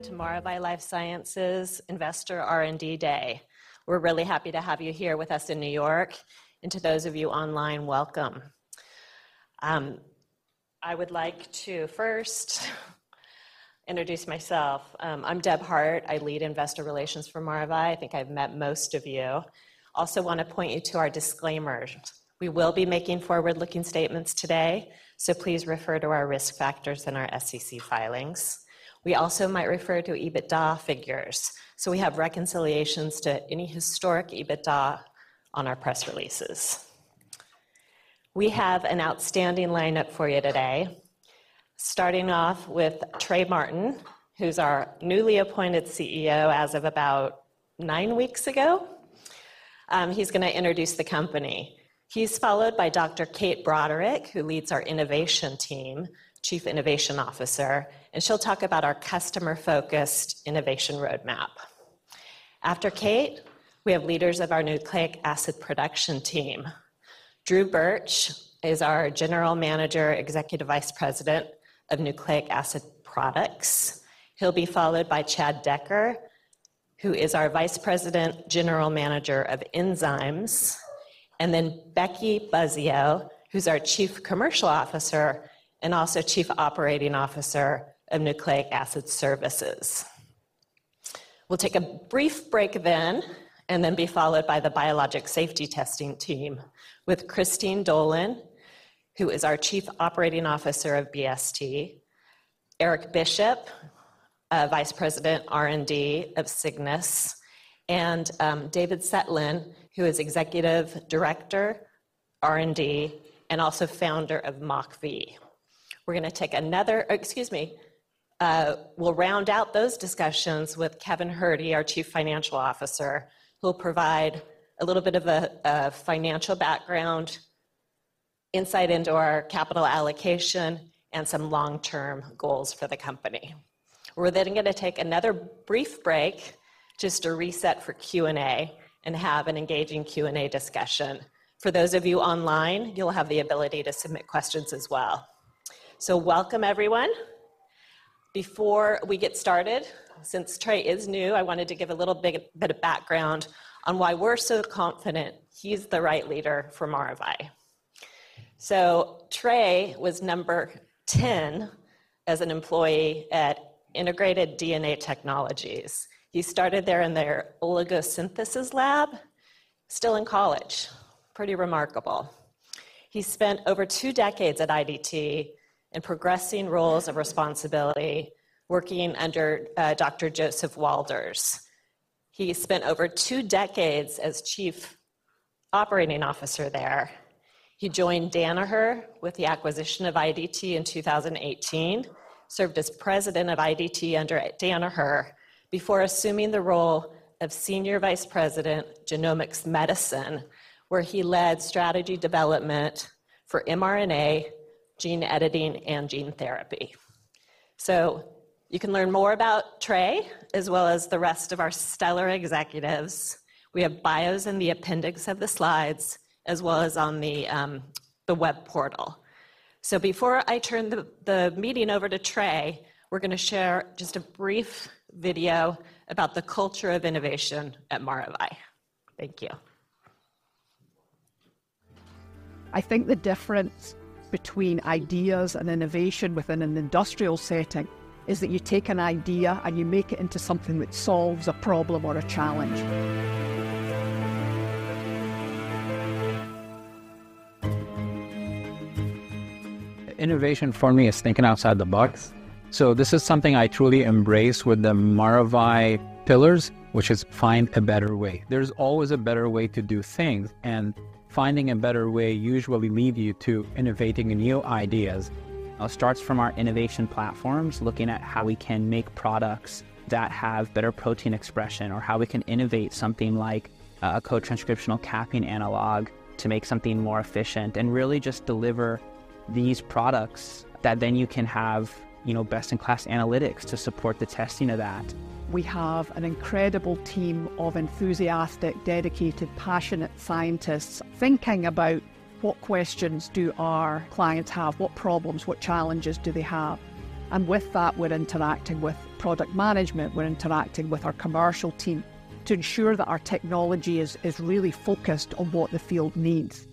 Welcome to Maravai LifeSciences Investor R&D Day. We're really happy to have you here with us in New York, and to those of you online, welcome. I would like to first introduce myself. I'm Deb Hart. I lead Investor Relations for Maravai. I think I've met most of you. Also want to point you to our disclaimers. We will be making forward-looking statements today, so please refer to our risk factors and our SEC filings. We also might refer to EBITDA figures, so we have reconciliations to any historic EBITDA on our press releases. We have an outstanding lineup for you today, starting off with Trey Martin, who's our newly appointed CEO as of about nine weeks ago. He's going to introduce the company. He's followed by Dr. Kate Broderick who leads our innovation team, Chief Innovation Officer, and she'll talk about our customer-focused innovation roadmap. After Kate, we have leaders of our Nucleic Acid Production team. Drew Burch is our General Manager, Executive Vice President of Nucleic Acid Products. He'll be followed by Chad Decker who is our Vice President, General Manager of Enzymes, and then Becky Buzzeo, who's our Chief Commercial Officer, and also Chief Operating Officer of Nucleic Acid Services. We'll take a brief break then, and then be followed by the Biologics Safety Testing team with Christine Dolan, who is our Chief Operating Officer of BST, Eric Bishop, Vice President, R&D of Cygnus, and David Cetlin, who is Executive Director, R&D, and also founder of MockV. We're going to take another - oh, excuse me. We'll round out those discussions with Kevin Herde our Chief Financial Officer, who will provide a little bit of a financial background, insight into our capital allocation, and some long-term goals for the company. We're then going to take another brief break just to reset for Q&A and have an engaging Q&A discussion. For those of you online, you'll have the ability to submit questions as well. So welcome everyone. Before we get started, since Trey is new, I wanted to give a little bit of background on why we're so confident he's the right leader for Maravai. So Trey was number 10 as an employee at Integrated DNA Technologies. He started there in their oligo-synthesis lab, still in college. Pretty remarkable. He spent over two decades at IDT in progressing roles of responsibility, working under Dr. Joseph Walder. He spent over two decades as Chief Operating Officer there. He joined Danaher with the acquisition of IDT in 2018, served as president of IDT under Danaher, before assuming the role of Senior Vice President, Genomics Medicine, where he led strategy development for mRNA, gene editing, and gene therapy. So you can learn more about Trey, as well as the rest of our stellar executives. We have bios in the appendix of the slides, as well as on the web portal. So before I turn the meeting over to Trey, we're going to share just a brief video about the culture of innovation at Maravai. Thank you. I think the difference between ideas and innovation within an industrial setting is that you take an idea, and you make it into something that solves a problem or a challenge. Innovation, for me, is thinking outside the box. This is something I truly embrace with the Maravai pillars, which is find a better way. There's always a better way to do things and finding a better way usually lead you to innovating new ideas. It starts from our innovation platforms, looking at how we can make products that have better protein expression or how we can innovate something like a co-transcriptional capping analog to make something more efficient and really just deliver these products that then you can have, you know, best-in-class analytics to support the testing of that. We have an incredible team of enthusiastic, dedicated passionate scientists thinking about what questions do our clients have, what problems, what challenges do they have? And with that, we're interacting with product management, we're interacting with our commercial team to ensure that our technology is, is really focused on what the field needs.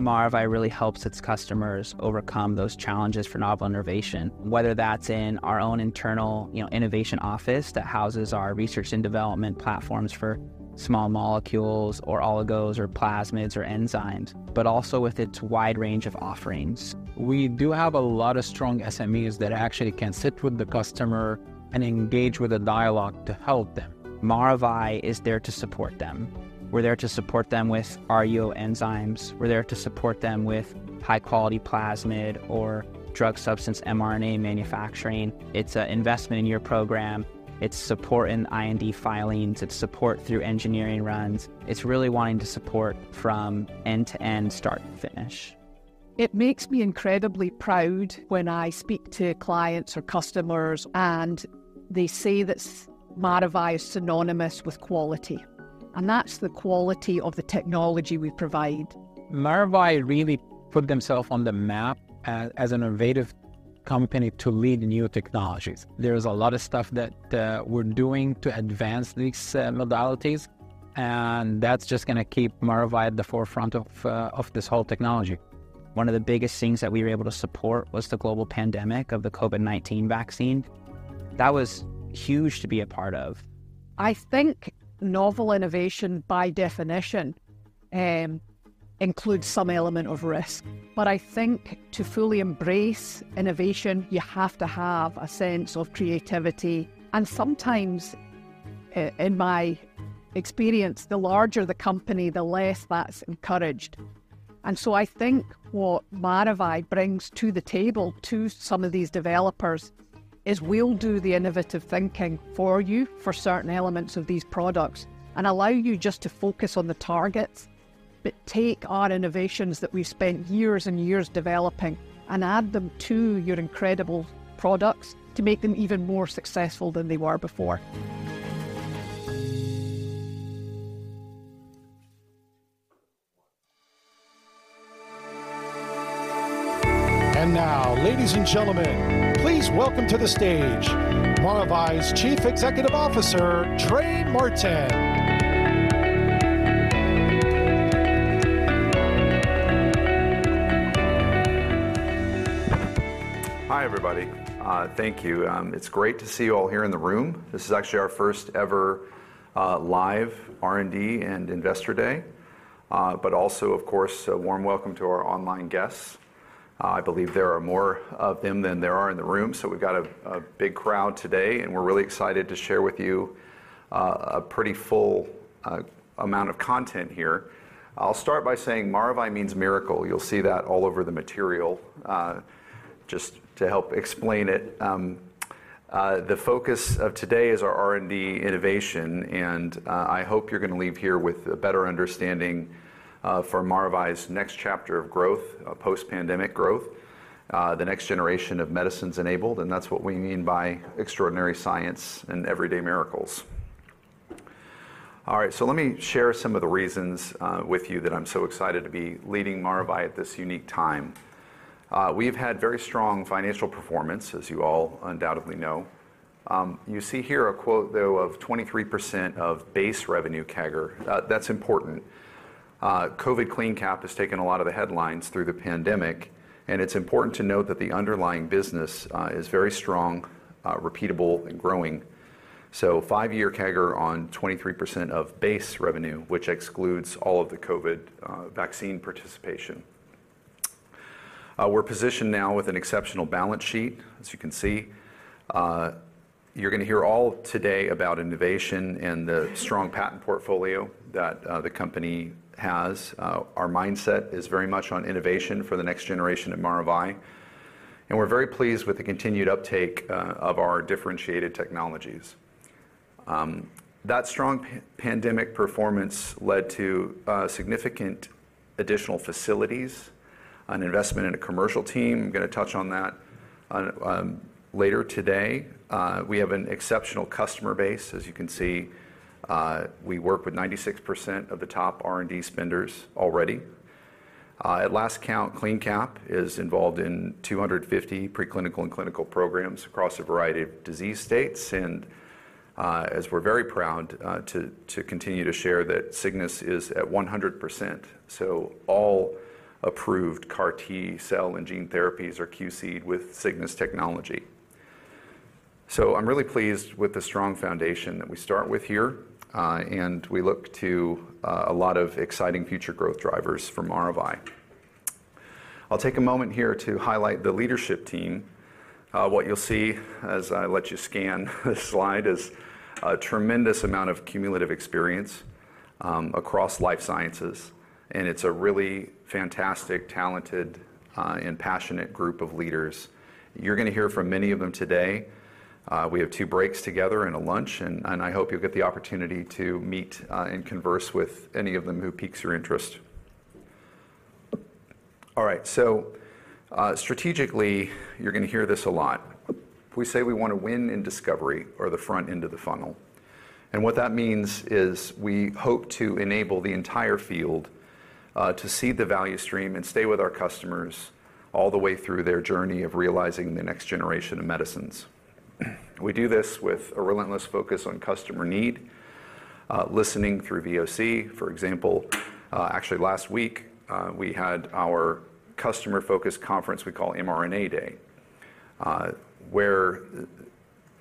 Maravai really helps its customers overcome those challenges for novel innovation, whether that's in our own internal, you know, innovation office that houses our research and development platforms for small molecules or oligos or plasmids or enzymes, but also with its wide range of offerings. We do have a lot of strong SMEs that actually can sit with the customer and engage with a dialogue to help them. Maravai is there to support them. We're there to support them with RUO enzymes. We're there to support them with high-quality plasmid or drug substance mRNA manufacturing. It's an investment in your program. It's support in IND filings. It's support through engineering runs. It's really wanting to support from end to end, start to finish. It makes me incredibly proud when I speak to clients or customers and they say that Maravai is synonymous with quality, and that's the quality of the technology we provide. Maravai really put themselves on the map as an innovative company to lead new technologies. There's a lot of stuff that, we're doing to advance these modalities, and that's just gonna keep Maravai at the forefront of this whole technology. One of the biggest things that we were able to support was the global pandemic of the COVID-19 vaccine. That was huge to be a part of. I think novel innovation by definition, includes some element of risk. But I think to fully embrace innovation, you have to have a sense of creativity, and sometimes in my experience, the larger the company, the less that's encouraged. And so I think what Maravai brings to the table to some of these developers is we'll do the innovative thinking for you for certain elements of these products and allow you just to focus on the targets, but take our innovations that we've spent years and years developing and add them to your incredible products to make them even more successful than they were before. And now ladies and gentlemen, please welcome to the stage Maravai's Chief Executive Officer, Trey Martin. Hi everybody. Thank you. It's great to see you all here in the room. This is actually our first ever live R&D and Investor Day, but also of course, a warm welcome to our online guests. I believe there are more of them than there are in the room, so we've got a big crowd today and we're really excited to share with you a pretty full amount of content here. I'll start by saying Maravai means miracle. You'll see that all over the material just to help explain it. The focus of today is our R&D innovation, and I hope you're gonna leave here with a better understanding for Maravai's next chapter of growth, post-pandemic growth, the next generation of medicines enabled, and that's what we mean by extraordinary science and everyday miracles. All right, so let me share some of the reasons with you that I'm so excited to be leading Maravai at this unique time. We've had very strong financial performance, as you all undoubtedly know. You see here a quote, though, of 23% base revenue CAGR. That's important. COVID CleanCap has taken a lot of the headlines through the pandemic, and it's important to note that the underlying business is very strong, repeatable and growing. So five-year CAGR on 23% of base revenue, which excludes all of the COVID vaccine participation. We're positioned now with an exceptional balance sheet, as you can see. You're gonna hear all today about innovation and the strong patent portfolio that the company has. Our mindset is very much on innovation for the next generation at Maravai, and we're very pleased with the continued uptake of our differentiated technologies. That strong pandemic performance led to significant additional facilities, an investment in a commercial team, gonna touch on that on later today. We have an exceptional customer base. As you can see, we work with 96% of the top R&D spenders already. At last count, CleanCap is involved in 250 preclinical and clinical programs across a variety of disease states, and as we're very proud to continue to share that Cygnus is at 100%. So all approved CAR T cell and gene therapies are QC'd with Cygnus technology. So I'm really pleased with the strong foundation that we start with here, and we look to a lot of exciting future growth drivers from Maravai. I'll take a moment here to highlight the leadership team. What you'll see, as I let you scan this slide, is a tremendous amount of cumulative experience across life sciences, and it's a really fantastic, talented, and passionate group of leaders. You're gonna hear from many of them today. We have two breaks together and a lunch, and I hope you'll get the opportunity to meet and converse with any of them who piques your interest. All right, so strategically you're gonna hear this a lot. We say we wanna win in discovery or the front end of the funnel, and what that means is we hope to enable the entire field to seed the value stream and stay with our customers all the way through their journey of realizing the next generation of medicines. We do this with a relentless focus on customer need, listening through VoC. For example, actually, last week we had our customer focus conference we call mRNA Day, where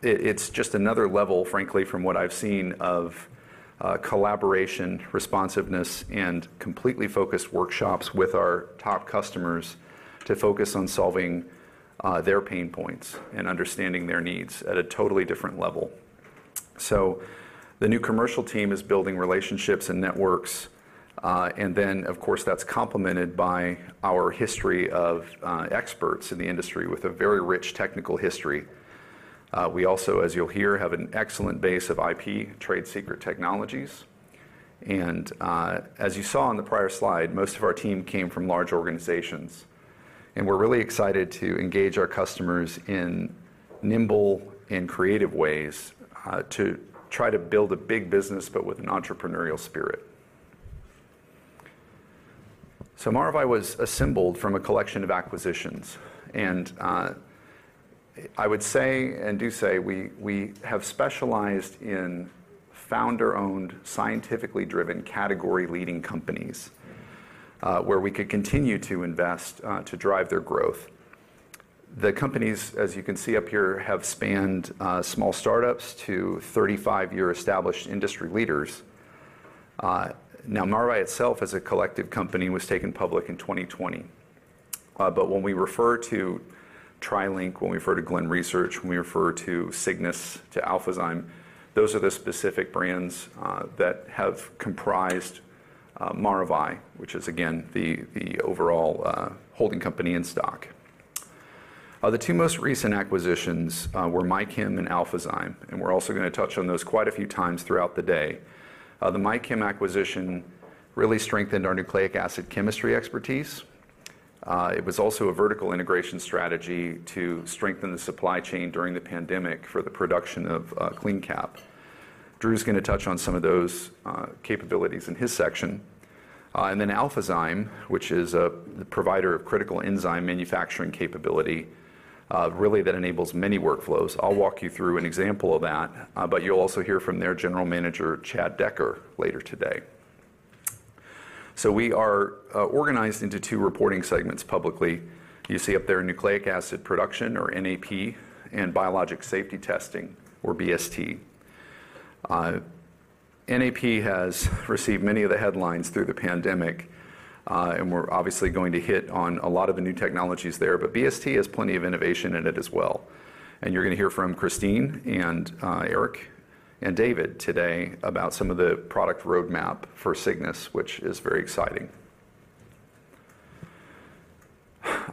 it's just another level, frankly, from what I've seen, of collaboration, responsiveness, and completely focused workshops with our top customers to focus on solving their pain points and understanding their needs at a totally different level. So the new commercial team is building relationships and networks, and then, of course, that's complemented by our history of experts in the industry with a very rich technical history. We also, as you'll hear, have an excellent base of IP trade secret technologies. And, as you saw on the prior slide, most of our team came from large organizations, and we're really excited to engage our customers in nimble and creative ways, to try to build a big business, but with an entrepreneurial spirit. So Maravai was assembled from a collection of acquisitions, and I would say and do say we - we have specialized in founder-owned, scientifically driven, category-leading companies where we could continue to invest, to drive their growth. The companies, as you can see up here, have spanned small startups to 35-year established industry leaders. Now Maravai itself, as a collective company, was taken public in 2020. But when we refer to TriLink, when we refer to Glen Research, when we refer to Cygnus, to Alphazyme, those are the specific brands that have comprised Maravai which is again the overall holding company and stock. The two most recent acquisitions were MyChem and Alphazyme, and we're also gonna touch on those quite a few times throughout the day. The MyChem acquisition really strengthened our nucleic acid chemistry expertise. It was also a vertical integration strategy to strengthen the supply chain during the pandemic for the production of CleanCap. Drew's gonna touch on some of those capabilities in his section. And then Alphazyme, which is a provider of critical enzyme manufacturing capability, really that enables many workflows. I'll walk you through an example of that, but you'll also hear from their general manager, Chad Decker, later today. So we are organized into two reporting segments publicly. You see up there, Nucleic Acid Production or NAP, and Biologics Safety Testing, or BST. NAP has received many of the headlines through the pandemic, and we're obviously going to hit on a lot of the new technologies there, but BST has plenty of innovation in it as well. And you're gonna hear from Christine and Eric and David today about some of the product roadmap for Cygnus which is very exciting.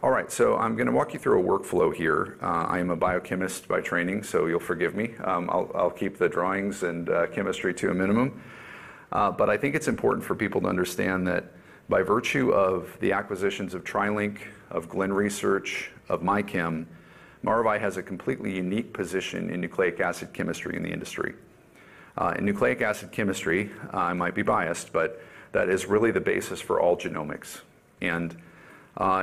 All right, so I'm gonna walk you through a workflow here. I am a biochemist by training, so you'll forgive me. I'll keep the drawings and chemistry to a minimum, but I think it's important for people to understand that by virtue of the acquisitions of TriLink, of Glen Research, of MyChem, Maravai has a completely unique position in nucleic acid chemistry in the industry. In nucleic acid chemistry, I might be biased, but that is really the basis for all genomics. And,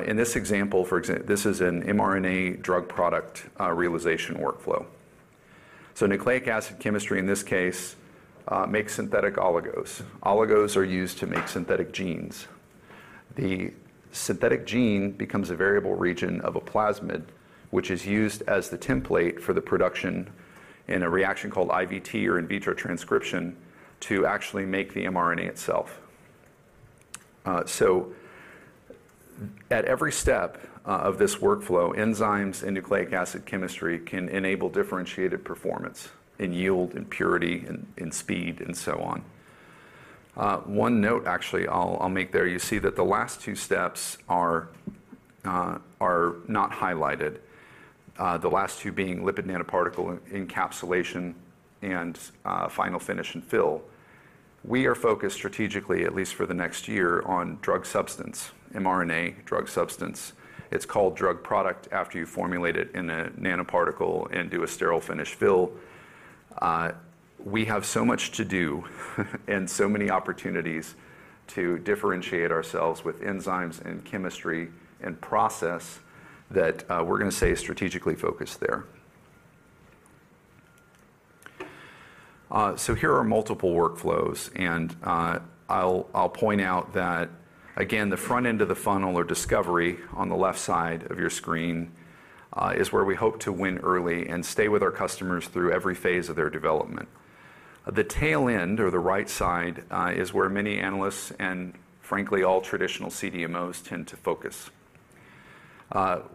in this example, this is an mRNA drug product realization workflow. So nucleic acid chemistry, in this case, makes synthetic oligos. Oligos are used to make synthetic genes. The synthetic gene becomes a variable region of a plasmid, which is used as the template for the production in a reaction called IVT, or in vitro transcription, to actually make the mRNA itself. So at every step of this workflow, enzymes and nucleic acid chemistry can enable differentiated performance in yield, in purity, in speed, and so on. One note, actually, I'll make there, you see that the last two steps are not highlighted, the last two being lipid nanoparticle encapsulation and final finish and fill. We are focused strategically, at least for the next year, on drug substance, mRNA drug substance. It's called drug product after you formulate it in a nanoparticle and do a sterile finish fill. We have so much to do and so many opportunities to differentiate ourselves with enzymes and chemistry and process that we're gonna stay strategically focused there. So here are multiple workflows, and I'll point out that, again, the front end of the funnel or discovery on the left side of your screen is where we hope to win early and stay with our customers through every phase of their development. The tail end or the right side is where many analysts and frankly, all traditional CDMOs tend to focus. But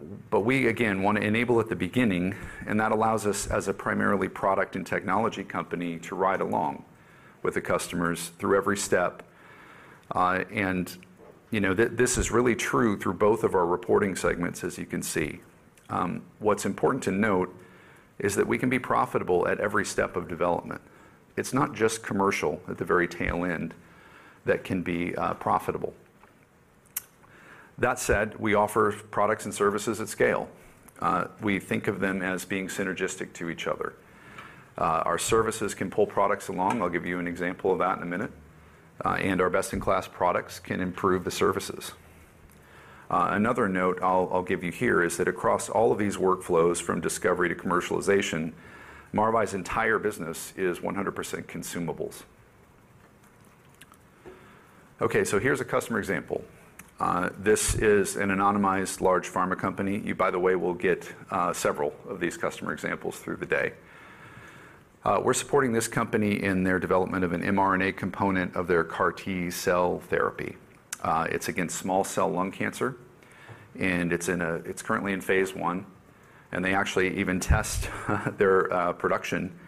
we again, want to enable at the beginning, and that allows us, as a primarily product and technology company, to ride along with the customers through every step. And, you know, this is really true through both of our reporting segments, as you can see. What's important to note is that we can be profitable at every step of development. It's not just commercial at the very tail end that can be profitable. That said, we offer products and services at scale. We think of them as being synergistic to each other. Our services can pull products along, I'll give you an example of that in a minute, and our best-in-class products can improve the services. Another note I'll give you here is that across all of these workflows, from discovery to commercialization, Maravai's entire business is 100% consumables. Okay, so here's a customer example. This is an anonymized large pharma company. You, by the way, will get several of these customer examples through the day. We're supporting this company in their development of an mRNA component of their CAR T cell therapy. It's against small cell lung cancer, and it's currently in phase one, and they actually even test their production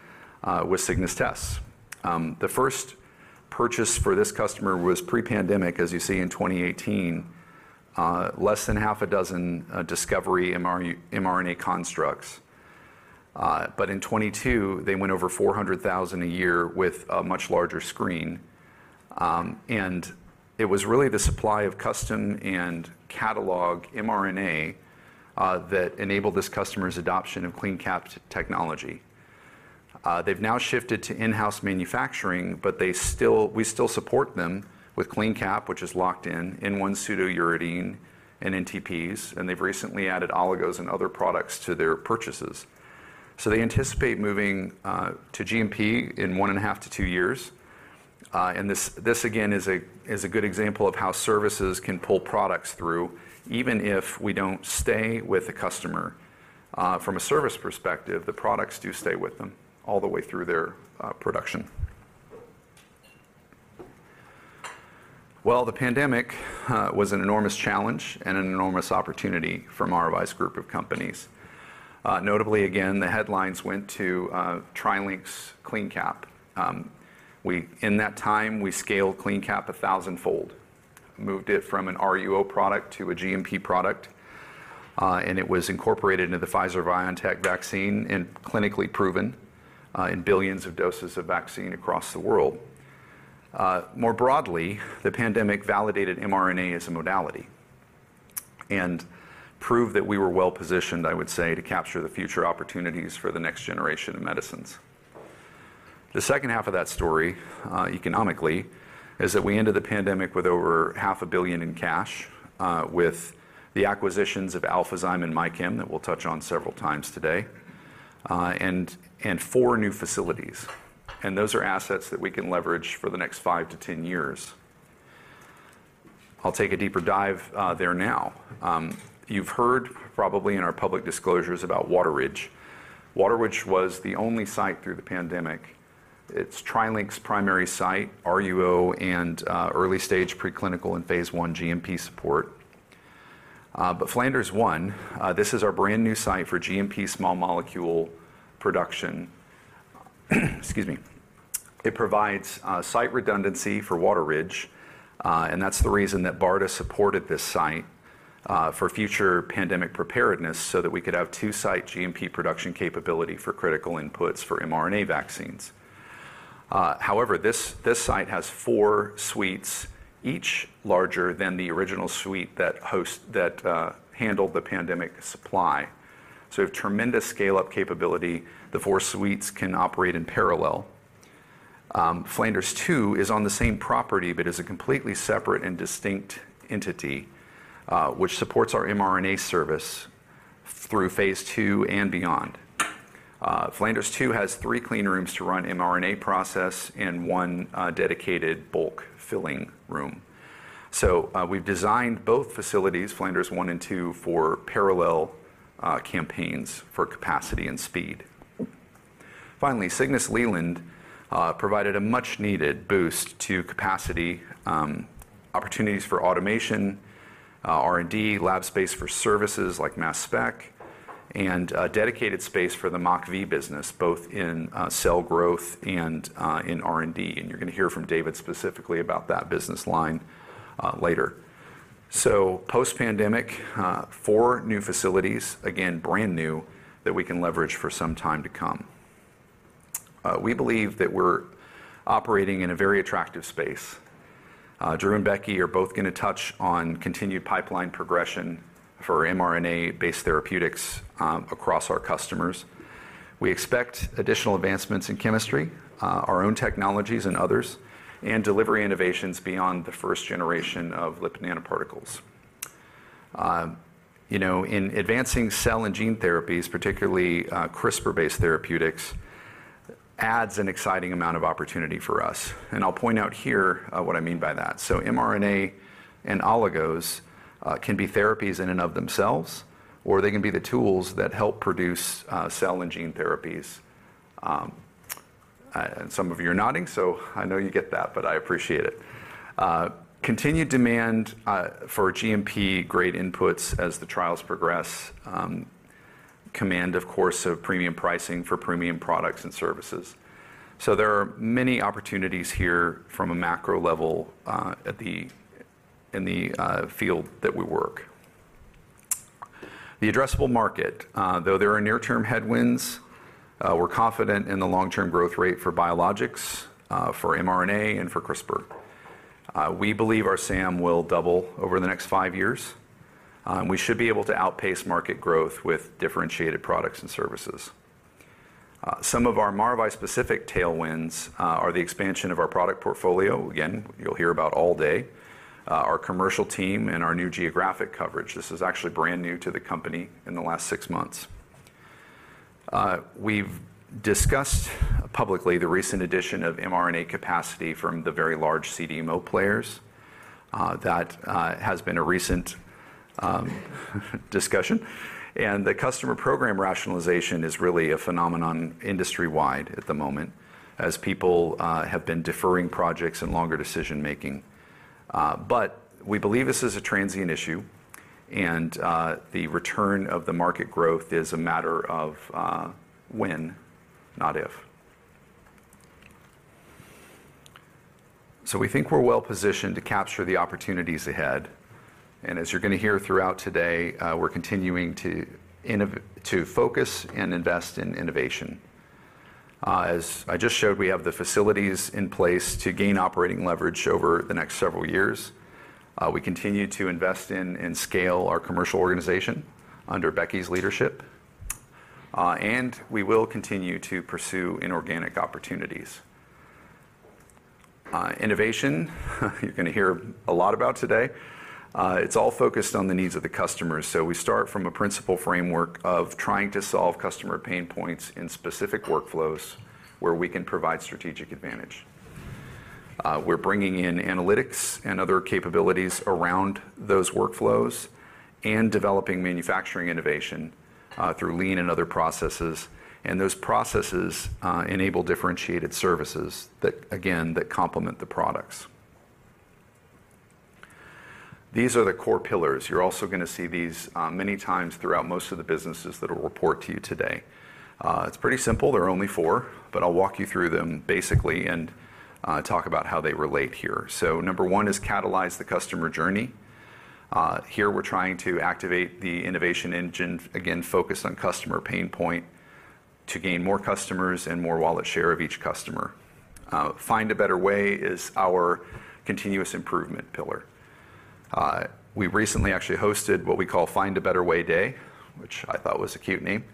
with Cygnus tests. The first purchase for this customer was pre-pandemic, as you see, in 2018, less than half a dozen discovery mRNA, mRNA constructs. But in 2022, they went over 400,000 a year with a much larger screen. And it was really the supply of custom and catalog mRNA that enabled this customer's adoption of CleanCap technology. They've now shifted to in-house manufacturing, but they still, we still support them with CleanCap, which is locked in N1 pseudouridine, and NTPs, and they've recently added oligos and other products to their purchases. So they anticipate moving to GMP in 1.5-2 years. And this again is a good example of how services can pull products through, even if we don't stay with the customer. From a service perspective, the products do stay with them all the way through their production. Well, the pandemic was an enormous challenge and an enormous opportunity for Maravai's group of companies. Notably again, the headlines went to TriLink's CleanCap. In that time, we scaled CleanCap a thousandfold, moved it from an RUO product to a GMP product, and it was incorporated into the Pfizer-BioNTech vaccine and clinically proven in billions of doses of vaccine across the world. More broadly, the pandemic validated mRNA as a modality, and proved that we were well-positioned, I would say, to capture the future opportunities for the next generation of medicines. The second half of that story, economically, is that we ended the pandemic with over $500 million in cash, with the acquisitions of Alphazyme and MyChem, that we'll touch on several times today, and, and four new facilities. Those are assets that we can leverage for the next 5 to 10 years. I'll take a deeper dive there now. You've heard probably in our public disclosures about Wateridge. Wateridge was the only site through the pandemic. It's TriLink's primary site, RUO and, early stage preclinical and Phase 1 GMP support. But Flanders 1, this is our brand-new site for GMP small molecule production. Excuse me. It provides site redundancy for Wateridge, and that's the reason that BARDA supported this site for future pandemic preparedness, so that we could have 2-site GMP production capability for critical inputs for mRNA vaccines. However, this site has four suites, each larger than the original suite that handled the pandemic supply. So we have tremendous scale-up capability. The four suites can operate in parallel. Flanders 2 is on the same property, but is a completely separate and distinct entity, which supports our mRNA service through Phase 2 and beyond. Flanders 2 has three clean rooms to run mRNA process and one dedicated bulk filling room. So, we've designed both facilities, Flanders 1 and 2, for parallel campaigns for capacity and speed. Finally, Cygnus Leland provided a much-needed boost to capacity, opportunities for automation, R&D, lab space for services like mass spec, and a dedicated space for the MockV business, both in cell growth and in R&D. You're gonna hear from David specifically about that business line later. Post-pandemic, four new facilities, again, brand new, that we can leverage for some time to come. We believe that we're operating in a very attractive space. Drew and Becky are both gonna touch on continued pipeline progression for mRNA-based therapeutics across our customers. We expect additional advancements in chemistry, our own technologies and others, and delivery innovations beyond the first generation of lipid nanoparticles. You know, in advancing cell and gene therapies, particularly, CRISPR-based therapeutics, adds an exciting amount of opportunity for us, and I'll point out here, what I mean by that. So mRNA and oligos can be therapies in and of themselves, or they can be the tools that help produce cell and gene therapies. And some of you are nodding, so I know you get that, but I appreciate it. Continued demand for GMP-grade inputs as the trials progress, command, of course, of premium pricing for premium products and services. So there are many opportunities here from a macro level, in the field that we work. The addressable market, though there are near-term headwinds, we're confident in the long-term growth rate for biologics, for mRNA, and for CRISPR. We believe our SAM will double over the next five years, and we should be able to outpace market growth with differentiated products and services. Some of our Maravai-specific tailwinds are the expansion of our product portfolio, again, you'll hear about all day, our commercial team, and our new geographic coverage. This is actually brand new to the company in the last six months. We've discussed publicly the recent addition of mRNA capacity from the very large CDMO players, that has been a recent discussion. And the customer program rationalization is really a phenomenon industry-wide at the moment, as people have been deferring projects and longer decision-making. But we believe this is a transient issue and the return of the market growth is a matter of when, not if. So we think we're well positioned to capture the opportunities ahead. And as you're gonna hear throughout today, we're continuing to focus and invest in innovation. As I just showed, we have the facilities in place to gain operating leverage over the next several years. We continue to invest in and scale our commercial organization under Becky's leadership, and we will continue to pursue inorganic opportunities. Innovation, you're gonna hear a lot about today. It's all focused on the needs of the customers. So we start from a principle framework of trying to solve customer pain points in specific workflows where we can provide strategic advantage. We're bringing in analytics and other capabilities around those workflows and developing manufacturing innovation through lean and other processes and those processes enable differentiated services that again, complement the products. These are the core pillars. You're also gonna see these many times throughout most of the businesses that will report to you today. It's pretty simple, there are only four but I'll walk you through them basically and talk about how they relate here. So number one is catalyze the customer journey. Here, we're trying to activate the innovation engine, again focused on customer pain point, to gain more customers and more wallet share of each customer. Find a better way is our continuous improvement pillar. We recently actually hosted what we call Find a Better Way Day which I thought was a cute name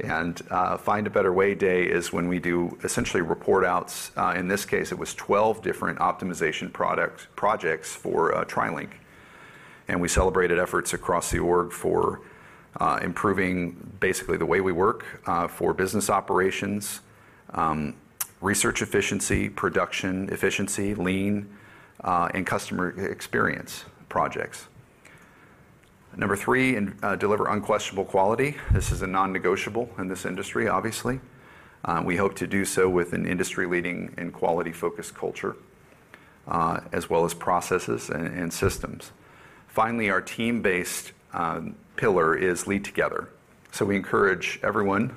and Find a Better Way Day is when we do essentially report outs. In this case, it was 12 different optimization projects for TriLink, and we celebrated efforts across the org for improving basically the way we work for business operations, research efficiency, production efficiency, lean, and customer experience projects. Number three, and deliver unquestionable quality. This is a non-negotiable in this industry obviously. We hope to do so with an industry-leading and quality-focused culture, as well as processes and systems. Finally, our team-based pillar is lead together. So we encourage everyone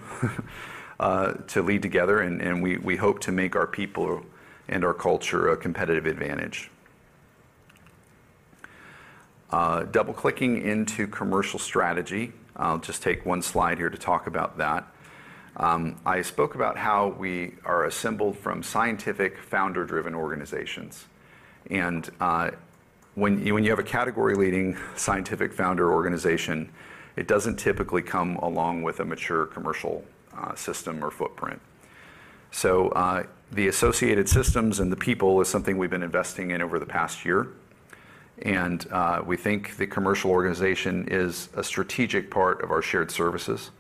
to lead together and we hope to make our people and our culture a competitive advantage. Double-clicking into commercial strategy, I'll just take one slide here to talk about that. I spoke about how we are assembled from scientific, founder-driven organizations, and, when you - when you have a category-leading scientific founder organization, it doesn't typically come along with a mature commercial, system or footprint. So the associated systems and the people is something we've been investing in over the past year, and, we think the commercial organization is a strategic part of our shared services,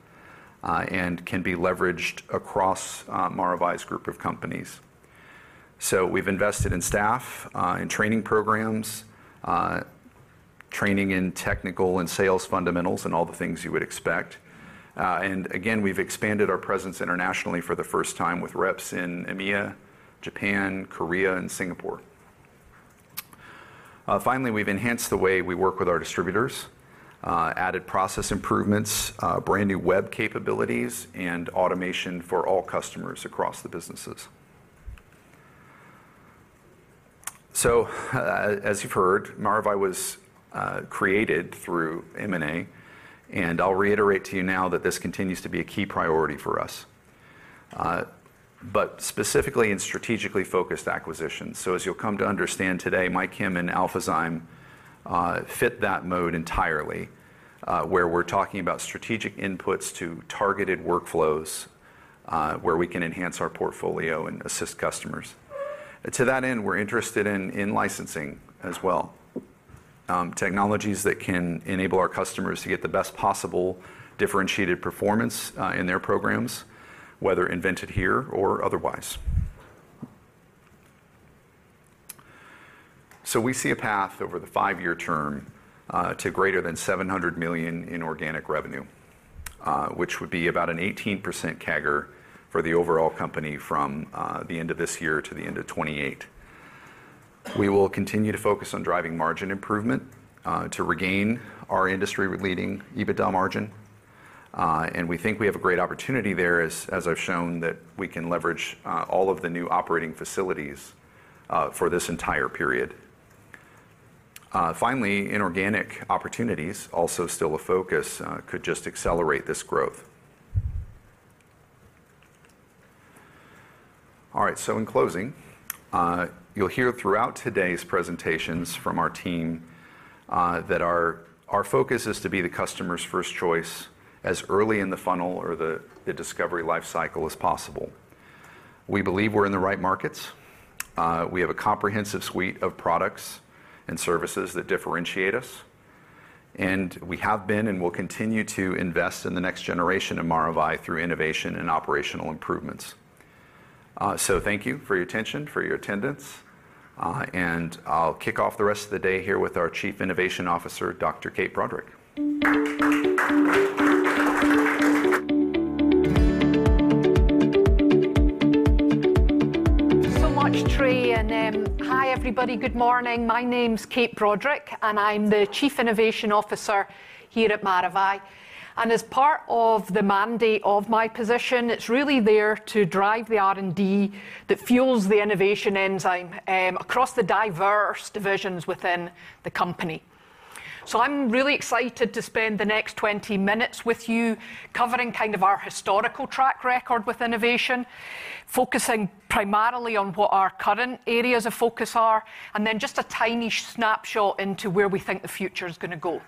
and can be leveraged across, Maravai's group of companies. So we've invested in staff, in training programs, training in technical and sales fundamentals, and all the things you would expect. And again, we've expanded our presence internationally for the first time with reps in EMEA, Japan, Korea, and Singapore. Finally, we've enhanced the way we work with our distributors, added process improvements, brand-new web capabilities, and automation for all customers across the businesses. So as you've heard, Maravai was created through M&A and I'll reiterate to you now that this continues to be a key priority for us, but specifically in strategically focused acquisitions. So as you'll come to understand today, MyChem and Alphazyme fit that mode entirely, where we're talking about strategic inputs to targeted workflows, where we can enhance our portfolio and assist customers. To that end, we're interested in licensing as well, technologies that can enable our customers to get the best possible differentiated performance in their programs, whether invented here or otherwise. So we see a path over the 5-year term to greater than $700 million in organic revenue, which would be about an 18% CAGR for the overall company from the end of this year to the end of 2028. We will continue to focus on driving margin improvement to regain our industry-leading EBITDA margin, and we think we have a great opportunity there as I've shown that we can leverage all of the new operating facilities for this entire period. Finally, inorganic opportunities also still a focus could just accelerate this growth. All right, so in closing, you'll hear throughout today's presentations from our team that our focus is to be the customer's first choice as early in the funnel or the discovery life cycle as possible. We believe we're in the right markets. We have a comprehensive suite of products and services that differentiate us, and we have been and will continue to invest in the next generation of Maravai through innovation and operational improvements. So thank you for your attention, for your attendance, and I'll kick off the rest of the day here with our Chief Innovation Officer, Dr. Kate Broderick. So much Trey, and hi, everybody. Good morning. My name's Kate Broderick, and I'm the Chief Innovation Officer here at Maravai. As part of the mandate of my position, it's really there to drive the R&D that fuels the innovation enzyme across the diverse divisions within the company. So I'm really excited to spend the next 20 minutes with you, covering kind of our historical track record with innovation, focusing primarily on what our current areas of focus are, and then just a tiny snapshot into where we think the future is gonna go.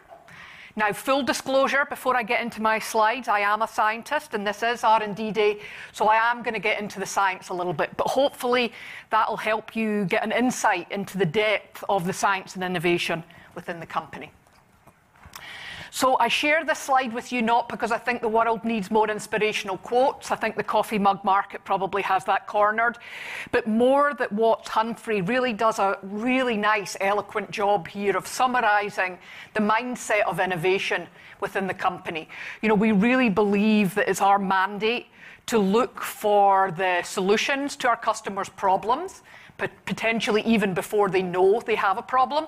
Now, full disclosure, before I get into my slides, I am a scientist, and this is R&D Day, so I am gonna get into the science a little bit. But hopefully, that will help you get an insight into the depth of the science and innovation within the company. So I share this slide with you not because I think the world needs more inspirational quotes. I think the coffee mug market probably has that cornered but more that Watts Humphrey really does a really nice, eloquent job here of summarizing the mindset of innovation within the company. You know, we really believe that it's our mandate to look for the solutions to our customers' problems, potentially even before they know they have a problem.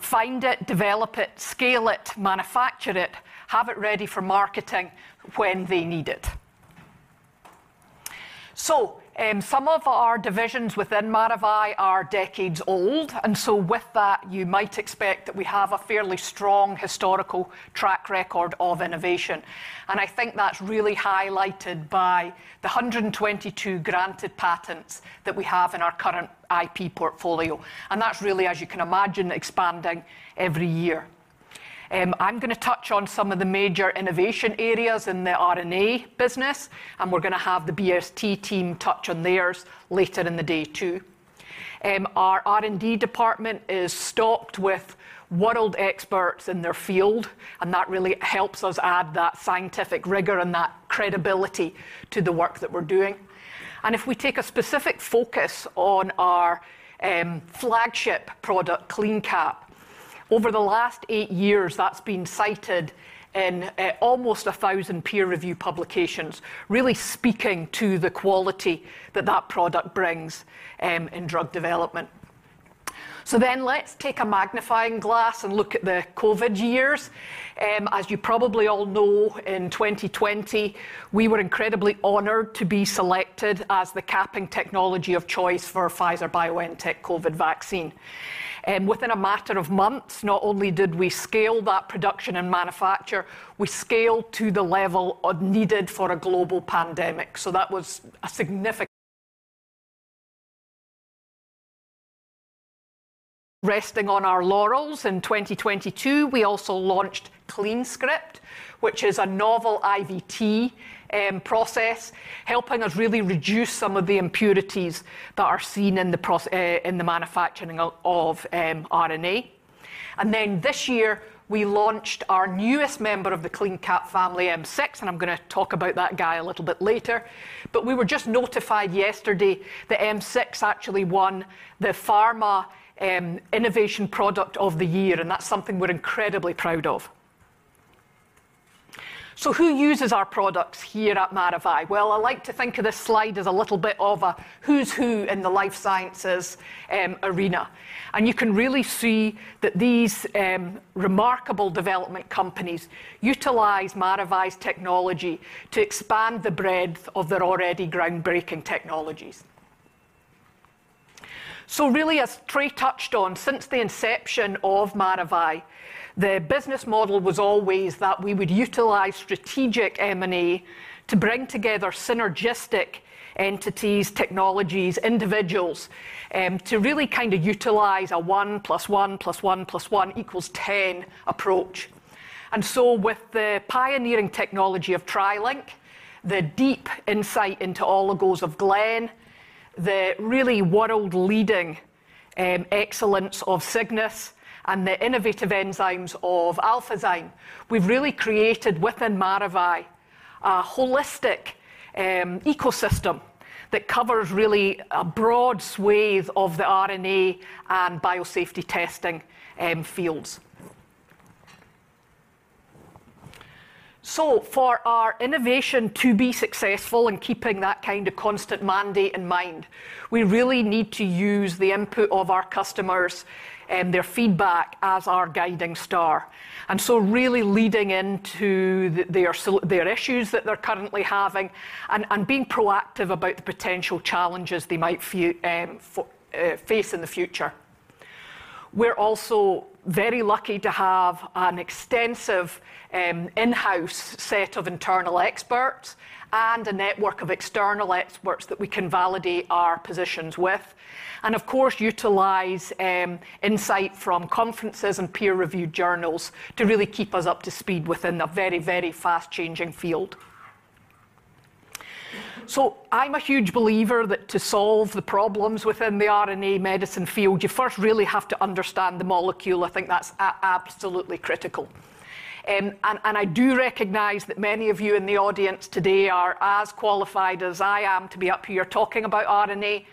Find it, develop it, scale it, manufacture it, have it ready for marketing when they need it. So some of our divisions within Maravai are decades old, and so with that you might expect that we have a fairly strong historical track record of innovation. I think that's really highlighted by the 122 granted patents that we have in our current IP portfolio, and that's really, as you can imagine, expanding every year. I'm gonna touch on some of the major innovation areas in the RNA business, and we're gonna have the BST team touch on theirs later in the day, too. Our R&D department is stocked with world experts in their field, and that really helps us add that scientific rigor and that credibility to the work that we're doing. If we take a specific focus on our flagship product, CleanCap, over the last eight years, that's been cited in almost 1,000 peer review publications, really speaking to the quality that that product brings in drug development. Then let's take a magnifying glass and look at the COVID years. As you probably all know, in 2020, we were incredibly honored to be selected as the capping technology of choice for Pfizer BioNTech COVID vaccine. Within a matter of months, not only did we scale that production and manufacture, we scaled to the level needed for a global pandemic. So that was a significant - resting on our laurels in 2022, we also launched CleanScript, which is a novel IVT process, helping us really reduce some of the impurities that are seen in the manufacturing of RNA. And then, this year, we launched our newest member of the CleanCap family, M6, and I'm gonna talk about that guy a little bit later. But we were just notified yesterday that M6 actually won the Pharma Innovation Product of the Year, and that's something we're incredibly proud of. So who uses our products here at Maravai? Well, I like to think of this slide as a little bit of a who's who in the life sciences arena. You can really see that these remarkable development companies utilize Maravai's technology to expand the breadth of their already groundbreaking technologies. So really as Trey touched on, since the inception of Maravai, the business model was always that we would utilize strategic M&A to bring together synergistic entities, technologies, individuals, to really kind of utilize a 1 + 1 + 1 + 1 = 10 approach. So with the pioneering technology of TriLink, the deep insight into oligos of Glen, the really world-leading excellence of Cygnus and the innovative enzymes of Alphazyme, we've really created within Maravai a holistic ecosystem that covers really a broad swathe of the RNA and biosafety testing fields. So for our innovation to be successful in keeping that kind of constant mandate in mind, we really need to use the input of our customers and their feedback as our guiding star, and so really leading into their issues that they're currently having and, and being proactive about the potential challenges they might face in the future. We're also very lucky to have an extensive, in-house set of internal experts and a network of external experts that we can validate our positions with, and of course, utilize, insight from conferences and peer review journals to really keep us up to speed within a very, very fast-changing field. So I'm a huge believer that to solve the problems within the RNA medicine field, you first really have to understand the molecule. I think that's absolutely critical. I do recognize that many of you in the audience today are as qualified as I am to be up here talking about RNA.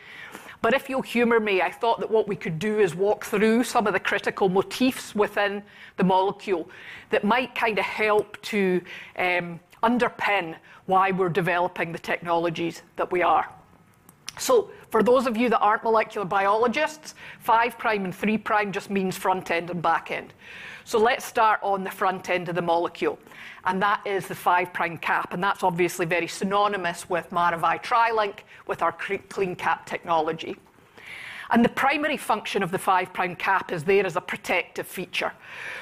But if you'll humor me, I thought that what we could do is walk through some of the critical motifs within the molecule that might kind of help to underpin why we're developing the technologies that we are. So for those of you that aren't molecular biologists, five prime and three prime just means front end and back end. So let's start on the front end of the molecule, and that is the five-prime cap, and that's obviously very synonymous with Maravai TriLink with our CleanCap technology. The primary function of the five-prime cap is there as a protective feature.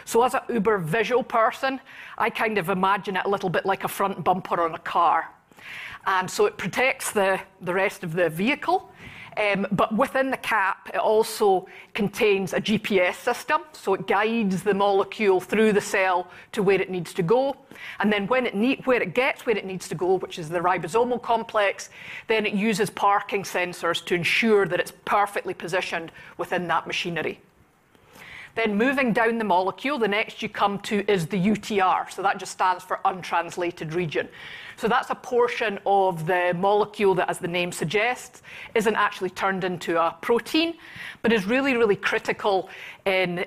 So as a über visual person, I kind of imagine it a little bit like a front bumper on a car. So it protects the, the rest of the vehicle, but within the cap, it also contains a GPS system, so it guides the molecule through the cell to where it needs to go. And then when it where it gets, where it needs to go, which is the ribosomal complex, then it uses parking sensors to ensure that it's perfectly positioned within that machinery. Then moving down the molecule the next you come to is the UTR. So that just stands for untranslated region. So that's a portion of the molecule that, as the name suggests, isn't actually turned into a protein, but is really really critical in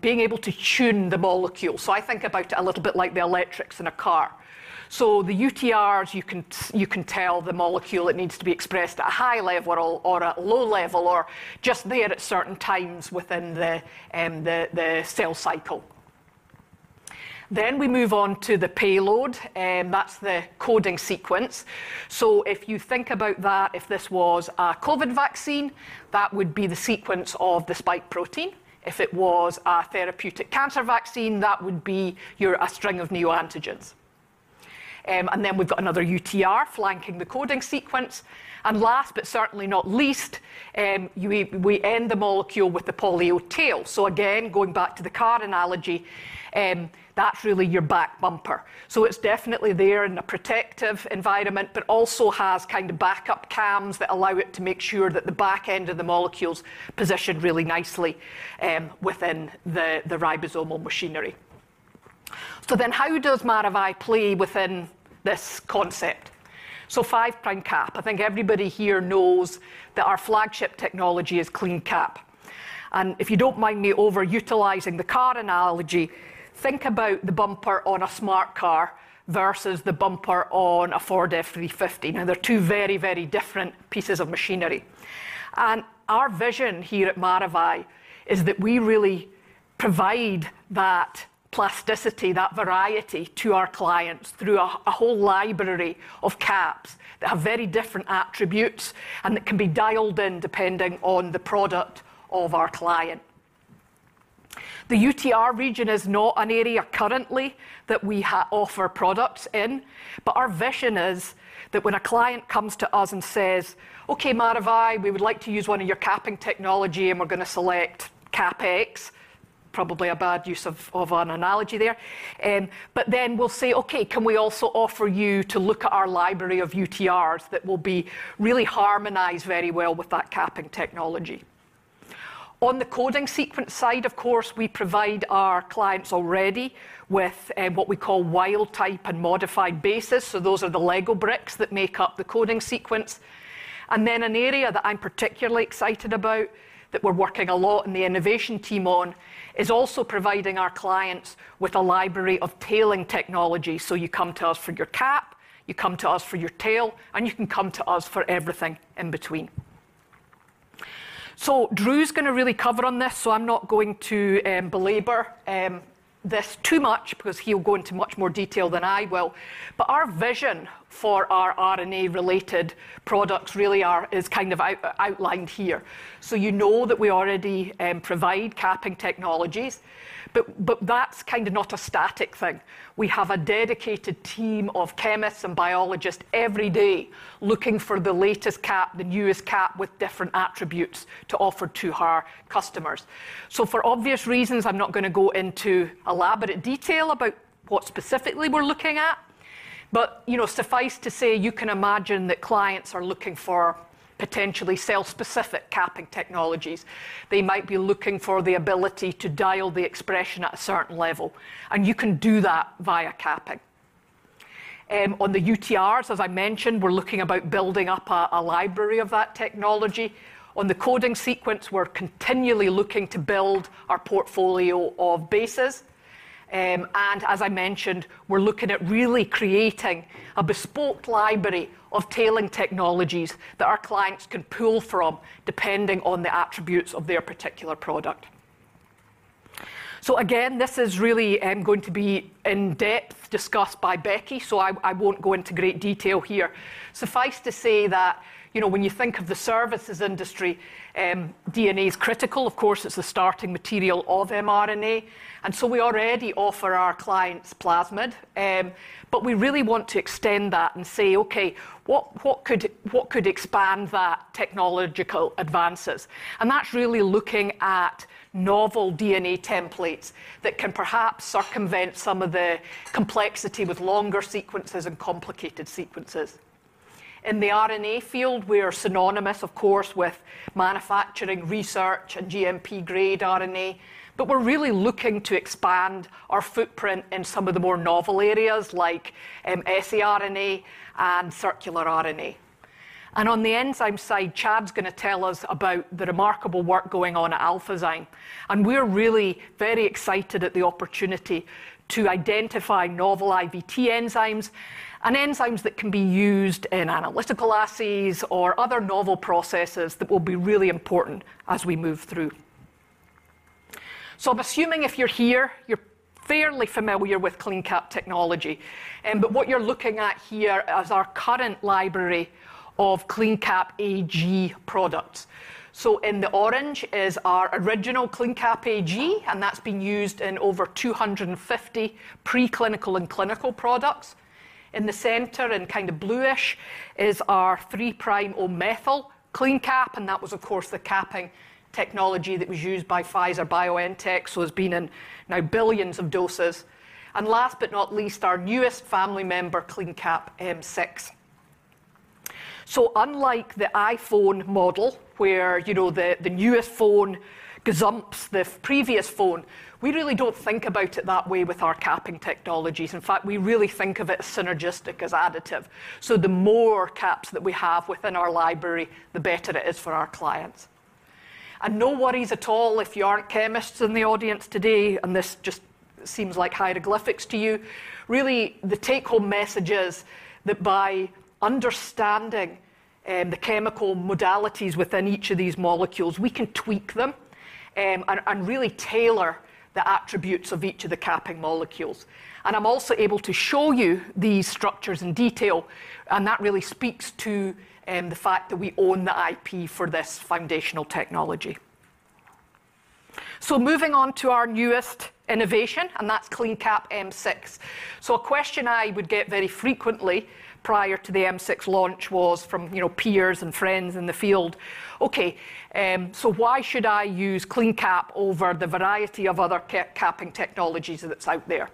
being able to tune the molecule. So I think about it a little bit like the electrics in a car. So the UTRs, you can tell the molecule it needs to be expressed at a high level or at low level, or just there at certain times within the cell cycle. Then we move on to the payload, that's the coding sequence. So if you think about that, if this was a COVID vaccine, that would be the sequence of the spike protein. If it was a therapeutic cancer vaccine, that would be your a string of neoantigens. And then we've got another UTR flanking the coding sequence. And last but certainly not least we end the molecule with the poly-A tail. So again, going back to the car analogy, that's really your back bumper. So it's definitely there in a protective environment, but also has kind of backup cams that allow it to make sure that the back end of the molecule's positioned really nicely within the ribosomal machinery. So then how does Maravai play within this concept? So 5-prime cap, I think everybody here knows that our flagship technology is CleanCap. And if you don't mind me over-utilizing the car analogy, think about the bumper on a smart car versus the bumper on a Ford F350. Now, they're two very, very different pieces of machinery. And our vision here at Maravai is that we really provide that plasticity, that variety, to our clients through a whole library of caps that have very different attributes and that can be dialed in depending on the product of our client. The UTR region is not an area currently that we offer products in, but our vision is that when a client comes to us and says, "Okay, Maravai, we would like to use one of your capping technology, and we're going to select Cap X," probably a bad use of an analogy there. But then we'll say, "Okay, can we also offer you to look at our library of UTRs that will be really harmonized very well with that capping technology?" On the coding sequence side, of course, we provide our clients already with what we call wild type and modified bases, so those are the Lego bricks that make up the coding sequence. And then an area that I'm particularly excited about, that we're working a lot in the innovation team on, is also providing our clients with a library of tailing technology. So you come to us for your cap, you come to us for your tail, and you can come to us for everything in between. So Drew's gonna really cover on this, so I'm not going to belabor this too much because he'll go into much more detail than I will. But our vision for our RNA-related products really are, is kind of outlined here. So you know that we already provide capping technologies, but that's kind of not a static thing. We have a dedicated team of chemists and biologists every day looking for the latest cap, the newest cap, with different attributes to offer to our customers. So for obvious reasons, I'm not gonna go into elaborate detail about what specifically we're looking at, but, you know, suffice to say, you can imagine that clients are looking for potentially cell-specific capping technologies. They might be looking for the ability to dial the expression at a certain level, and you can do that via capping. On the UTRs, as I mentioned, we're looking about building up a library of that technology. On the coding sequence, we're continually looking to build our portfolio of bases. And as I mentioned, we're looking at really creating a bespoke library of tailing technologies that our clients can pull from, depending on the attributes of their particular product. So again this is really going to be in depth discussed by Becky, so I won't go into great detail here. Suffice to say that, you know, when you think of the services industry, DNA is critical. Of course it's the starting material of mRNA, and so we already offer our clients plasmid, but we really want to extend that and say, "Okay, what could expand that technological advances?" And that's really looking at novel DNA templates that can perhaps circumvent some of the complexity with longer sequences and complicated sequences. In the RNA field, we are synonymous, of course, with manufacturing, research, and GMP-grade RNA, but we're really looking to expand our footprint in some of the more novel areas like saRNA and circular RNA. And on the enzyme side, Chad's gonna tell us about the remarkable work going on at Alphazyme and we're really very excited at the opportunity to identify novel IVT enzymes and enzymes that can be used in analytical assays or other novel processes that will be really important as we move through. So I'm assuming if you're here, you're fairly familiar with CleanCap technology. But what you're looking at here is our current library of CleanCap AG products. So in the orange is our original CleanCap AG, and that's been used in over 250 preclinical and clinical products. In the center, in kind of bluish, is our 3-prime O-Methyl CleanCap, and that was, of course, the capping technology that was used by Pfizer-BioNTech, so it's been in now billions of doses. And last but not least, our newest family member, CleanCap M6. So unlike the iPhone model, where, you know, the - the newest phone gazumps the previous phone, we really don't think about it that way with our capping technologies. In fact, we really think of it as synergistic, as additive. So the more caps that we have within our library, the better it is for our clients. No worries at all if you aren't chemists in the audience today, and this just seems like hieroglyphics to you. Really, the take-home message is that by understanding the chemical modalities within each of these molecules, we can tweak them and really tailor the attributes of each of the capping molecules. I'm also able to show you these structures in detail, and that really speaks to the fact that we own the IP for this foundational technology. So moving on to our newest innovation, and that's CleanCap M6. So a question I would get very frequently prior to the M6 launch was from, you know, peers and friends in the field: "Okay, so why should I use CleanCap over the variety of other capping technologies that's out there?"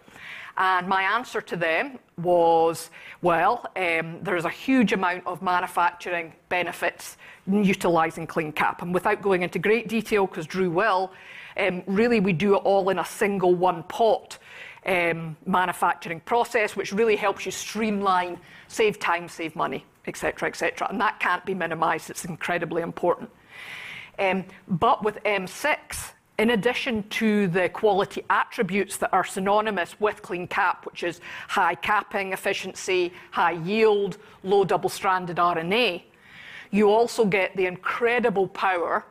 And my answer to them was: Well, there is a huge amount of manufacturing benefits utilizing CleanCap. And without going into great detail, 'cause Drew will, really, we do it all in a single one-pot, manufacturing process, which really helps you streamline, save time, save money, et cetera, et cetera. And that can't be minimized, it's incredibly important. But with M6, in addition to the quality attributes that are synonymous with CleanCap, which is high capping efficiency, high yield, low double-stranded RNA, you also get the incredible power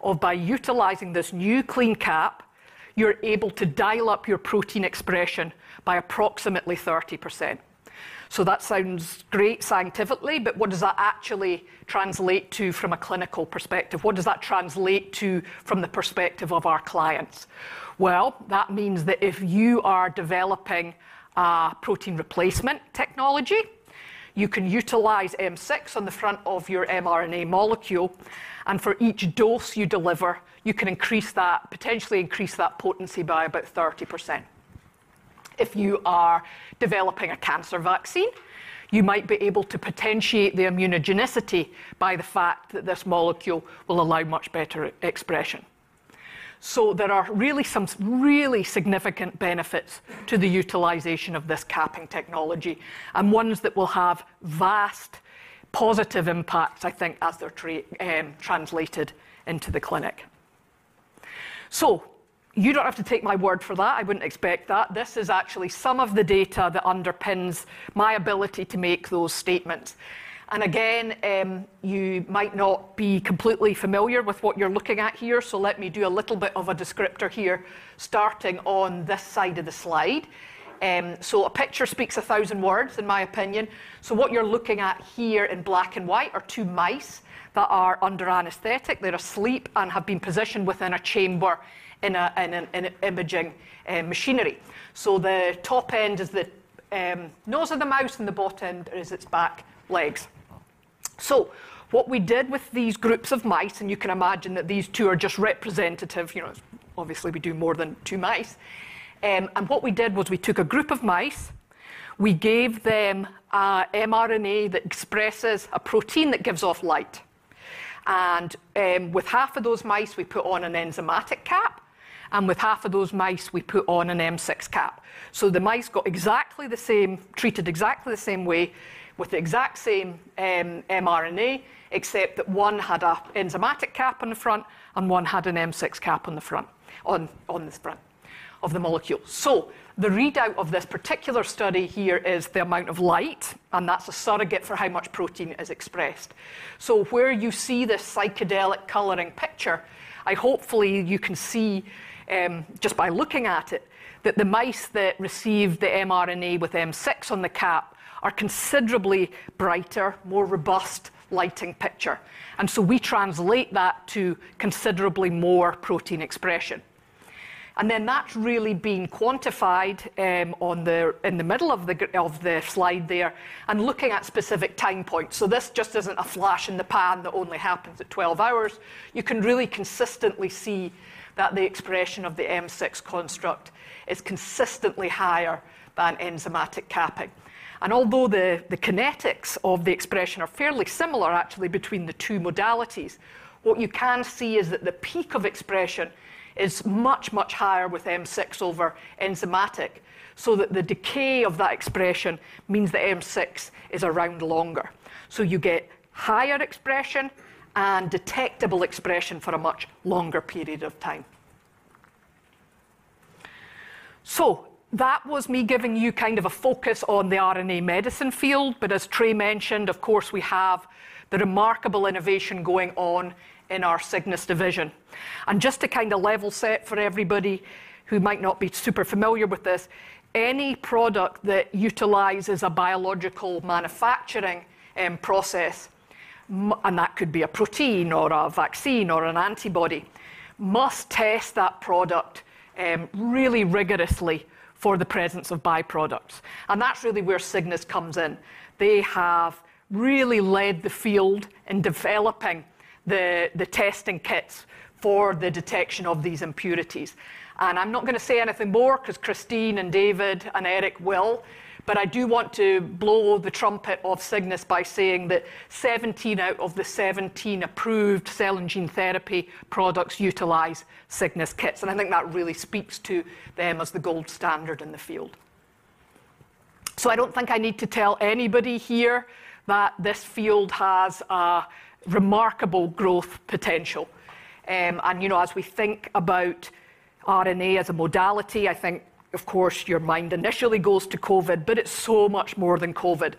of by utilizing this new CleanCap, you're able to dial up your protein expression by approximately 30%. So that sounds great scientifically, but what does that actually translate to from a clinical perspective? What does that translate to from the perspective of our clients? Well, that means that if you are developing a protein replacement technology, you can utilize M6 on the front of your mRNA molecule, and for each dose you deliver, you can increase that potentially increase that potency by about 30%. If you are developing a cancer vaccine, you might be able to potentiate the immunogenicity by the fact that this molecule will allow much better expression. So there are really some really significant benefits to the utilization of this capping technology, and ones that will have vast positive impacts, I think, as they're translated into the clinic. So you don't have to take my word for that. I wouldn't expect that. This is actually some of the data that underpins my ability to make those statements. And again, you might not be completely familiar with what you're looking at here, so let me do a little bit of a descriptor here, starting on this side of the slide. So a picture speaks a thousand words, in my opinion. So what you're looking at here in black and white are two mice that are under anesthetic. They're asleep and have been positioned within a chamber in an imaging machinery. So the top end is the nose of the mouse, and the bottom end is its back legs. So what we did with these groups of mice, and you can imagine that these two are just representative, you know, obviously, we do more than two mice. And what we did was we took a group of mice, we gave them an mRNA that expresses a protein that gives off light. And with half of those mice, we put on an enzymatic cap, and with half of those mice, we put on an M6 cap. So the mice got exactly the same, treated exactly the same way with the exact same mRNA, except that one had an enzymatic cap on the front, and one had an M6 cap on the front, on the front of the molecule. So the readout of this particular study here is the amount of light, and that's a surrogate for how much protein is expressed. So where you see this psychedelic coloring picture, I hopefully you can see, just by looking at it, that the mice that received the mRNA with M6 on the cap are considerably brighter, more robust lighting picture, and so we translate that to considerably more protein expression. And then that's really been quantified, on the in the middle of the graph of the slide there, and looking at specific time points. So this just isn't a flash in the pan that only happens at 12 hours. You can really consistently see that the expression of the M6 construct is consistently higher than enzymatic capping. Although the kinetics of the expression are fairly similar, actually, between the two modalities, what you can see is that the peak of expression is much, much higher with M6 over enzymatic, so that the decay of that expression means the M6 is around longer. So you get higher expression and detectable expression for a much longer period of time. So that was me giving you kind of a focus on the RNA medicine field, but as Trey mentioned, of course, we have the remarkable innovation going on in our Cygnus division. Just to kind of level set for everybody who might not be super familiar with this, any product that utilizes a biological manufacturing process and that could be a protein or a vaccine or an antibody, must test that product really rigorously for the presence of byproducts. That's really where Cygnus comes in. They have really led the field in developing the testing kits for the detection of these impurities. I'm not gonna say anything more 'cause Christine and David, and Eric will, but I do want to blow the trumpet of Cygnus by saying that 17 out of the 17 approved cell and gene therapy products utilize Cygnus kits, and I think that really speaks to them as the gold standard in the field. So I don't think I need to tell anybody here that this field has a remarkable growth potential. And, you know, as we think about RNA as a modality, I think, of course, your mind initially goes to COVID, but it's so much more than COVID.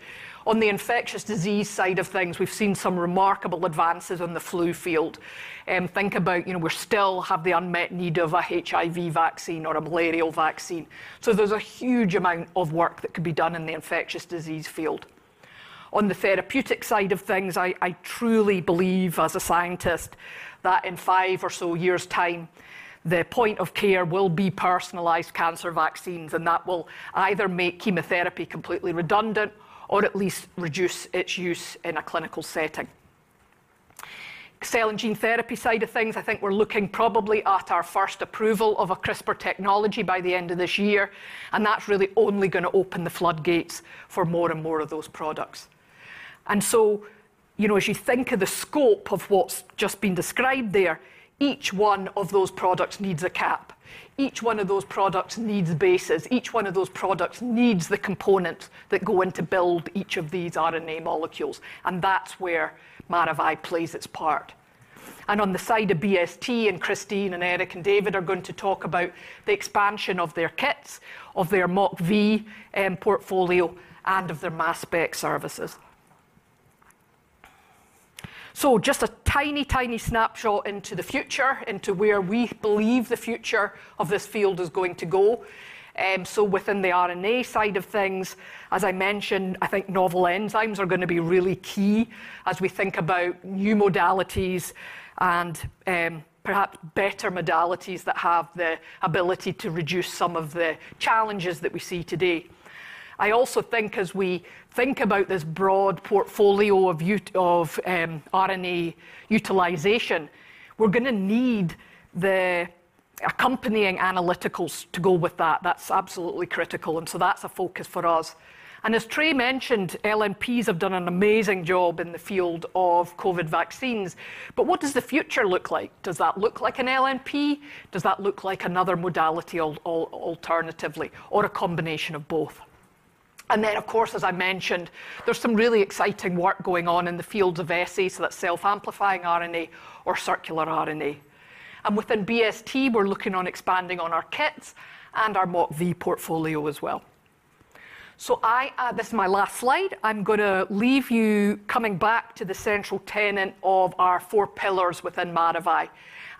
On the infectious disease side of things, we've seen some remarkable advances in the flu field. Think about, you know, we still have the unmet need of a HIV vaccine or a malarial vaccine. So there's a huge amount of work that could be done in the infectious disease field. On the therapeutic side of things, I truly believe as a scientist, that in five or so years' time, the point of care will be personalized cancer vaccines, and that will either make chemotherapy completely redundant or at least reduce its use in a clinical setting. Cell and gene therapy side of things, I think we're looking probably at our first approval of a CRISPR technology by the end of this year, and that's really only gonna open the floodgates for more and more of those products. And so, you know, as you think of the scope of what's just been described there, each one of those products needs a cap. Each one of those products needs bases. Each one of those products needs the components that go in to build each of these RNA molecules, and that's where Maravai plays its part. And on the side of BST, and Christine and Eric, and David are going to talk about the expansion of their kits, of their MockV portfolio, and of their mass spec services. So just a tiny, tiny snapshot into the future, into where we believe the future of this field is going to go. So within the RNA side of things, as I mentioned, I think novel enzymes are gonna be really key as we think about new modalities and, perhaps better modalities that have the ability to reduce some of the challenges that we see today. I also think, as we think about this broad portfolio of RNA utilization, we're gonna need the accompanying analyticals to go with that. That's absolutely critical, and so that's a focus for us. And as Trey mentioned, LNPs have done an amazing job in the field of COVID vaccines, but what does the future look like? Does that look like an LNP? Does that look like another modality alternatively, or a combination of both? And then, of course, as I mentioned, there's some really exciting work going on in the field of SA, so that's self-amplifying RNA or circular RNA. And within BST, we're looking on expanding on our kits and our MockV portfolio as well. So I, this is my last slide. I'm gonna leave you coming back to the central tenet of our four pillars within Maravai,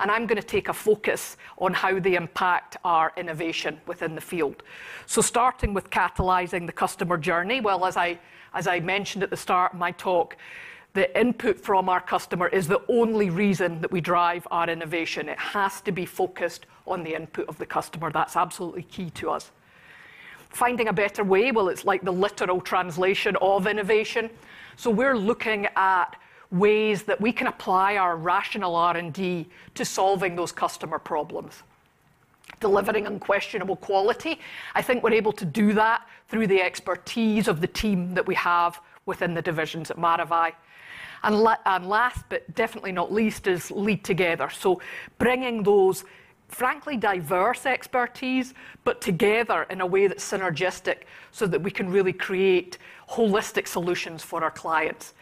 and I'm gonna take a focus on how they impact our innovation within the field. So starting with catalyzing the customer journey, well, as I, as I mentioned at the start of my talk, the input from our customer is the only reason that we drive our innovation. It has to be focused on the input of the customer. That's absolutely key to us. Finding a better way, well, it's like the literal translation of innovation. So we're looking at ways that we can apply our rational R&D to solving those customer problems. Delivering unquestionable quality, I think we're able to do that through the expertise of the team that we have within the divisions at Maravai. And and last, but definitely not least, is lead together. So bringing those frankly diverse expertise but together in a way that's synergistic so that we can really create holistic solutions for our clients.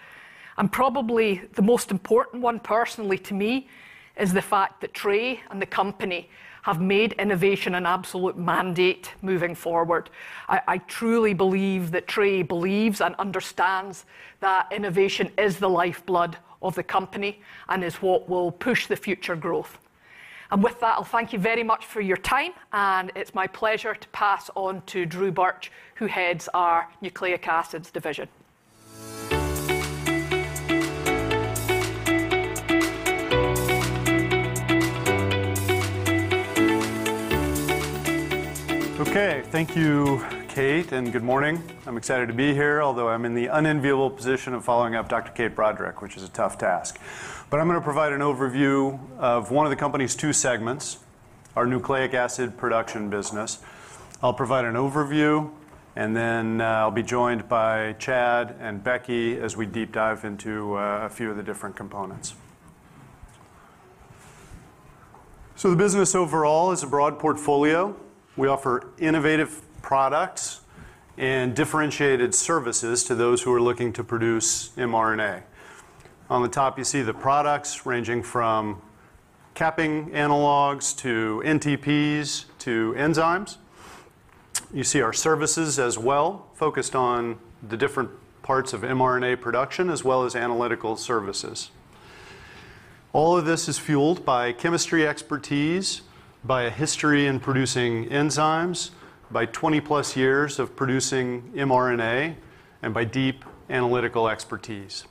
And probably the most important one personally to me is the fact that Trey and the company have made innovation an absolute mandate moving forward. I, I truly believe that Trey believes and understands that innovation is the lifeblood of the company and is what will push the future growth. And with that, I'll thank you very much for your time, and it's my pleasure to pass on to Drew Burch, who heads our Nucleic Acids division. Okay. Thank you Kate, and good morning. I'm excited to be here, although I'm in the unenviable position of following up Dr. Kate Broderick, which is a tough task. But I'm gonna provide an overview of one of the company's two segments, our Nucleic Acid Production business. I'll provide an overview, and then, I'll be joined by Chad and Becky as we deep dive into a few of the different components. So the business overall is a broad portfolio. We offer innovative products and differentiated services to those who are looking to produce mRNA. On the top, you see the products ranging from capping analogs to NTPs to enzymes. You see our services as well, focused on the different parts of mRNA production, as well as analytical services. All of this is fueled by chemistry expertise, by a history in producing enzymes, by 20-plus years of producing mRNA, and by deep analytical expertise,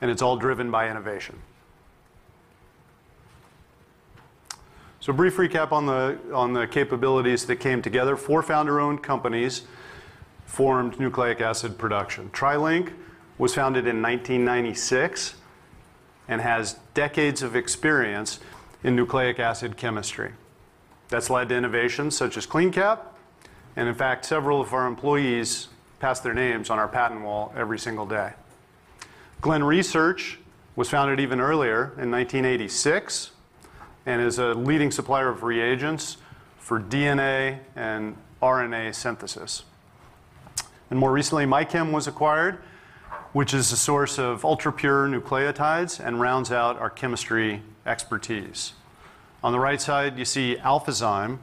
and it's all driven by innovation. So a brief recap on the capabilities that came together. Four founder-owned companies formed Nucleic Acid Production. TriLink was founded in 1996 and has decades of experience in nucleic acid chemistry. That's led to innovations such as CleanCap, and in fact, several of our employees pass their names on our patent wall every single day. Glen Research was founded even earlier in 1986, and is a leading supplier of reagents for DNA and RNA synthesis. And more recently, MyChem was acquired, which is a source of ultrapure nucleotides and rounds out our chemistry expertise. On the right side, you see Alphazyme,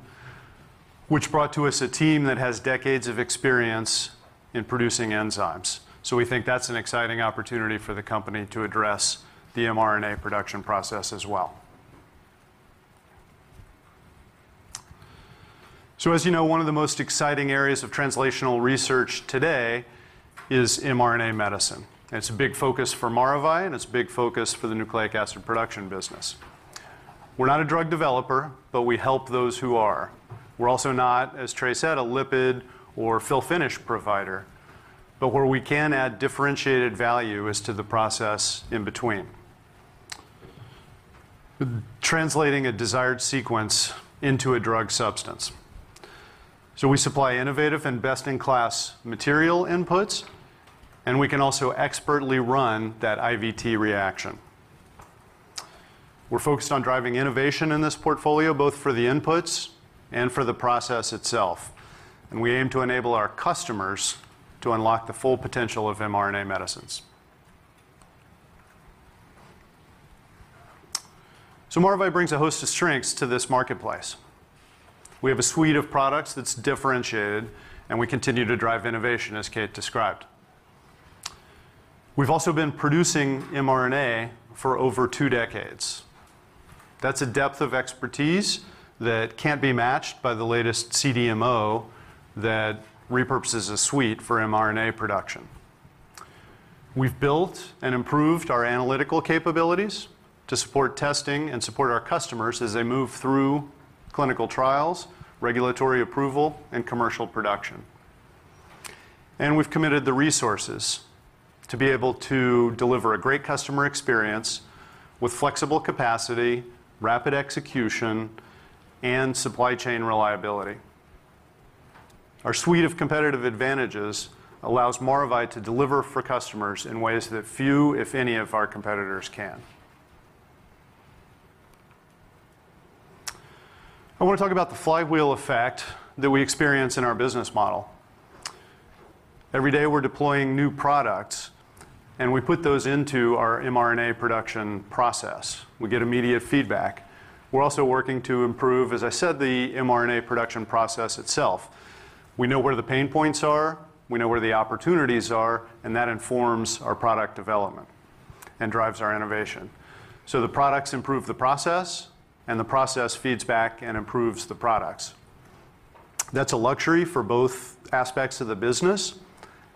which brought to us a team that has decades of experience in producing enzymes. So we think that's an exciting opportunity for the company to address the mRNA production process as well. So, as you know, one of the most exciting areas of translational research today is mRNA medicine, and it's a big focus for Maravai and it's a big focus for the Nucleic Acid Production business. We're not a drug developer, but we help those who are. We're also not, as Trey said, a lipid or fill-finish provider, but where we can add differentiated value is to the process in between, translating a desired sequence into a drug substance. So we supply innovative and best-in-class material inputs, and we can also expertly run that IVT reaction. We're focused on driving innovation in this portfolio, both for the inputs and for the process itself, and we aim to enable our customers to unlock the full potential of mRNA medicines. Maravai brings a host of strengths to this marketplace. We have a suite of products that's differentiated, and we continue to drive innovation, as Kate described. We've also been producing mRNA for over two decades. That's a depth of expertise that can't be matched by the latest CDMO that repurposes a suite for mRNA production. We've built and improved our analytical capabilities to support testing and support our customers as they move through clinical trials, regulatory approval, and commercial production. We've committed the resources to be able to deliver a great customer experience with flexible capacity, rapid execution, and supply chain reliability. Our suite of competitive advantages allows Maravai to deliver for customers in ways that few, if any, of our competitors can. I want to talk about the flywheel effect that we experience in our business model. Every day, we're deploying new products, and we put those into our mRNA production process. We get immediate feedback. We're also working to improve, as I said, the mRNA production process itself. We know where the pain points are, we know where the opportunities are, and that informs our product development and drives our innovation. So the products improve the process, and the process feeds back and improves the products. That's a luxury for both aspects of the business,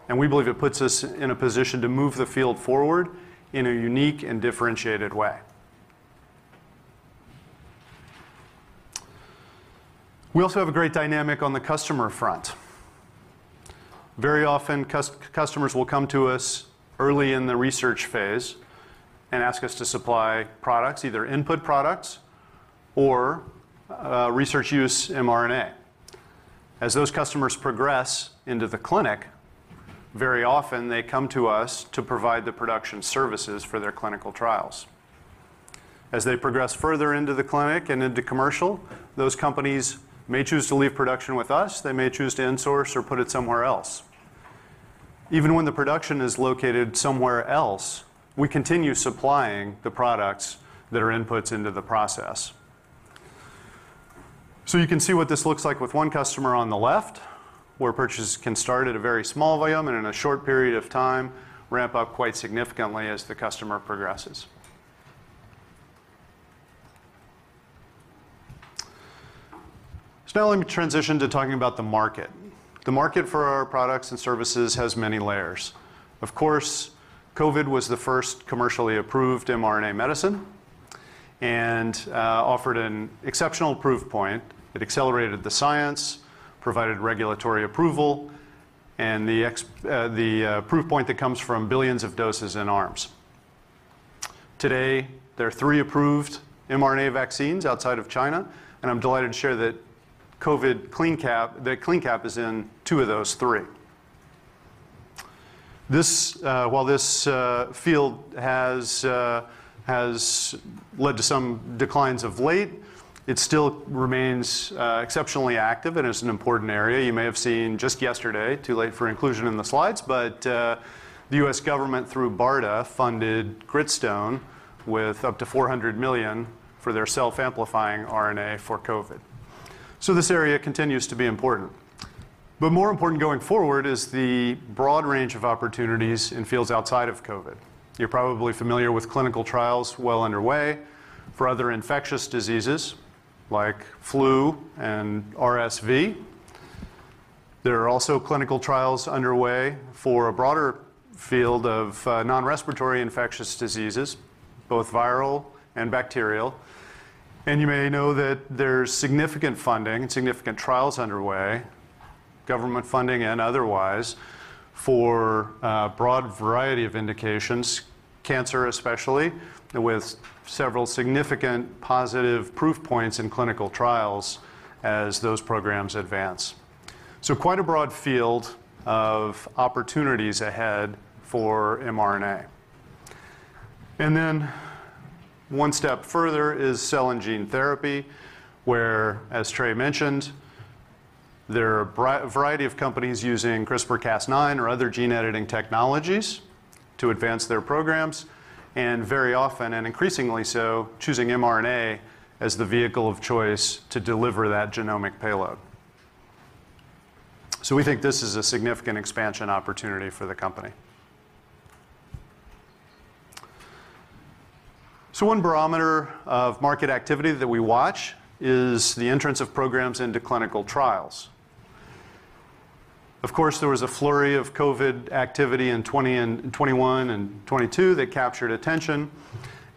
and we believe it puts us in a position to move the field forward in a unique and differentiated way. We also have a great dynamic on the customer front. Very often, customers will come to us early in the research phase and ask us to supply products, either input products or research use mRNA. As those customers progress into the clinic, very often they come to us to provide the production services for their clinical trials. As they progress further into the clinic and into commercial, those companies may choose to leave production with us, they may choose to insource or put it somewhere else. Even when the production is located somewhere else, we continue supplying the products that are inputs into the process. So you can see what this looks like with one customer on the left, where purchases can start at a very small volume and in a short period of time, ramp up quite significantly as the customer progresses. So now let me transition to talking about the market. The market for our products and services has many layers. Of course, COVID was the first commercially approved mRNA medicine and offered an exceptional proof point. It accelerated the science, provided regulatory approval, and the proof point that comes from billions of doses in arms. Today, there are three approved mRNA vaccines outside of China, and I'm delighted to share that COVID CleanCap, that CleanCap is in two of those three. While this field has led to some declines of late, it still remains exceptionally active and is an important area. You may have seen just yesterday, too late for inclusion in the slides, but the U.S. government, through BARDA, funded Gritstone with up to $400 million for their self-amplifying RNA for COVID. So this area continues to be important. But more important going forward is the broad range of opportunities in fields outside of COVID. You're probably familiar with clinical trials well underway for other infectious diseases like flu and RSV. There are also clinical trials underway for a broader field of non-respiratory infectious diseases, both viral and bacterial. And you may know that there's significant funding and significant trials underway, government funding and otherwise, for a broad variety of indications, cancer especially, with several significant positive proof points in clinical trials as those programs advance. So quite a broad field of opportunities ahead for mRNA. And then one step further is cell and gene therapy, where, as Trey mentioned, there are a variety of companies using CRISPR-Cas9 or other gene-editing technologies to advance their programs, and very often, and increasingly so, choosing mRNA as the vehicle of choice to deliver that genomic payload. So we think this is a significant expansion opportunity for the company. So one barometer of market activity that we watch is the entrance of programs into clinical trials. Of course, there was a flurry of COVID activity in 2020 and 2021 and 2022 that captured attention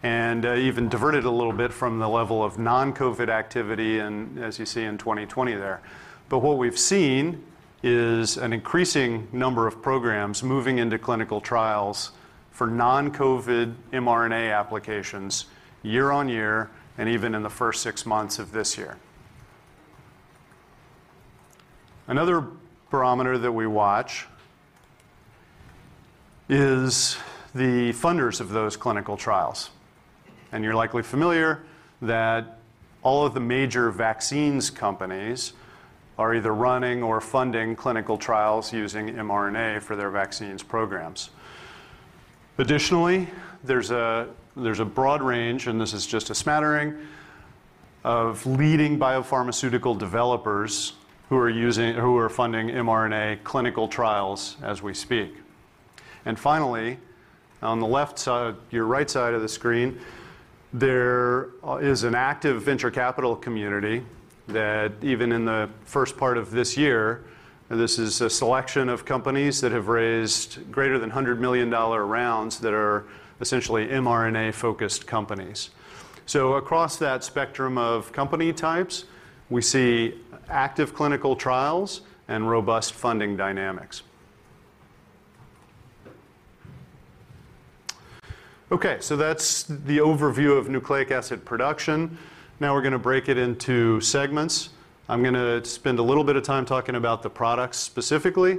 and even diverted a little bit from the level of non-COVID activity, and as you see in 2020 there. But what we've seen is an increasing number of programs moving into clinical trials for non-COVID mRNA applications year on year, and even in the first six months of this year. Another barometer that we watch is the funders of those clinical trials and you're likely familiar that all of the major vaccines companies are either running or funding clinical trials using mRNA for their vaccines programs. Additionally, there's a broad range, and this is just a smattering, of leading biopharmaceutical developers who are using - who are funding mRNA clinical trials as we speak. And finally, on the left side, your right side of the screen, there is an active venture capital community that even in the first part of this year, and this is a selection of companies that have raised greater than $100 million rounds that are essentially mRNA-focused companies. So across that spectrum of company types, we see active clinical trials and robust funding dynamics. Okay, so that's the overview of Nucleic Acid Production. Now we're going to break it into segments. I'm going to spend a little bit of time talking about the products specifically.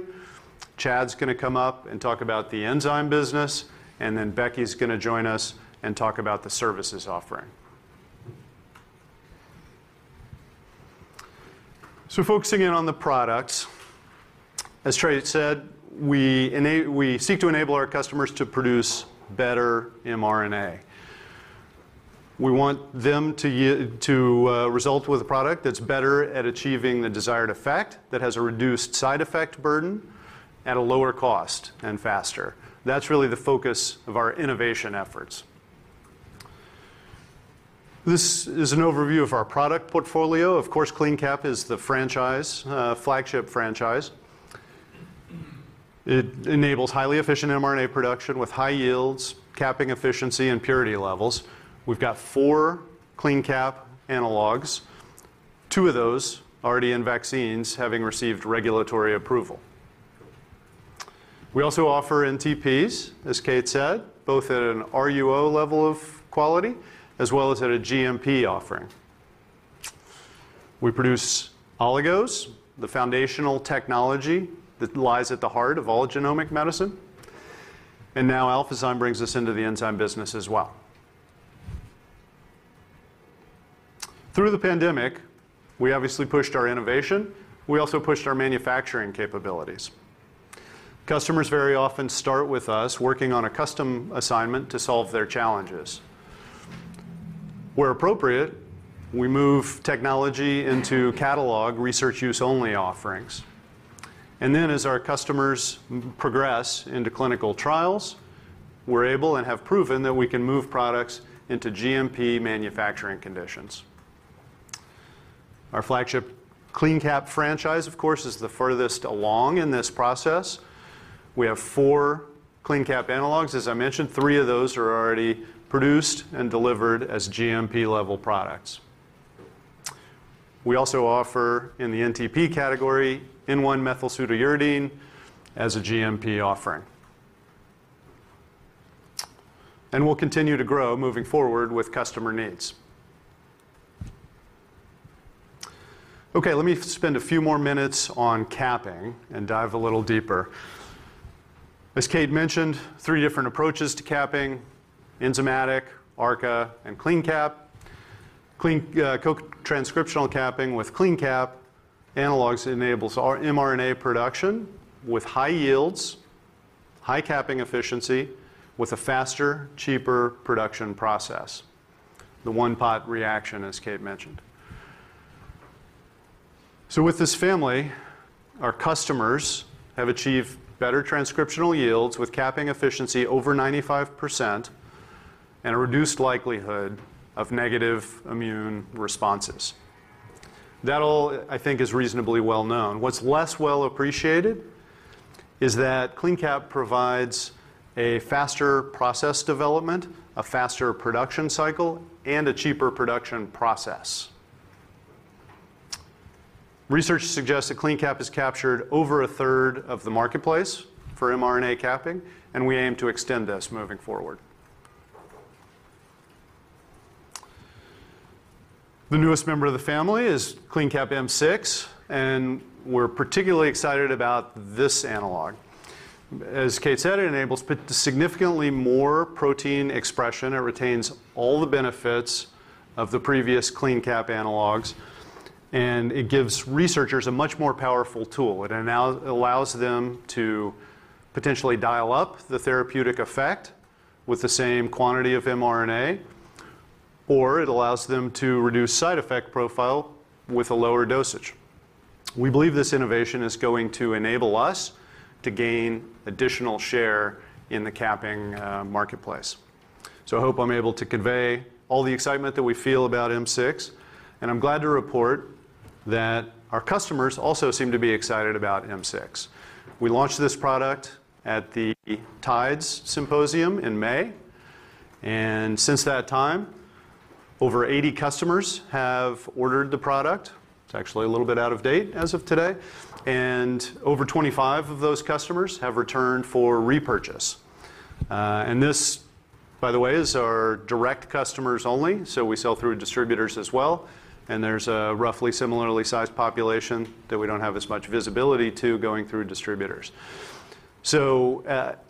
Chad's going to come up and talk about the enzyme business, and then Becky's going to join us and talk about the services offering. So focusing in on the products as Trey said, we seek to enable our customers to produce better mRNA. We want them to result with a product that's better at achieving the desired effect, that has a reduced side effect burden at a lower cost and faster. That's really the focus of our innovation efforts. This is an overview of our product portfolio. Of course, CleanCap is the franchise, flagship franchise. It enables highly efficient mRNA production with high yields, capping efficiency, and purity levels. We've got four CleanCap analogs, two of those already in vaccines, having received regulatory approval. We also offer NTPs as Kate said, both at an RUO level of quality as well as at a GMP offering. We produce oligos, the foundational technology that lies at the heart of all genomic medicine, and now Alphazyme brings us into the enzyme business as well. Through the pandemic, we obviously pushed our innovation. We also pushed our manufacturing capabilities. Customers very often start with us working on a custom assignment to solve their challenges. Where appropriate, we move technology into catalog research use only offerings, and then as our customers progress into clinical trials, we're able and have proven that we can move products into GMP manufacturing conditions. Our flagship CleanCap franchise, of course, is the furthest along in this process. We have four CleanCap analogs. As I mentioned, three of those are already produced and delivered as GMP level products. We also offer, in the NTP category, N1-methyl-pseudouridine as a GMP offering. And we'll continue to grow moving forward with customer needs. Okay let me spend a few more minutes on capping and dive a little deeper. As Kate mentioned, three different approaches to capping: enzymatic, ARCA and CleanCap. Clean, co-transcriptional capping with CleanCap analogs enables our mRNA production with high yields, high capping efficiency, with a faster, cheaper production process. The one-pot reaction, as Kate mentioned. So with this family, our customers have achieved better transcriptional yields with capping efficiency over 95% and a reduced likelihood of negative immune responses. That all, I think, is reasonably well known. What's less well appreciated is that CleanCap provides a faster process development, a faster production cycle, and a cheaper production process. Research suggests that CleanCap has captured over a third of the marketplace for mRNA capping and we aim to extend this moving forward. The newest member of the family is CleanCap M6, and we're particularly excited about this analog. As Kate said, it enables significantly more protein expression, it retains all the benefits of the previous CleanCap analogs, and it gives researchers a much more powerful tool. It now allows them to potentially dial up the therapeutic effect with the same quantity of mRNA, or it allows them to reduce side effect profile with a lower dosage. We believe this innovation is going to enable us to gain additional share in the capping marketplace. So I hope I'm able to convey all the excitement that we feel about M6, and I'm glad to report that our customers also seem to be excited about M6. We launched this product at the TIDES Symposium in May, and since that time, over 80 customers have ordered the product. It's actually a little bit out of date as of today, and over 25 of those customers have returned for repurchase. And this by the way, is our direct customers only, so we sell through distributors as well, and there's a roughly similarly sized population that we don't have as much visibility to going through distributors. So,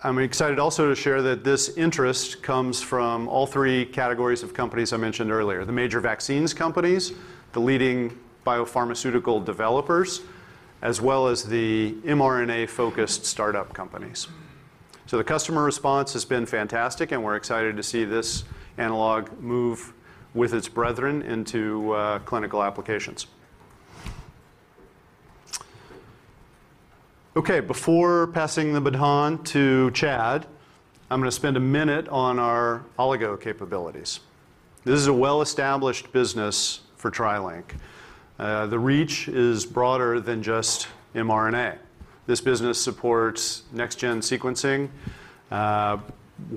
I'm excited also to share that this interest comes from all three categories of companies I mentioned earlier: the major vaccines companies, the leading biopharmaceutical developers, as well as the mRNA-focused startup companies. So the customer response has been fantastic, and we're excited to see this analog move with its brethren into clinical applications. Okay, before passing the baton to Chad, I'm gonna spend a minute on our oligo capabilities. This is a well-established business for TriLink. The reach is broader than just mRNA. This business supports next-gen sequencing,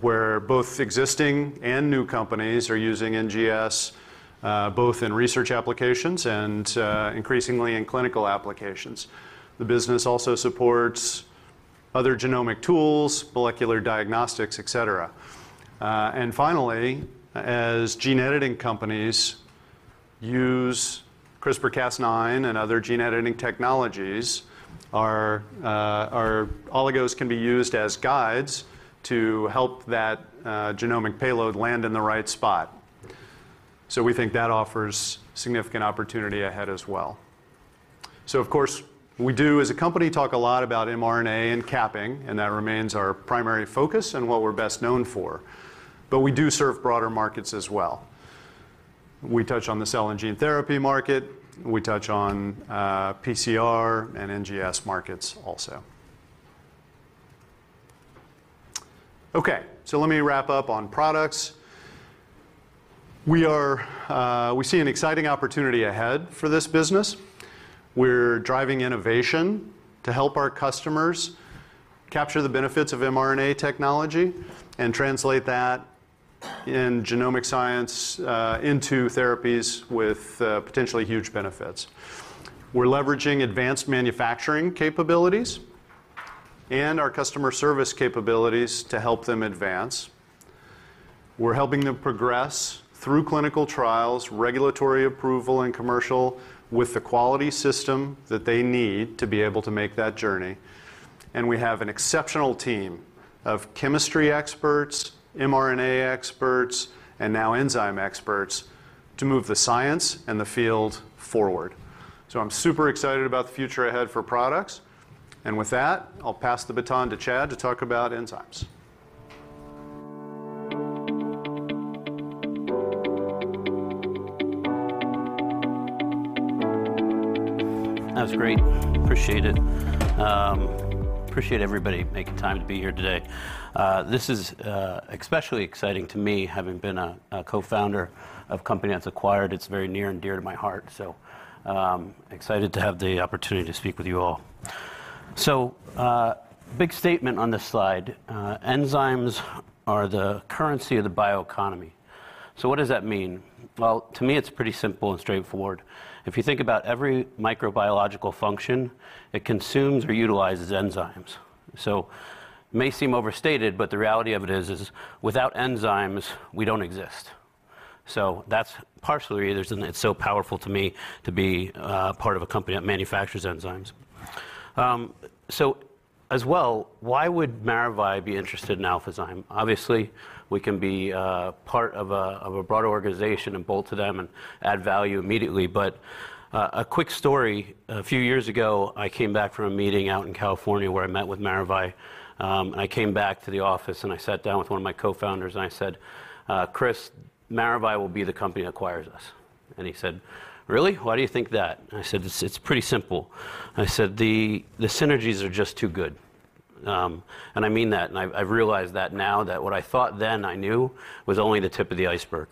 where both existing and new companies are using NGS, both in research applications and increasingly in clinical applications. The business also supports other genomic tools, molecular diagnostics, et cetera. And finally, as gene editing companies use CRISPR-Cas9 and other gene editing technologies, our, our oligos can be used as guides to help that genomic payload land in the right spot. So we think that offers significant opportunity ahead as well. So of course, we do, as a company, talk a lot about mRNA and capping, and that remains our primary focus and what we're best known for, but we do serve broader markets as well. We touch on the cell and gene therapy market, we touch on PCR and NGS markets also. Okay, so let me wrap up on products. We are, we see an exciting opportunity ahead for this business. We're driving innovation to help our customers capture the benefits of mRNA technology and translate that in genomic science into therapies with potentially huge benefits. We're leveraging advanced manufacturing capabilities and our customer service capabilities to help them advance. We're helping them progress through clinical trials, regulatory approval, and commercial with the quality system that they need to be able to make that journey. We have an exceptional team of chemistry experts, mRNA experts, and now enzyme experts, to move the science and the field forward. I'm super excited about the future ahead for products, and with that, I'll pass the baton to Chad to talk about enzymes. That's great. Appreciate it. Appreciate everybody making time to be here today. This is especially exciting to me, having been a co-founder of a company that's acquired. It's very near and dear to my heart, so excited to have the opportunity to speak with you all. So big statement on this slide, "Enzymes are the currency of the bioeconomy." So what does that mean? Well, to me, it's pretty simple and straightforward. If you think about every microbiological function, it consumes or utilizes enzymes. So may seem overstated, but the reality of it is without enzymes, we don't exist. So that's partially the reason it's so powerful to me to be part of a company that manufactures enzymes. So as well, why would Maravai be interested in Alphazyme? Obviously, we can be part of a broader organization and bolt to them and add value immediately. But a quick story. A few years ago, I came back from a meeting out in California where I met with Maravai. And I came back to the office, and I sat down with one of my co-founders and I said, "Chris, Maravai will be the company that acquires us." And he said, "Really? Why do you think that?" I said, "It's pretty simple." I said, "The synergies are just too good." And I mean that, and I've realized that now that what I thought then I knew was only the tip of the iceberg.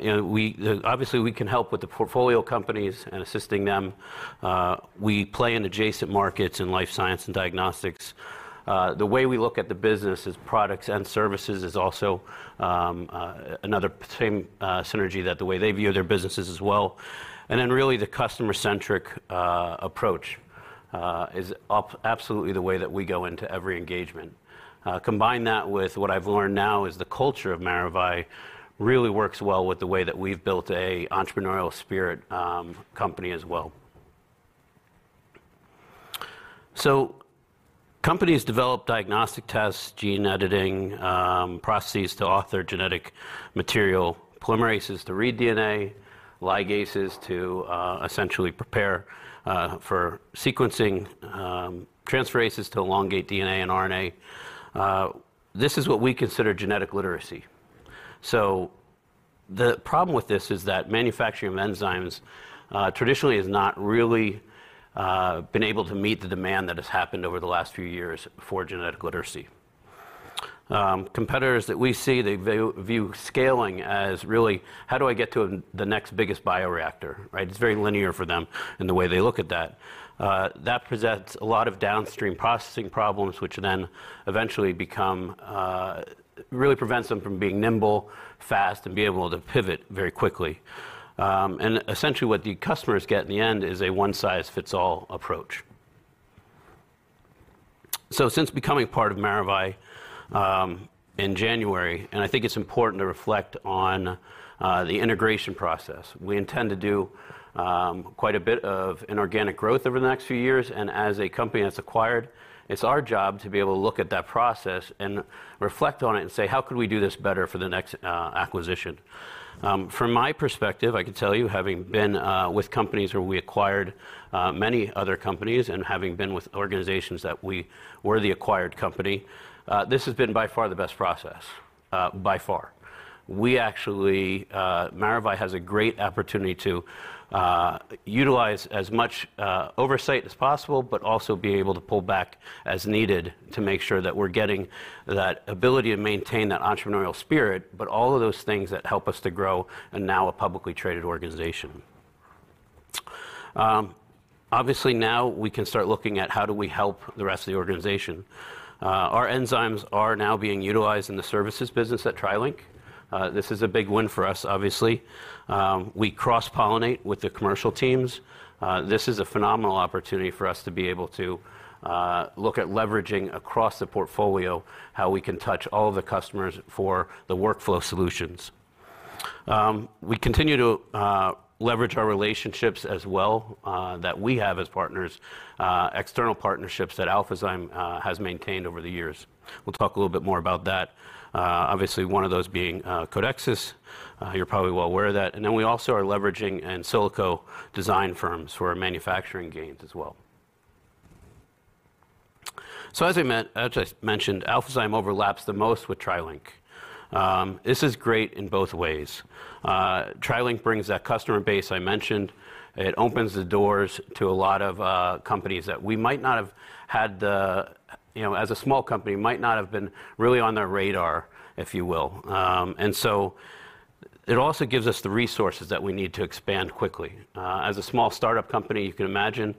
You know, we obviously can help with the portfolio companies and assisting them. We play in adjacent markets in life science and diagnostics. The way we look at the business as products and services is also another same synergy that the way they view their businesses as well. And then really, the customer-centric approach is absolutely the way that we go into every engagement. Combine that with what I've learned now is the culture of Maravai really works well with the way that we've built a entrepreneurial spirit company as well. So companies develop diagnostic tests, gene editing processes to author genetic material, polymerases to read DNA, ligases to essentially prepare for sequencing, transferases to elongate DNA and RNA. This is what we consider genetic literacy. So the problem with this is that manufacturing of enzymes traditionally has not really been able to meet the demand that has happened over the last few years for genetic literacy. Competitors that we see, they view scaling as really, "How do I get to the next biggest bioreactor," right? It's very linear for them in the way they look at that. That presents a lot of downstream processing problems, which then eventually become really prevents them from being nimble, fast, and being able to pivot very quickly. Essentially, what the customers get in the end is a one-size-fits-all approach. Since becoming part of Maravai in January, I think it's important to reflect on the integration process. We intend to do quite a bit of inorganic growth over the next few years, and as a company that's acquired, it's our job to be able to look at that process and reflect on it and say, "How could we do this better for the next acquisition?" From my perspective, I can tell you, having been with companies where we acquired many other companies, and having been with organizations that we were the acquired company, this has been by far the best process, by far. We actually, Maravai has a great opportunity to utilize as much oversight as possible, but also be able to pull back as needed to make sure that we're getting that ability to maintain that entrepreneurial spirit, but all of those things that help us to grow are now a publicly traded organization. Obviously, now we can start looking at how do we help the rest of the organization. Our enzymes are now being utilized in the services business at TriLink. This is a big win for us, obviously. We cross-pollinate with the commercial teams. This is a phenomenal opportunity for us to be able to look at leveraging across the portfolio, how we can touch all of the customers for the workflow solutions. We continue to leverage our relationships as well, that we have as partners, external partnerships that Alphazyme has maintained over the years. We'll talk a little bit more about that. Obviously, one of those being Codexis. You're probably well aware of that. And then we also are leveraging in silico design firms for our manufacturing gains as well. So as I mentioned, Alphazyme overlaps the most with TriLink. This is great in both ways. TriLink brings that customer base I mentioned. It opens the doors to a lot of companies that we might not have had the... you know, as a small company, might not have been really on their radar, if you will. And so it also gives us the resources that we need to expand quickly. As a small startup company, you can imagine,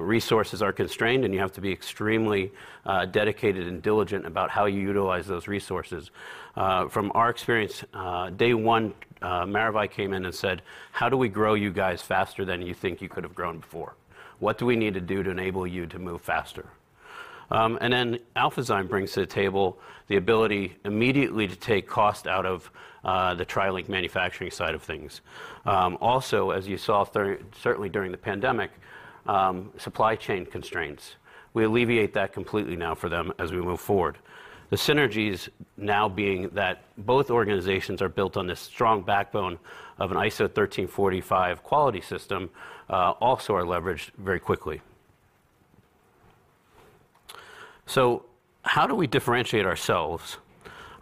resources are constrained, and you have to be extremely dedicated and diligent about how you utilize those resources. From our experience, day one, Maravai came in and said, "How do we grow you guys faster than you think you could have grown before? What do we need to do to enable you to move faster?" And then, Alphazyme brings to the table the ability immediately to take cost out of, the TriLink manufacturing side of things. Also, as you saw, during, certainly during the pandemic, supply chain constraints, we alleviate that completely now for them as we move forward. The synergies now being that both organizations are built on this strong backbone of an ISO 13485 quality system, also are leveraged very quickly. So how do we differentiate ourselves?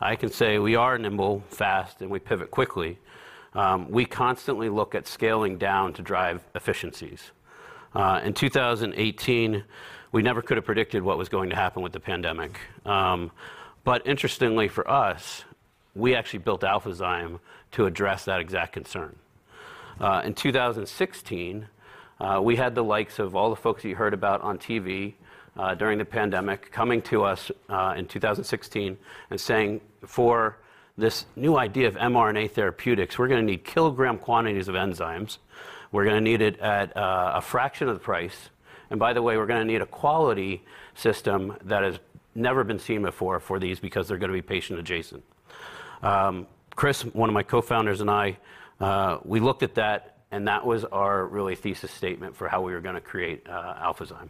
I can say we are nimble, fast, and we pivot quickly. We constantly look at scaling down to drive efficiencies. In 2018, we never could have predicted what was going to happen with the pandemic. But interestingly for us, we actually built Alphazyme to address that exact concern. In 2016, we had the likes of all the folks you heard about on TV, during the pandemic, coming to us, in 2016 and saying, "For this new idea of mRNA therapeutics, we're gonna need kilogram quantities of enzymes. We're gonna need it at, a fraction of the price, and by the way, we're gonna need a quality system that has never been seen before for these, because they're gonna be patient-adjacent." Chris, one of my co-founders, and I, we looked at that, and that was our really thesis statement for how we were going to create, Alphazyme.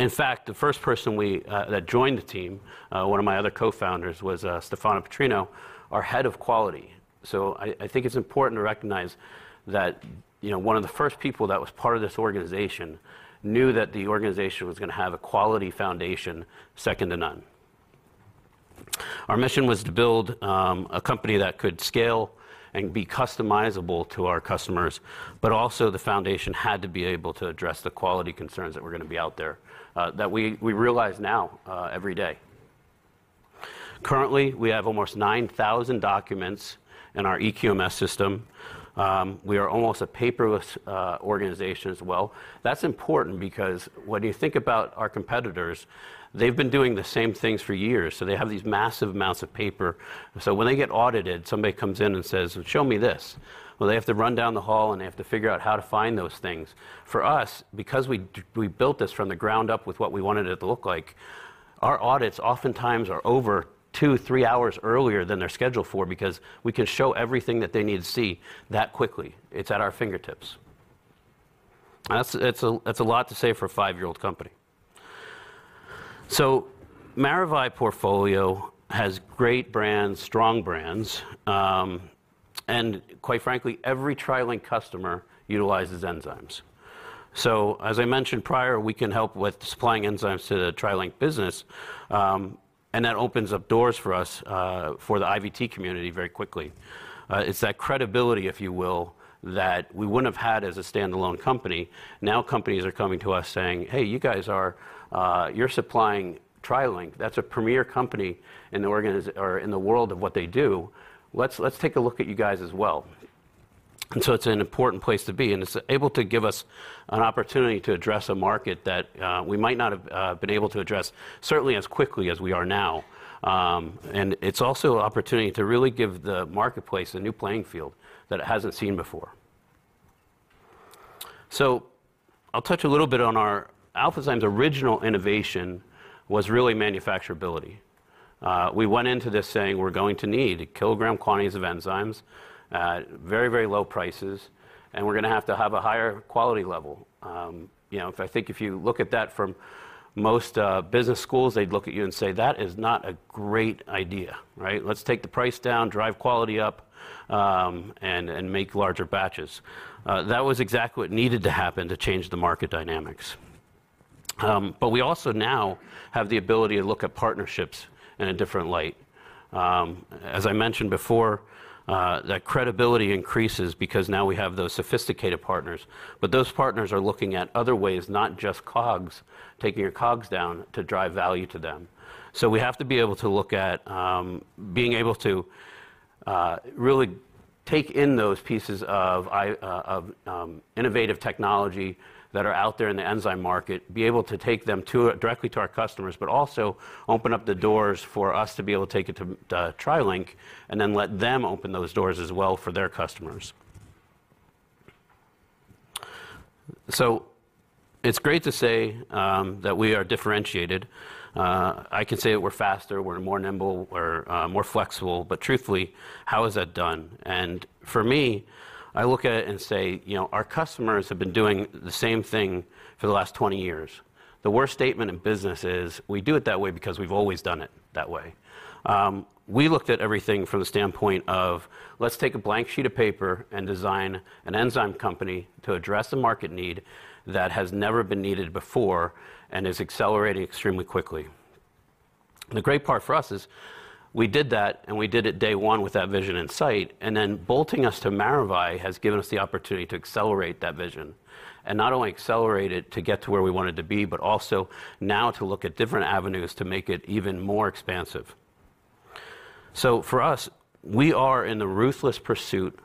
In fact, the first person we, that joined the team, one of my other co-founders, was, Stephana Petrino, our Head of Quality. So I think it's important to recognize that, you know, one of the first people that was part of this organization knew that the organization was going to have a quality foundation second to none. Our mission was to build a company that could scale and be customizable to our customers, but also the foundation had to be able to address the quality concerns that were going to be out there that we realize now every day. Currently, we have almost 9,000 documents in our eQMS system. We are almost a paperless organization as well. That's important because when you think about our competitors, they've been doing the same things for years, so they have these massive amounts of paper. So when they get audited, somebody comes in and says, "Show me this." Well, they have to run down the hall, and they have to figure out how to find those things. For us, because we built this from the ground up with what we wanted it to look like, our audits oftentimes are over 2-3 hours earlier than they're scheduled for because we can show everything that they need to see that quickly. It's at our fingertips. That's a lot to say for a 5-year-old company. So Maravai portfolio has great brands, strong brands, and quite frankly, every TriLink customer utilizes enzymes. So as I mentioned prior, we can help with supplying enzymes to the TriLink business, and that opens up doors for us for the IVT community very quickly. It's that credibility, if you will, that we wouldn't have had as a standalone company. Now companies are coming to us saying, "Hey, you guys are - you're supplying TriLink. That's a premier company in the organization or in the world of what they do. Let's - let's take a look at you guys as well." And so it's an important place to be, and it's able to give us an opportunity to address a market that we might not have been able to address, certainly as quickly as we are now. And it's also an opportunity to really give the marketplace a new playing field that it hasn't seen before. So I'll touch a little bit on our Alphazyme's original innovation was really manufacturability. We went into this saying: We're going to need kilogram quantities of enzymes at very, very low prices, and we're going to have to have a higher quality level. You know, if I think if you look at that from most, business schools, they'd look at you and say, "That is not a great idea," right? Let's take the price down, drive quality up, and make larger batches. That was exactly what needed to happen to change the market dynamics. But we also now have the ability to look at partnerships in a different light. As I mentioned before, that credibility increases because now we have those sophisticated partners, but those partners are looking at other ways, not just COGS, taking your COGS down to drive value to them. So we have to be able to look at being able to really take in those pieces of innovative technology that are out there in the enzyme market, be able to take them directly to our customers, but also open up the doors for us to be able to take it to TriLink, and then let them open those doors as well for their customers. So it's great to say that we are differentiated. I can say that we're faster, we're more nimble, we're more flexible, but truthfully, how is that done? And for me, I look at it and say, you know, our customers have been doing the same thing for the last 20 years. The worst statement in business is, "We do it that way because we've always done it that way." We looked at everything from the standpoint of, let's take a blank sheet of paper and design an enzyme company to address a market need that has never been needed before and is accelerating extremely quickly. The great part for us is we did that, and we did it day one with that vision in sight, and then bolting us to Maravai has given us the opportunity to accelerate that vision, and not only accelerate it to get to where we wanted to be, but also now to look at different avenues to make it even more expansive. So for us, we are in the ruthless pursuit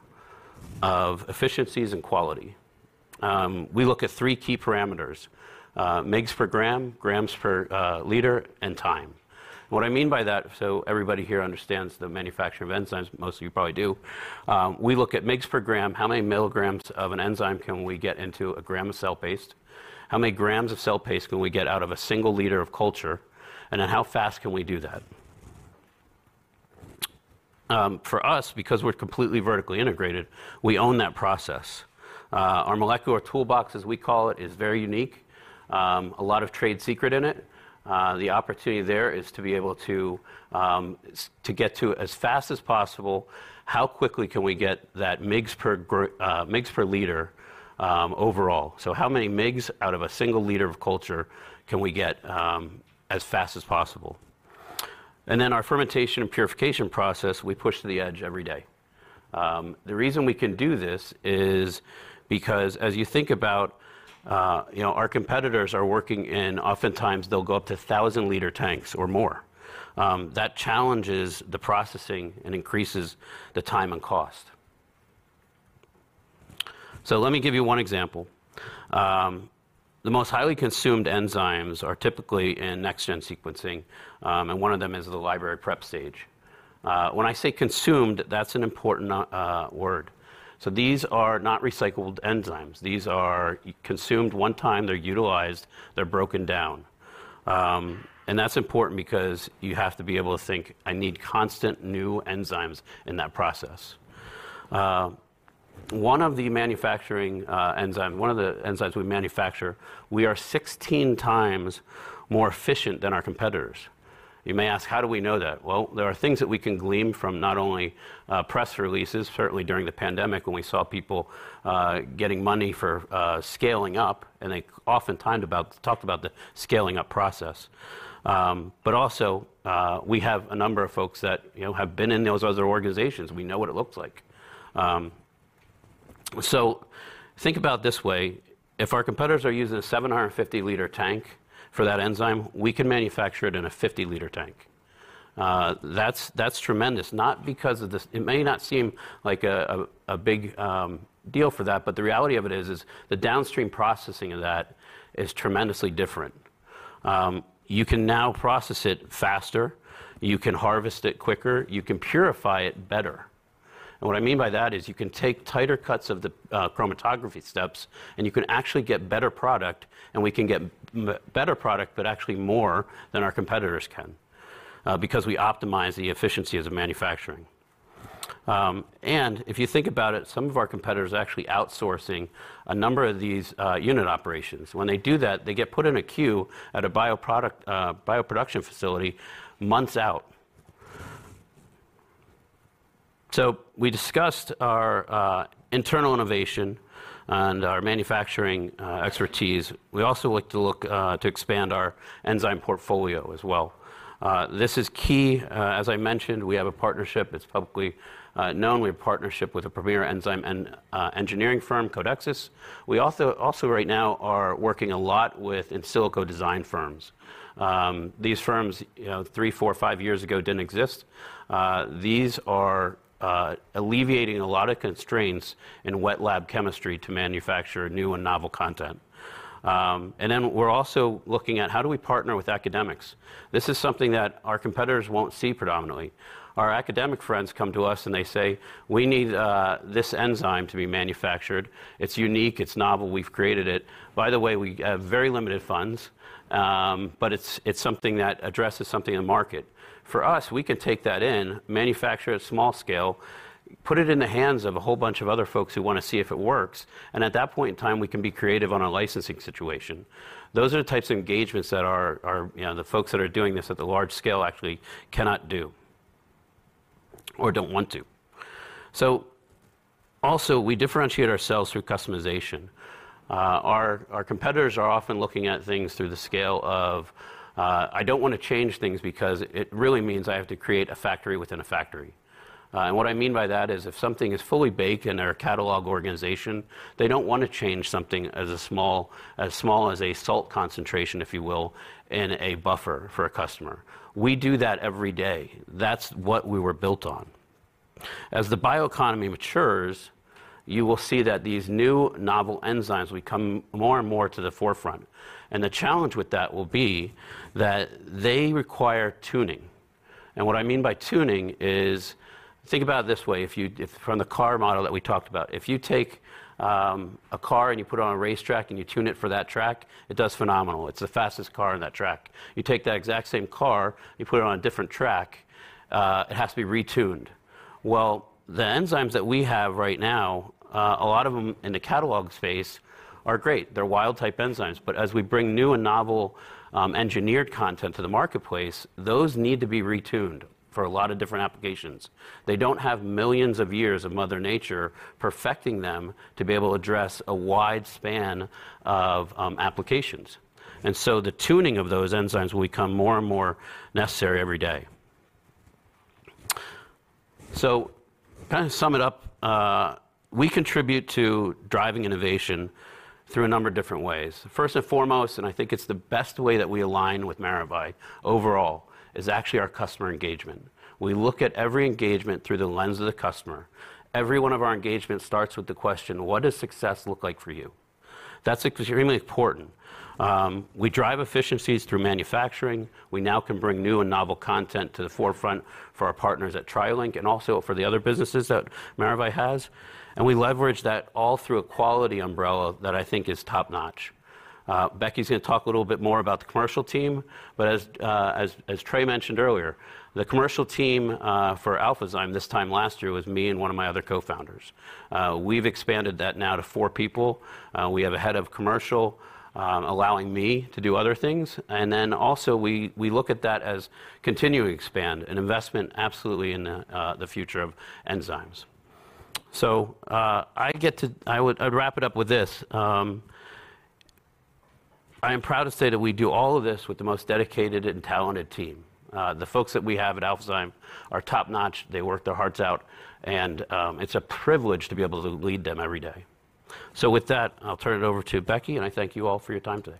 of efficiencies and quality. We look at three key parameters: mgs per gram, grams per liter, and time. What I mean by that, so everybody here understands the manufacture of enzymes, most of you probably do. We look at mgs per gram, how many milligrams of an enzyme can we get into a gram of cell paste? How many grams of cell paste can we get out of a single liter of culture? And then how fast can we do that? For us, because we're completely vertically integrated, we own that process. Our molecular toolbox, as we call it, is very unique, a lot of trade secret in it. The opportunity there is to be able to to get to as fast as possible, how quickly can we get that mgs per - mgs per liter, overall? So how many mgs out of a single liter of culture can we get, as fast as possible? And then our fermentation and purification process, we push to the edge every day. The reason we can do this is because as you think about, you know, our competitors are working in, oftentimes, they'll go up to 1,000-liter tanks or more. That challenges the processing and increases the time and cost. So let me give you one example. The most highly consumed enzymes are typically in next-gen sequencing, and one of them is the library prep stage, when I say consumed, that's an important word. So these are not recycled enzymes. These are consumed one time, they're utilized, they're broken down. And that's important because you have to be able to think, "I need constant new enzymes in that process." One of the enzymes we manufacture, we are 16 times more efficient than our competitors. You may ask, how do we know that? Well, there are things that we can glean from not only press releases, certainly during the pandemic when we saw people getting money for scaling up, and they oftentimes talked about the scaling up process. But also, we have a number of folks that, you know, have been in those other organizations. We know what it looks like. So think about it this way: if our competitors are using a 750-liter tank for that enzyme, we can manufacture it in a 50-liter tank. That's tremendous, not because of this - it may not seem like a big deal for that, but the reality of it is the downstream processing of that is tremendously different. You can now process it faster, you can harvest it quicker, you can purify it better. And what I mean by that is you can take tighter cuts of the chromatography steps, and you can actually get better product, and we can get better product, but actually more than our competitors can, because we optimize the efficiency as a manufacturing. And if you think about it, some of our competitors are actually outsourcing a number of these unit operations. When they do that, they get put in a queue at a bioproduction facility months out. So we discussed our internal innovation and our manufacturing expertise. We also like to look to expand our enzyme portfolio as well. This is key. As I mentioned, we have a partnership. It's publicly known. We have a partnership with a premier enzyme and engineering firm, Codexis. We also right now are working a lot with in silico design firms. These firms, you know, three, four, five years ago, didn't exist. These are alleviating a lot of constraints in wet lab chemistry to manufacture new and novel content. And then we're also looking at how do we partner with academics? This is something that our competitors won't see predominantly. Our academic friends come to us, and they say, "We need this enzyme to be manufactured. It's unique, it's novel, we've created it. By the way, we have very limited funds, but it's something that addresses something in the market. For us, we can take that in, manufacture it small scale, put it in the hands of a whole bunch of other folks who wanna see if it works, and at that point in time, we can be creative on our licensing situation. Those are the types of engagements that are, you know, the folks that are doing this at the large scale actually cannot do or don't want to. So also, we differentiate ourselves through customization. Our, our competitors are often looking at things through the scale of "I don't wanna change things because it really means I have to create a factory within a factory." And what I mean by that is if something is fully baked in their catalog organization, they don't wanna change something as small as a salt concentration, if you will, in a buffer for a customer. We do that every day. That's what we were built on. As the bioeconomy matures, you will see that these new novel enzymes will come more and more to the forefront, and the challenge with that will be that they require tuning. And what I mean by tuning is, think about it this way, if you, from the car model that we talked about, if you take a car and you put it on a racetrack, and you tune it for that track, it does phenomenal. It's the fastest car on that track. You take that exact same car, you put it on a different track, it has to be retuned. Well, the enzymes that we have right now, a lot of them in the catalog space are great. They're wild-type enzymes, but as we bring new and novel engineered content to the marketplace, those need to be retuned for a lot of different applications. They don't have millions of years of mother nature perfecting them to be able to address a wide span of applications. The tuning of those enzymes will become more and more necessary every day. So to kind of sum it up, we contribute to driving innovation through a number of different ways. First and foremost, and I think it's the best way that we align with Maravai overall, is actually our customer engagement. We look at every engagement through the lens of the customer. Every one of our engagements starts with the question: What does success look like for you? That's extremely important. We drive efficiencies through manufacturing. We now can bring new and novel content to the forefront for our partners at TriLink and also for the other businesses that Maravai has. And we leverage that all through a quality umbrella that I think is top-notch. Becky's gonna talk a little bit more about the commercial team, but as Trey mentioned earlier, the commercial team for Alphazyme this time last year was me and one of my other co-founders. We've expanded that now to 4 people. We have a head of commercial, allowing me to do other things, and then also we look at that as continuing to expand, an investment absolutely in the future of enzymes. I'd wrap it up with this: I am proud to say that we do all of this with the most dedicated and talented team. The folks that we have at Alphazyme are top-notch. They work their hearts out, and it's a privilege to be able to lead them every day. With that, I'll turn it over to Becky, and I thank you all for your time today.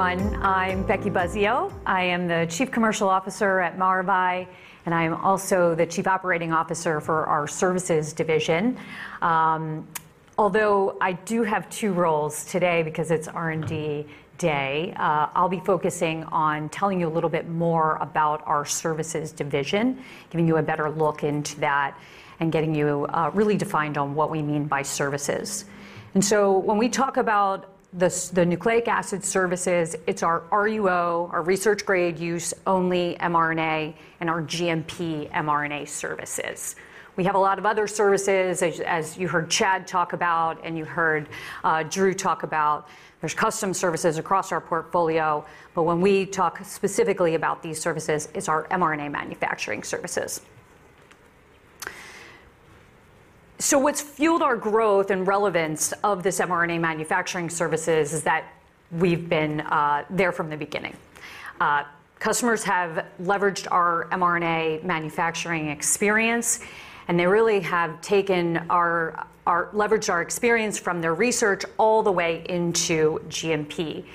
Hi, everyone. I'm Becky Buzzeo. I am the Chief Commercial Officer at Maravai, and I am also the Chief Operating Officer for our services division. Although I do have two roles today, because it's R&D day, I'll be focusing on telling you a little bit more about our services division, giving you a better look into that, and getting you really defined on what we mean by services. And so when we talk about the nucleic acid services, it's our RUO, our research-grade use only mRNA, and our GMP mRNA services. We have a lot of other services, as you heard Chad talk about, and you heard Drew talk about. There's custom services across our portfolio, but when we talk specifically about these services, it's our mRNA manufacturing services. So what's fueled our growth and relevance of this mRNA manufacturing services is that we've been there from the beginning. Customers have leveraged our mRNA manufacturing experience, and they really have taken our experience from their research all the way into GMP.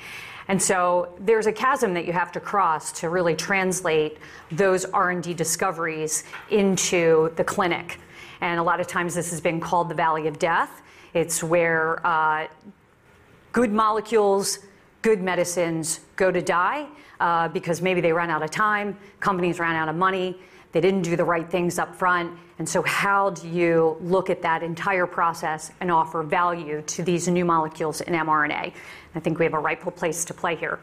And so there's a chasm that you have to cross to really translate those R&D discoveries into the clinic, and a lot of times this has been called the Valley of Death. It's where good molecules, good medicines go to die, because maybe they ran out of time, companies ran out of money, they didn't do the right things up front. And so how do you look at that entire process and offer value to these new molecules in mRNA? I think we have a rightful place to play here.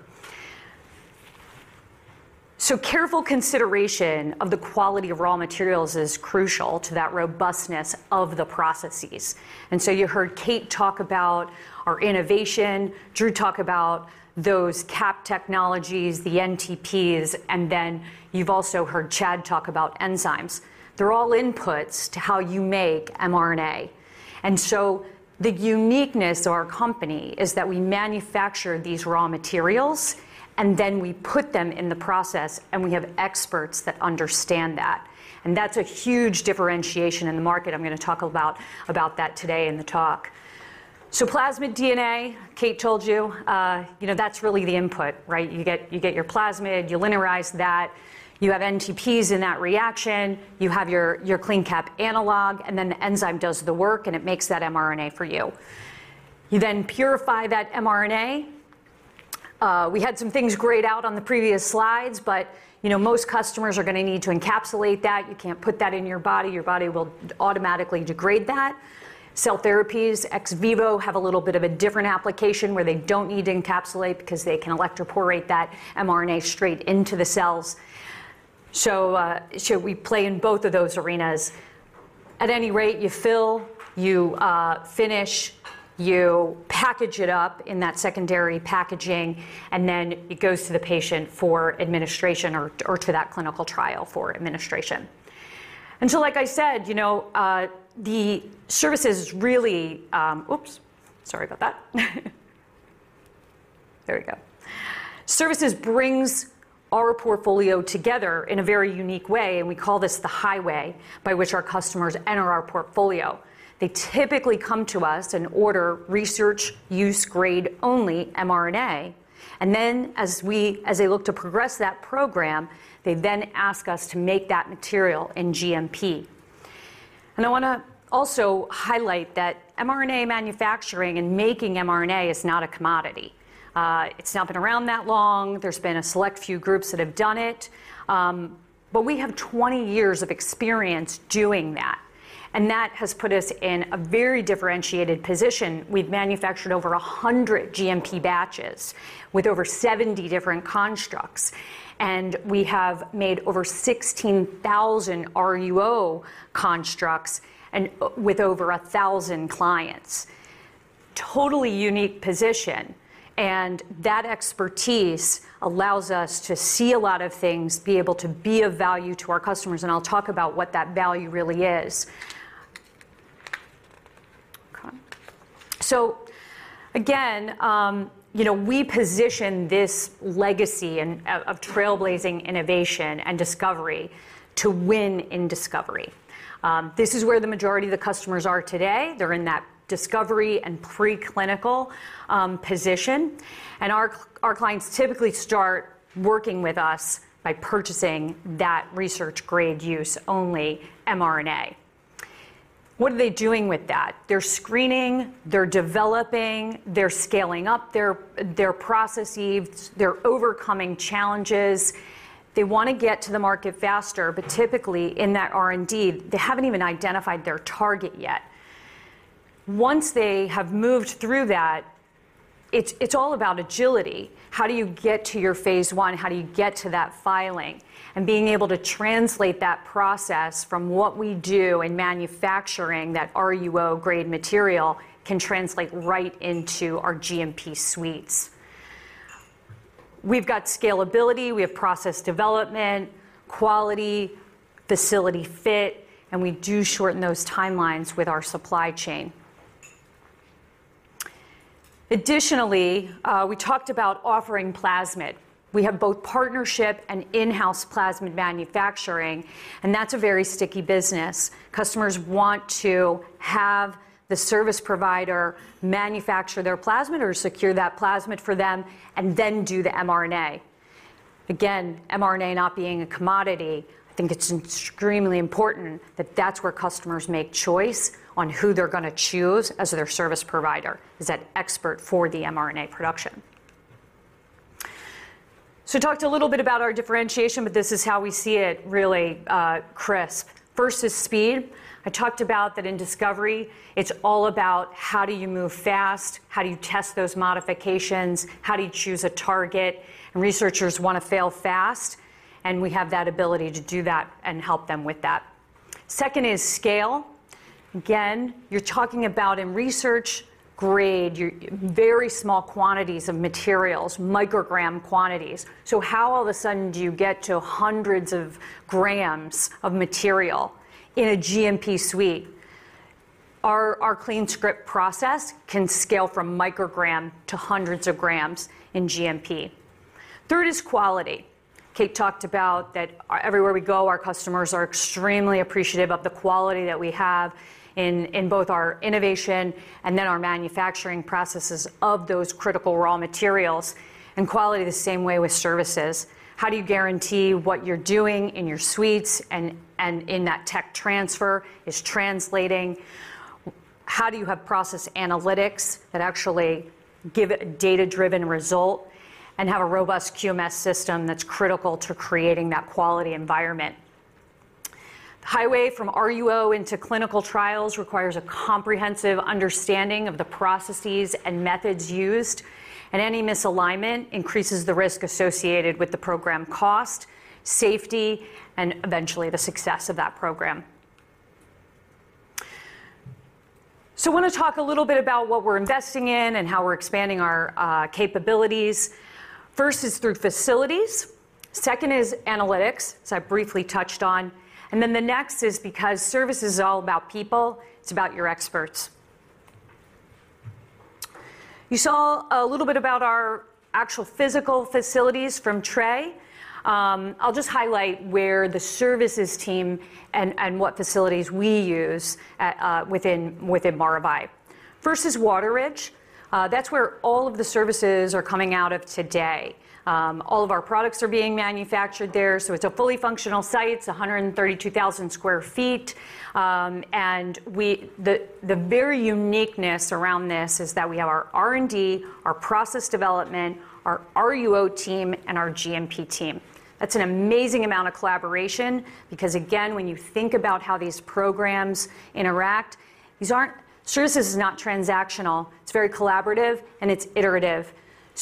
So careful consideration of the quality of raw materials is crucial to that robustness of the processes. And so you heard Kate talk about our innovation, Drew talk about those cap technologies, the NTPs, and then you've also heard Chad talk about enzymes. They're all inputs to how you make mRNA. And so the uniqueness of our company is that we manufacture these raw materials, and then we put them in the process, and we have experts that understand that. And that's a huge differentiation in the market. I'm gonna talk about, about that today in the talk. So plasmid DNA, Kate told you, you know, that's really the input, right? You get, you get your plasmid, you linearize that, you have NTPs in that reaction, you have your, your CleanCap analog, and then the enzyme does the work, and it makes that mRNA for you. You then purify that mRNA. We had some things grayed out on the previous slides, but, you know, most customers are gonna need to encapsulate that. You can't put that in your body. Your body will automatically degrade that. Cell therapies, ex vivo, have a little bit of a different application where they don't need to encapsulate because they can electroporate that mRNA straight into the cells. So, so we play in both of those arenas. At any rate, you fill, you, finish, you package it up in that secondary packaging, and then it goes to the patient for administration or, or to that clinical trial for administration. And so, like I said, you know, the services really - oops. Sorry about that. There we go. Services brings our portfolio together in a very unique way, and we call this the highway by which our customers enter our portfolio. They typically come to us and order research use only mRNA, and then as they look to progress that program, they then ask us to make that material in GMP. I wanna also highlight that mRNA manufacturing and making mRNA is not a commodity. It's not been around that long. There's been a select few groups that have done it, but we have 20 years of experience doing that, and that has put us in a very differentiated position. We've manufactured over 100 GMP batches with over 70 different constructs, and we have made over 16,000 RUO constructs with over 1,000 clients. Totally unique position, and that expertise allows us to see a lot of things, be able to be of value to our customers, and I'll talk about what that value really is. So again, you know, we position this legacy and, of, of trailblazing innovation and discovery to win in discovery. This is where the majority of the customers are today. They're in that discovery and preclinical position and our clients typically start working with us by purchasing that research grade use only mRNA. What are they doing with that? They're screening, they're developing, they're scaling up their, their processes, they're overcoming challenges. They wanna get to the market faster, but typically in that R&D they haven't even identified their target yet. Once they have moved through that, it's, it's all about agility. How do you get to your phase I? How do you get to that filing? And being able to translate that process from what we do in manufacturing, that RUO grade material, can translate right into our GMP suites. We've got scalability, we have process development, quality, facility fit, and we do shorten those timelines with our supply chain. Additionally, we talked about offering plasmid. We have both partnership and in-house plasmid manufacturing, and that's a very sticky business. Customers want to have the service provider manufacture their plasmid or secure that plasmid for them, and then do the mRNA. Again, mRNA not being a commodity, I think it's extremely important that that's where customers make choice on who they're going to choose as their service provider, is that expert for the mRNA production. So talked a little bit about our differentiation, but this is how we see it really, crisp. First is speed. I talked about that in discovery. It's all about how do you move fast, how do you test those modifications, how do you choose a target? And researchers want to fail fast, and we have that ability to do that and help them with that. Second is scale. Again, you're talking about in research grade, you're very small quantities of materials, microgram quantities. So how all of a sudden do you get to hundreds of grams of material in a GMP suite? Our CleanScript process can scale from microgram to hundreds of grams in GMP. Third is quality. Kate talked about that everywhere we go. Our customers are extremely appreciative of the quality that we have in both our innovation and then our manufacturing processes of those critical raw materials, and quality the same way with services. How do you guarantee what you're doing in your suites and in that tech transfer is translating? How do you have process analytics that actually give a data-driven result and have a robust QMS system that's critical to creating that quality environment? The highway from RUO into clinical trials requires a comprehensive understanding of the processes and methods used, and any misalignment increases the risk associated with the program cost, safety, and eventually the success of that program. So I want to talk a little bit about what we're investing in and how we're expanding our capabilities. First is through facilities, second is analytics, so I briefly touched on, and then the next is because service is all about people, it's about your experts. You saw a little bit about our actual physical facilities from Trey. I'll just highlight where the services team and what facilities we use at within Maravai. First is Wateridge. That's where all of the services are coming out of today. All of our products are being manufactured there, so it's a fully functional site. It's 132,000 sq ft, and we, the very uniqueness around this is that we have our R&D, our process development, our RUO team, and our GMP team. That's an amazing amount of collaboration because, again, when you think about how these programs interact, these aren't. Services is not transactional, it's very collaborative and it's iterative.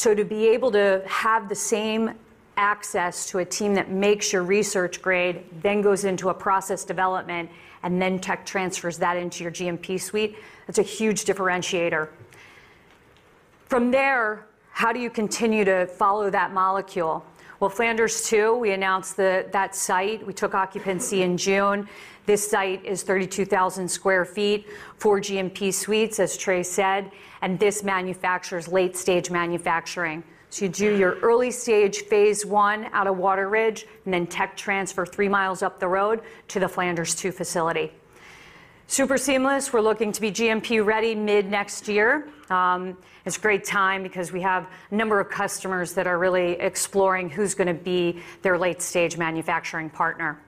So to be able to have the same access to a team that makes your research grade, then goes into a process development, and then tech transfers that into your GMP suite, that's a huge differentiator. From there, how do you continue to follow that molecule? Well, Flanders 2, we announced the, that site. We took occupancy in June. This site is 32,000 sq ft, four GMP suites, as Trey said, and this manufactures late-stage manufacturing. So you do your early-stage Phase 1 out of Wateridge, and then tech transfer three miles up the road to the Flanders 2 facility. Super seamless. We're looking to be GMP ready mid-next year. It's a great time because we have a number of customers that are really exploring who's going to be their late-stage manufacturing partner.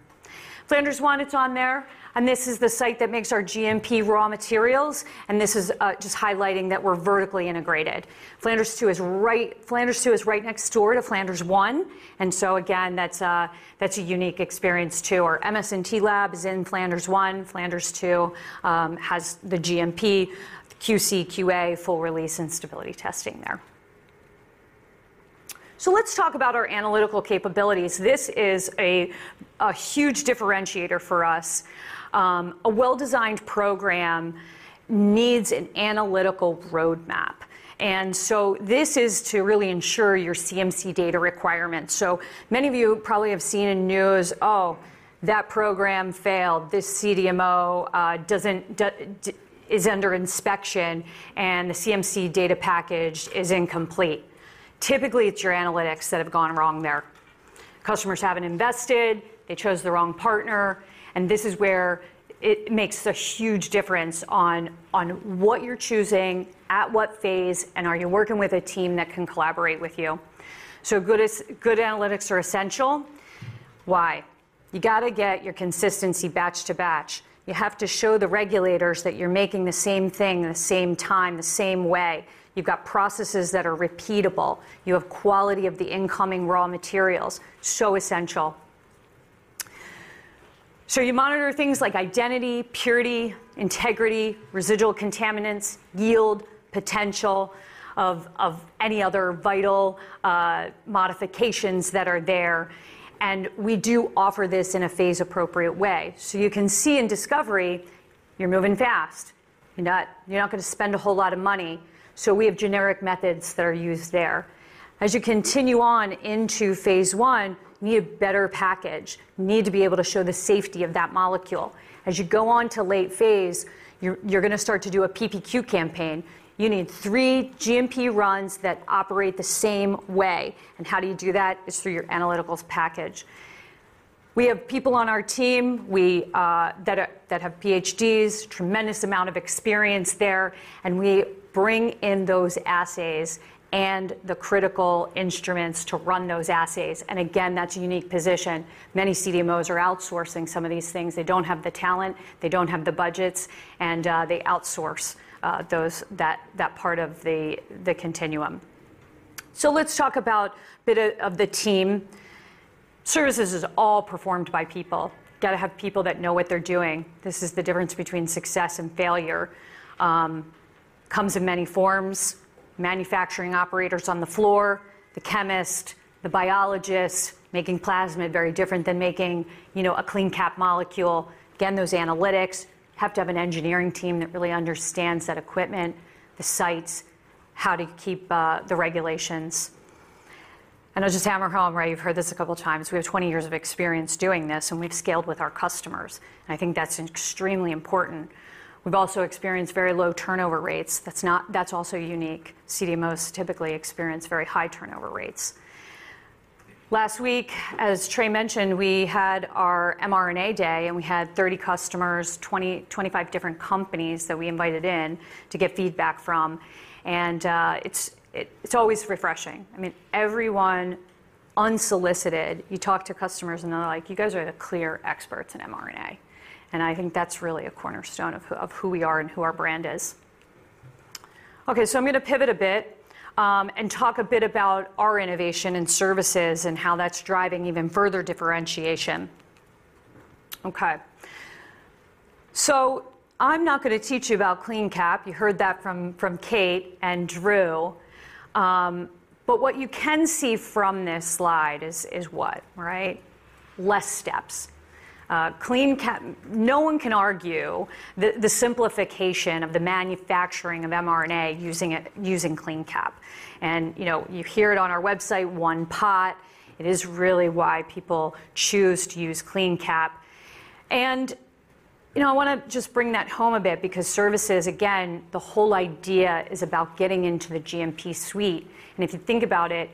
Flanders 1, it's on there, and this is the site that makes our GMP raw materials, and this is just highlighting that we're vertically integrated. Flanders 2 is right - Flanders 2 is right next door to Flanders 1, and so again, that's a - that's a unique experience too. Our MS&T lab is in Flanders 1. Flanders 2 has the GMP, QC, QA, full release and stability testing there. So let's talk about our analytical capabilities. This is a huge differentiator for us. A well-designed program needs an analytical roadmap, and so this is to really ensure your CMC data requirements. So many of you probably have seen in news, "Oh, that program failed. This CDMO doesn't is under inspection, and the CMC data package is incomplete." Typically, it's your analytics that have gone wrong there. Customers haven't invested, they chose the wrong partner, and this is where it makes a huge difference on what you're choosing, at what phase, and are you working with a team that can collaborate with you? Good analytics are essential. Why? You got to get your consistency batch to batch. You have to show the regulators that you're making the same thing at the same time, the same way. You've got processes that are repeatable. You have quality of the incoming raw materials, so essential. So you monitor things like identity, purity, integrity, residual contaminants, yield, potential of - of any other vital, modifications that are there, and we do offer this in a phase-appropriate way. So you can see in discovery, you're moving fast. You're not going to spend a whole lot of money, so we have generic methods that are used there. As you continue on into phase one, you need a better package. You need to be able to show the safety of that molecule. As you go on to late phase, you're, you're going to start to do a PPQ campaign. You need three GMP runs that operate the same way. And how do you do that? It's through your analytical package. We have people on our team, we that have PhDs, tremendous amount of experience there, and we bring in those assays and the critical instruments to run those assays. And again, that's a unique position. Many CDMOs are outsourcing some of these things. They don't have the talent, they don't have the budgets and they outsource that part of the continuum. So let's talk about bit of the team. Services is all performed by people. Gotta have people that know what they're doing. This is the difference between success and failure. Comes in many forms, manufacturing operators on the floor, the chemist, the biologists, making plasmid very different than making, you know, a CleanCap molecule. Again, those analytics have to have an engineering team that really understands that equipment, the sites, how to keep the regulations. And as a hammer home right, you've heard this a couple of times, we have 20 years of experience doing this, and we've scaled with our customers, and I think that's extremely important. We've also experienced very low turnover rates. That's also unique. CDMOs typically experience very high turnover rates. Last week, as Trey mentioned, we had our mRNA Day, and we had 30 customers, 20-25 different companies that we invited in to get feedback from, and it's always refreshing. I mean, everyone unsolicited, you talk to customers, and they're like: "You guys are the clear experts in mRNA," and I think that's really a cornerstone of who we are and who our brand is. Okay, so I'm gonna pivot a bit, and talk a bit about our innovation and services and how that's driving even further differentiation. Okay. So I'm not gonna teach you about CleanCap. You heard that from Kate and Drew. But what you can see from this slide is what? Right. Less steps. CleanCap - no one can argue the simplification of the manufacturing of mRNA using it, using CleanCap. And you know, you hear it on our website, one pot. It is really why people choose to use CleanCap. And, you know, I wanna just bring that home a bit, because services, again, the whole idea is about getting into the GMP suite. And if you think about it,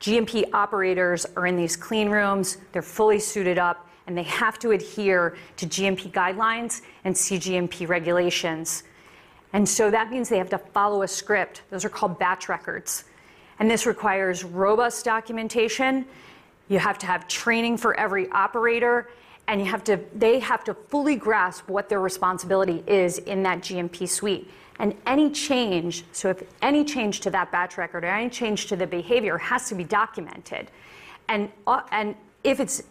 GMP operators are in these clean rooms, they're fully suited up, and they have to adhere to GMP guidelines and CGMP regulations. That means they have to follow a script. Those are called batch records, and this requires robust documentation. You have to have training for every operator, and you have to, they have to fully grasp what their responsibility is in that GMP suite. Any change, so if any change to that batch record or any change to the behavior, has to be documented. And if it's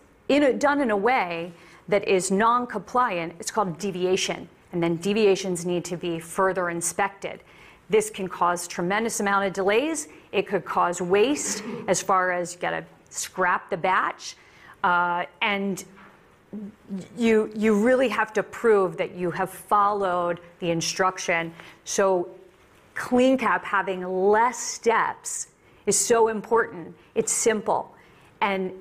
done in a way that is non-compliant, it's called deviation, and then deviations need to be further inspected. This can cause a tremendous amount of delays. It could cause waste as far as you got to scrap the batch, and you really have to prove that you have followed the instruction. So CleanCap having less steps is so important. It's simple, and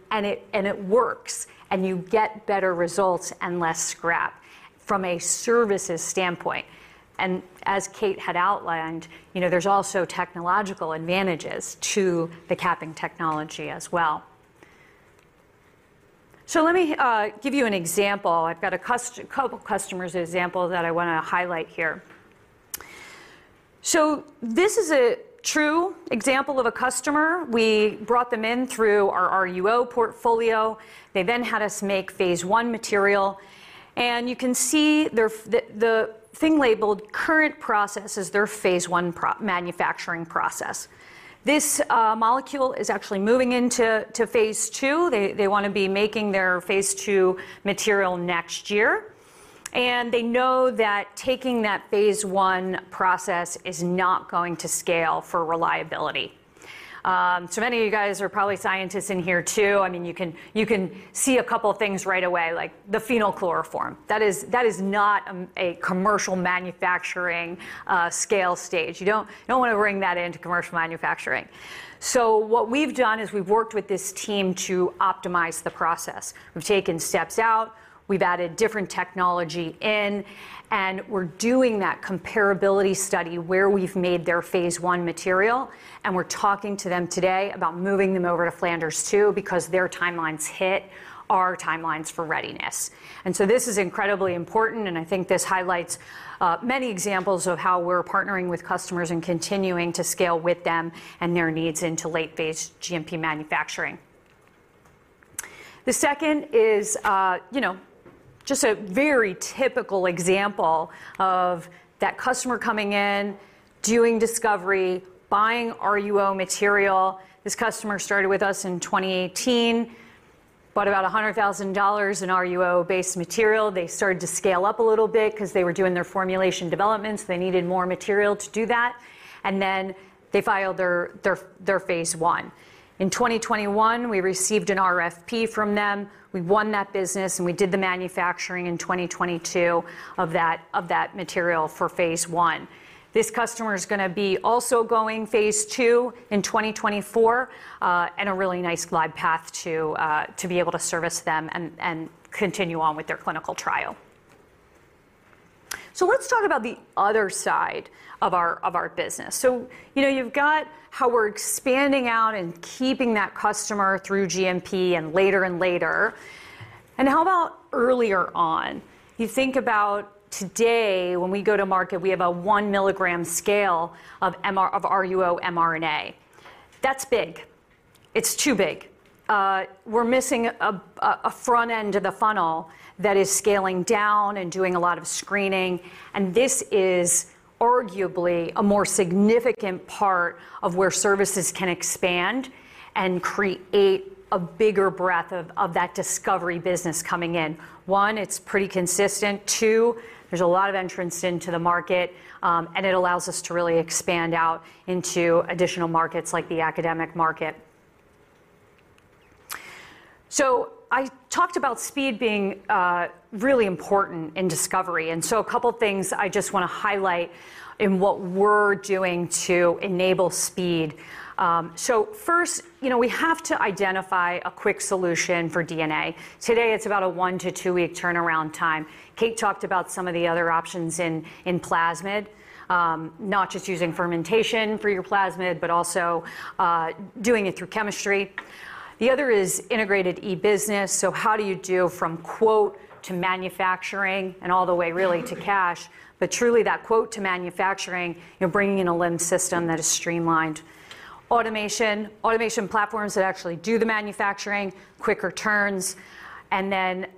it works, and you get better results and less scrap from a services standpoint. And as Kate had outlined, you know, there's also technological advantages to the capping technology as well. So let me give you an example. I've got a couple of customers example that I want to highlight here. So this is a true example of a customer. We brought them in through our RUO portfolio. They then had us make phase I material, and you can see the thing labeled "Current process" is their phase I manufacturing process. This molecule is actually moving into phase II. They want to be making their phase II material next year, and they know that taking that phase I process is not going to scale for reliability. So many of you guys are probably scientists in here, too. I mean, you can, you can see a couple of things right away, like the phenyl-chloroform. That is, that is not a, a commercial manufacturing scale stage. You don't, you don't want to bring that into commercial manufacturing. So what we've done is we've worked with this team to optimize the process. We've taken steps out, we've added different technology in, and we're doing that comparability study where we've made their phase I material, and we're talking to them today about moving them over to Flanders 2, because their timelines hit our timelines for readiness. And so this is incredibly important, and I think this highlights many examples of how we're partnering with customers and continuing to scale with them and their needs into late phase GMP manufacturing. The second is, you know, just a very typical example of that customer coming in, doing discovery, buying RUO material. This customer started with us in 2018, bought about $100,000 in RUO-based material. They started to scale up a little bit 'cause they were doing their formulation developments. They needed more material to do that, and then they filed their phase I. In 2021, we received an RFP from them. We won that business, and we did the manufacturing in 2022 of that material for phase I. This customer is gonna be also going phase II in 2024, and a really nice glide path to be able to service them and continue on with their clinical trial. So let's talk about the other side of our business. So, you know, you've got how we're expanding out and keeping that customer through GMP and later and later and how about earlier on? You think about today when we go to market, we have a one milligram scale of RUO mRNA. That's big. It's too big. We're missing a front end to the funnel that is scaling down and doing a lot of screening, and this is arguably a more significant part of where services can expand and create a bigger breadth of that discovery business coming in. One, it's pretty consistent. Two, there's a lot of entrants into the market and it allows us to really expand out into additional markets like the academic market. So I talked about speed being really important in discovery, and so a couple things I just want to highlight in what we're doing to enable speed. So first, you know, nwe have to identify a quick solution for DNA. Today, it's about a 1-2-week turnaround time. Kate talked about some of the other options in plasmid, not just using fermentation for your plasmid but also doing it through chemistry. The other is integrated e-business, so how do you do from quote to manufacturing and all the way, really, to cash? But truly, that quote to manufacturing, you're bringing in a LIMS system that is streamlined, automation platforms that actually do the manufacturing, quicker turns, and then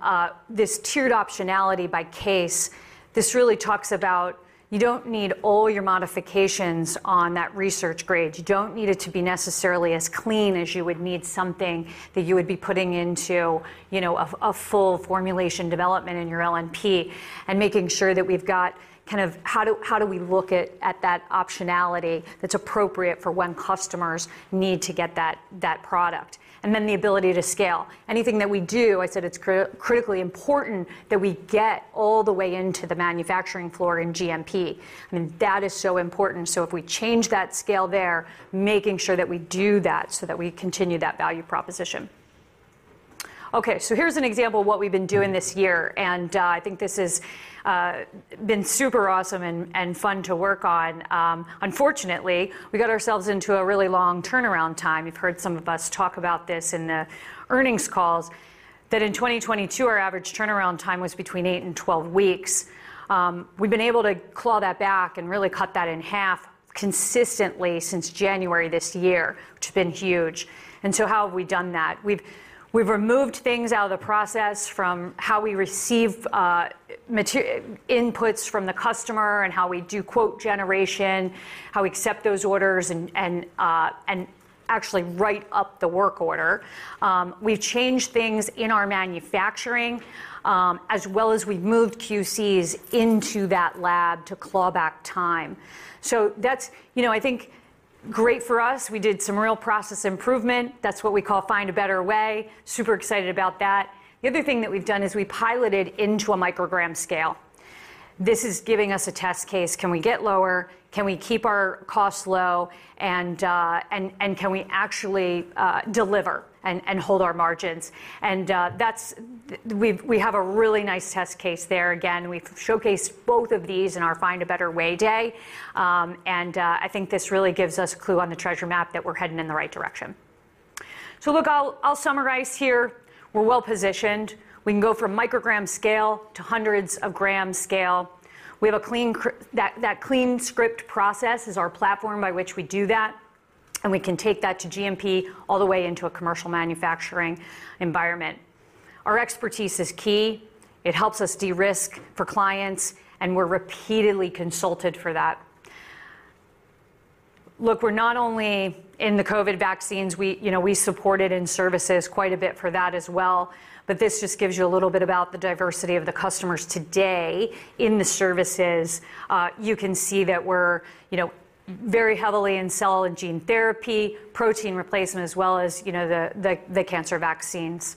this tiered optionality by case, this really talks about you don't need all your modifications on that research grade. You don't need it to be necessarily as clean as you would need something that you would be putting into, you know, a full formulation development in your LNP and making sure that we've got kind of how do we look at that optionality that's appropriate for when customers need to get that product? And then the ability to scale. Anything that we do, I said it's critically important that we get all the way into the manufacturing floor in GMP, and that is so important. So if we change that scale there, making sure that we do that so that we continue that value proposition. Okay, so here's an example of what we've been doing this year, and I think this has been super awesome and fun to work on. Unfortunately, we got ourselves into a really long turnaround time. You've heard some of us talk about this in the earnings calls, that in 2022, our average turnaround time was between 8-12 weeks. We've been able to claw that back and really cut that in half consistently since January this year, which has been huge. So how have we done that? We've removed things out of the process, from how we receive inputs from the customer and how we do quote generation, how we accept those orders, and actually write up the work order. We've changed things in our manufacturing, as well as we've moved QCs into that lab to claw back time. So that's, you know, I think, great for us. We did some real process improvement. That's what we call Find a Better Way. Super excited about that. The other thing that we've done is we piloted into a microgram scale. This is giving us a test case. Can we get lower? Can we keep our costs low? And can we actually deliver and hold our margins? And that's - we have a really nice test case there. Again, we've showcased both of these in our Find a Better Way Day, and I think this really gives us a clue on the treasure map that we're heading in the right direction. So look, I'll summarize here. We're well-positioned. We can go from microgram scale to hundreds of gram scale. We have a CleanScript. That CleanScript process is our platform by which we do that, and we can take that to GMP all the way into a commercial manufacturing environment. Our expertise is key. It helps us de-risk for clients, and we're repeatedly consulted for that. Look, we're not only in the COVID vaccines, we - you know, we supported in services quite a bit for that as well, but this just gives you a little bit about the diversity of the customers today in the services. You can see that we're, you know, very heavily in cell and gene therapy, protein replacement, as well as, you know, the cancer vaccines.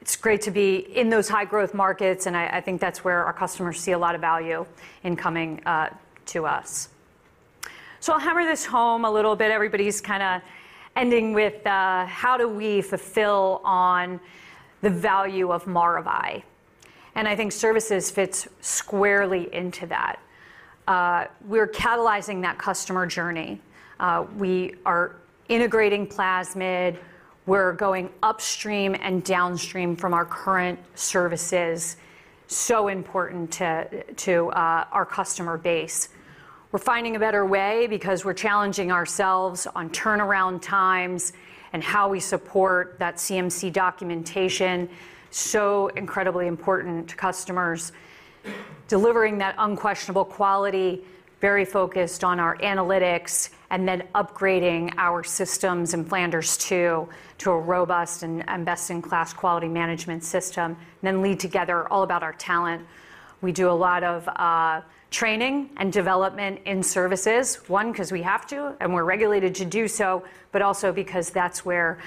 It's great to be in those high-growth markets, and I think that's where our customers see a lot of value in coming to us. So I'll hammer this home a little bit. Everybody's kind of ending with how do we fulfill on the value of Maravai? And I think services fits squarely into that. We're catalyzing that customer journey. We are integrating plasmid. We're going upstream and downstream from our current services, so important to our customer base. We're finding a better way because we're challenging ourselves on turnaround times and how we support that CMC documentation, so incredibly important to customers. Delivering that unquestionable quality, very focused on our analytics, and then upgrading our systems in Flanders 2 to a robust and best-in-class quality management system, and then lead together all about our talent. We do a lot of training and development in services, one, 'cause we have to, and we're regulated to do so, but also because that's where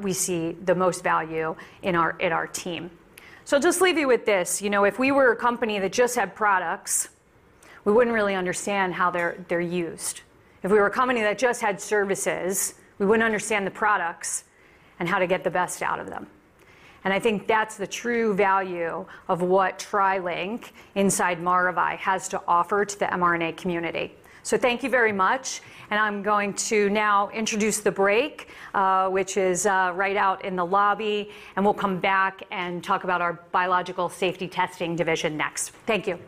we see the most value in our team. So I'll just leave you with this: You know, if we were a company that just had products—we wouldn't really understand how they're used. If we were a company that just had services, we wouldn't understand the products and how to get the best out of them, and I think that's the true value of what TriLink inside Maravai has to offer to the mRNA community. So thank you very much, and I'm going to now introduce the break, which is right out in the lobby, and we'll come back and talk about our Biologics Safety Testing division next. Thank you.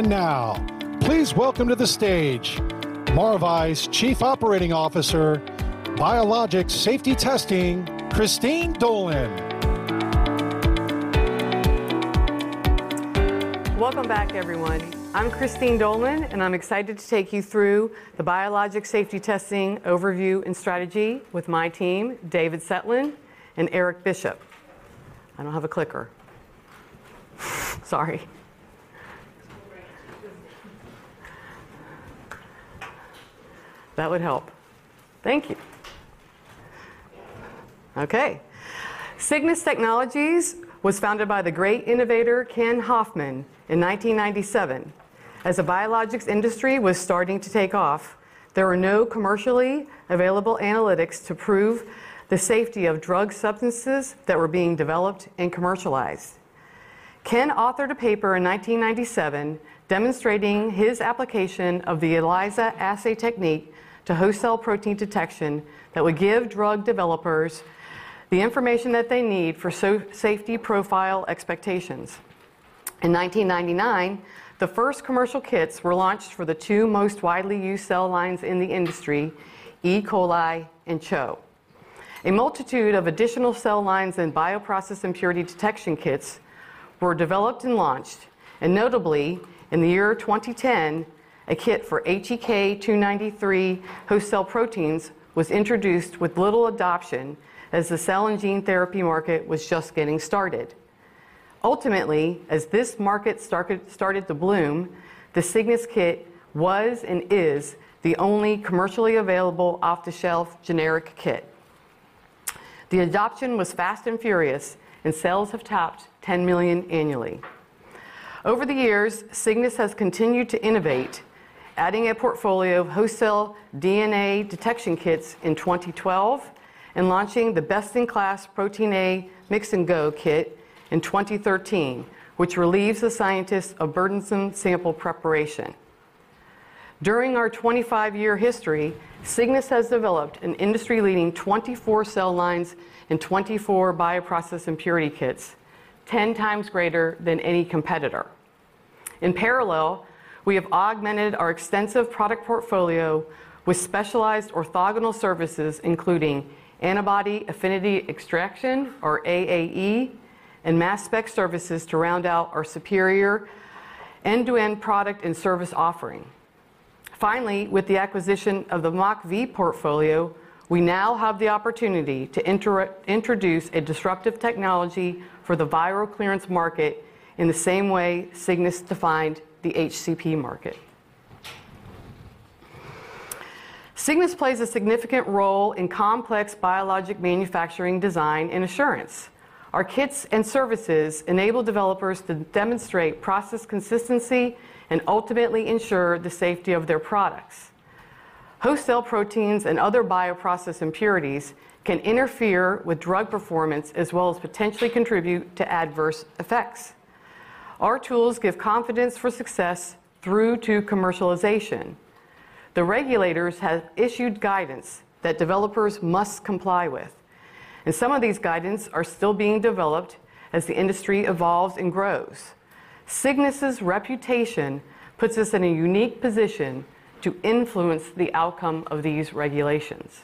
Now, please welcome to the stage Maravai's Chief Operating Officer, Biologics Safety Testing, Christine Dolan. Welcome back, everyone. I'm Christine Dolan and I'm excited to take you through the biologic safety testing, overview, and strategy with my team, David Cetlin and Eric Bishop. I don't have a clicker. Sorry. That would help. Thank you. Okay. Cygnus Technologies was founded by the great innovator, Ken Hoffman, in 1997. As the biologics industry was starting to take off, there were no commercially available analytics to prove the safety of drug substances that were being developed and commercialized. Ken authored a paper in 1997 demonstrating his application of the ELISA assay technique to host cell protein detection that would give drug developers the information that they need for safety profile expectations. In 1999, the first commercial kits were launched for the two most widely used cell lines in the industry, E. coli and CHO. A multitude of additional cell lines and bioprocess impurity detection kits were developed and launched, and notably, in the year 2010, a kit for HEK293 host cell proteins was introduced with little adoption as the cell and gene therapy market was just getting started. Ultimately, as this market started to bloom, the Cygnus kit was and is the only commercially available off-the-shelf generic kit. The adoption was fast and furious, and sales have topped $10 million annually. Over the years Cygnus has continued to innovate, adding a portfolio of host cell DNA detection kits in 2012 and launching the best-in-class Protein A Mix-N-Go Kit in 2013, which relieves the scientists of burdensome sample preparation. During our 25-year history, Cygnus has developed an industry-leading 24 cell lines and 24 bioprocess impurity kits, 10 times greater than any competitor. In parallel, we have augmented our extensive product portfolio with specialized orthogonal services, including antibody affinity extraction, or AAE, and mass spec services to round out our superior end-to-end product and service offering. Finally, with the acquisition of the MockV portfolio, we now have the opportunity to introduce a disruptive technology for the viral clearance market in the same way Cygnus defined the HCP market. Cygnus plays a significant role in complex biologic manufacturing, design, and assurance. Our kits and services enable developers to demonstrate process consistency and ultimately ensure the safety of their products. Host cell proteins and other bioprocess impurities can interfere with drug performance, as well as potentially contribute to adverse effects. Our tools give confidence for success through to commercialization. The regulators have issued guidance that developers must comply with, and some of these guidance are still being developed as the industry evolves and grows. Cygnus' reputation puts us in a unique position to influence the outcome of these regulations.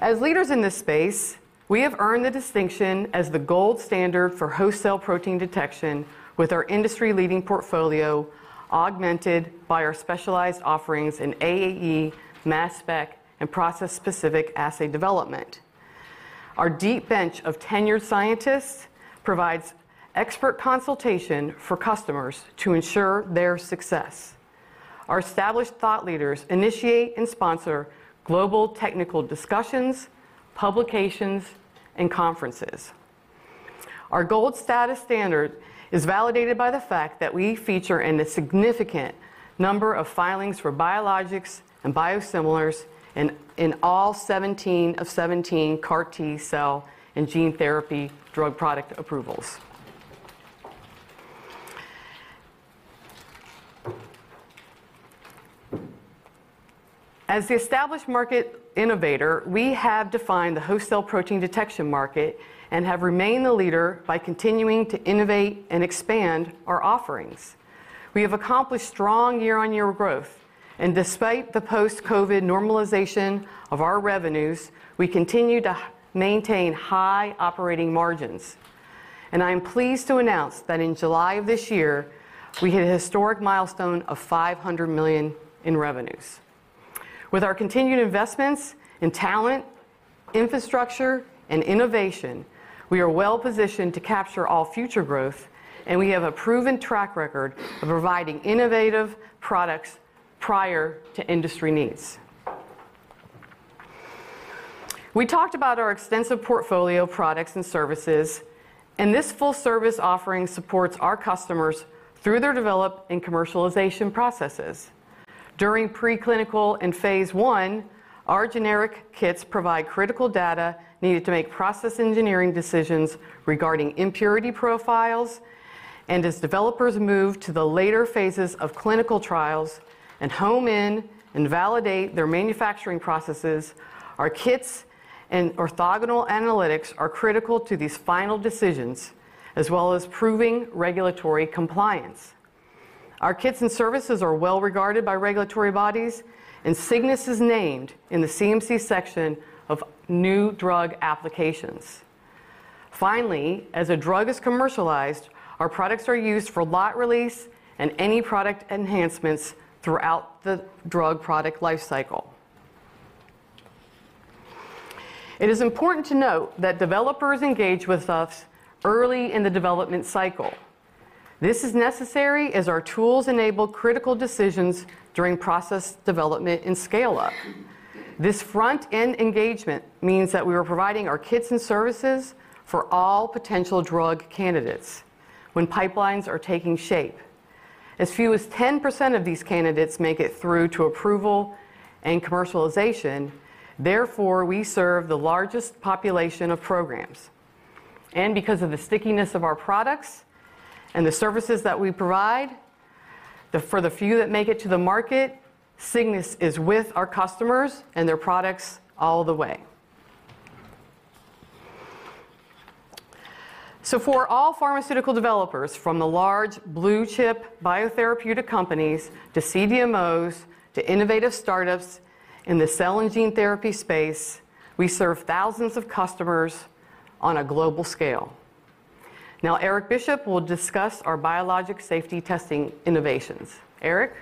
As leaders in this space, we have earned the distinction as the gold standard for host cell protein detection with our industry-leading portfolio, augmented by our specialized offerings in AAE, mass spec, and process-specific assay development. Our deep bench of tenured scientists provides expert consultation for customers to ensure their success. Our established thought leaders initiate and sponsor global technical discussions, publications, and conferences. Our gold status standard is validated by the fact that we feature in a significant number of filings for biologics and biosimilars in all 17 of 17 CAR T cell and gene therapy drug product approvals. As the established market innovator, we have defined the host cell protein detection market and have remained the leader by continuing to innovate and expand our offerings. We have accomplished strong year-on-year growth, and despite the post-COVID normalization of our revenues, we continue to maintain high operating margins. I am pleased to announce that in July of this year, we hit a historic milestone of $500 million in revenues. With our continued investments in talent, infrastructure, and innovation, we are well-positioned to capture all future growth, and we have a proven track record of providing innovative products prior to industry needs. We talked about our extensive portfolio of products and services, and this full-service offering supports our customers through their development and commercialization processes. During preclinical and phase I, our generic kits provide critical data needed to make process engineering decisions regarding impurity profiles, and as developers move to the later phases of clinical trials and home in and validate their manufacturing processes, our kits and orthogonal analytics are critical to these final decisions, as well as proving regulatory compliance. Our kits and services are well regarded by regulatory bodies and Cygnus is named in the CMC section of new drug applications. Finally, as a drug is commercialized, our products are used for lot release and any product enhancements throughout the drug product life cycle. It is important to note that developers engage with us early in the development cycle. This is necessary as our tools enable critical decisions during process development and scale-up.... This front-end engagement means that we are providing our kits and services for all potential drug candidates when pipelines are taking shape. As few as 10% of these candidates make it through to approval and commercialization, therefore, we serve the largest population of programs. And because of the stickiness of our products and the services that we provide, for the few that make it to the market, Cygnus is with our customers and their products all the way. So for all pharmaceutical developers, from the large blue-chip biotherapeutic companies, to CDMOs, to innovative startups in the cell and gene therapy space, we serve thousands of customers on a global scale. Now, Eric Bishop will discuss our biologic safety testing innovations. Eric?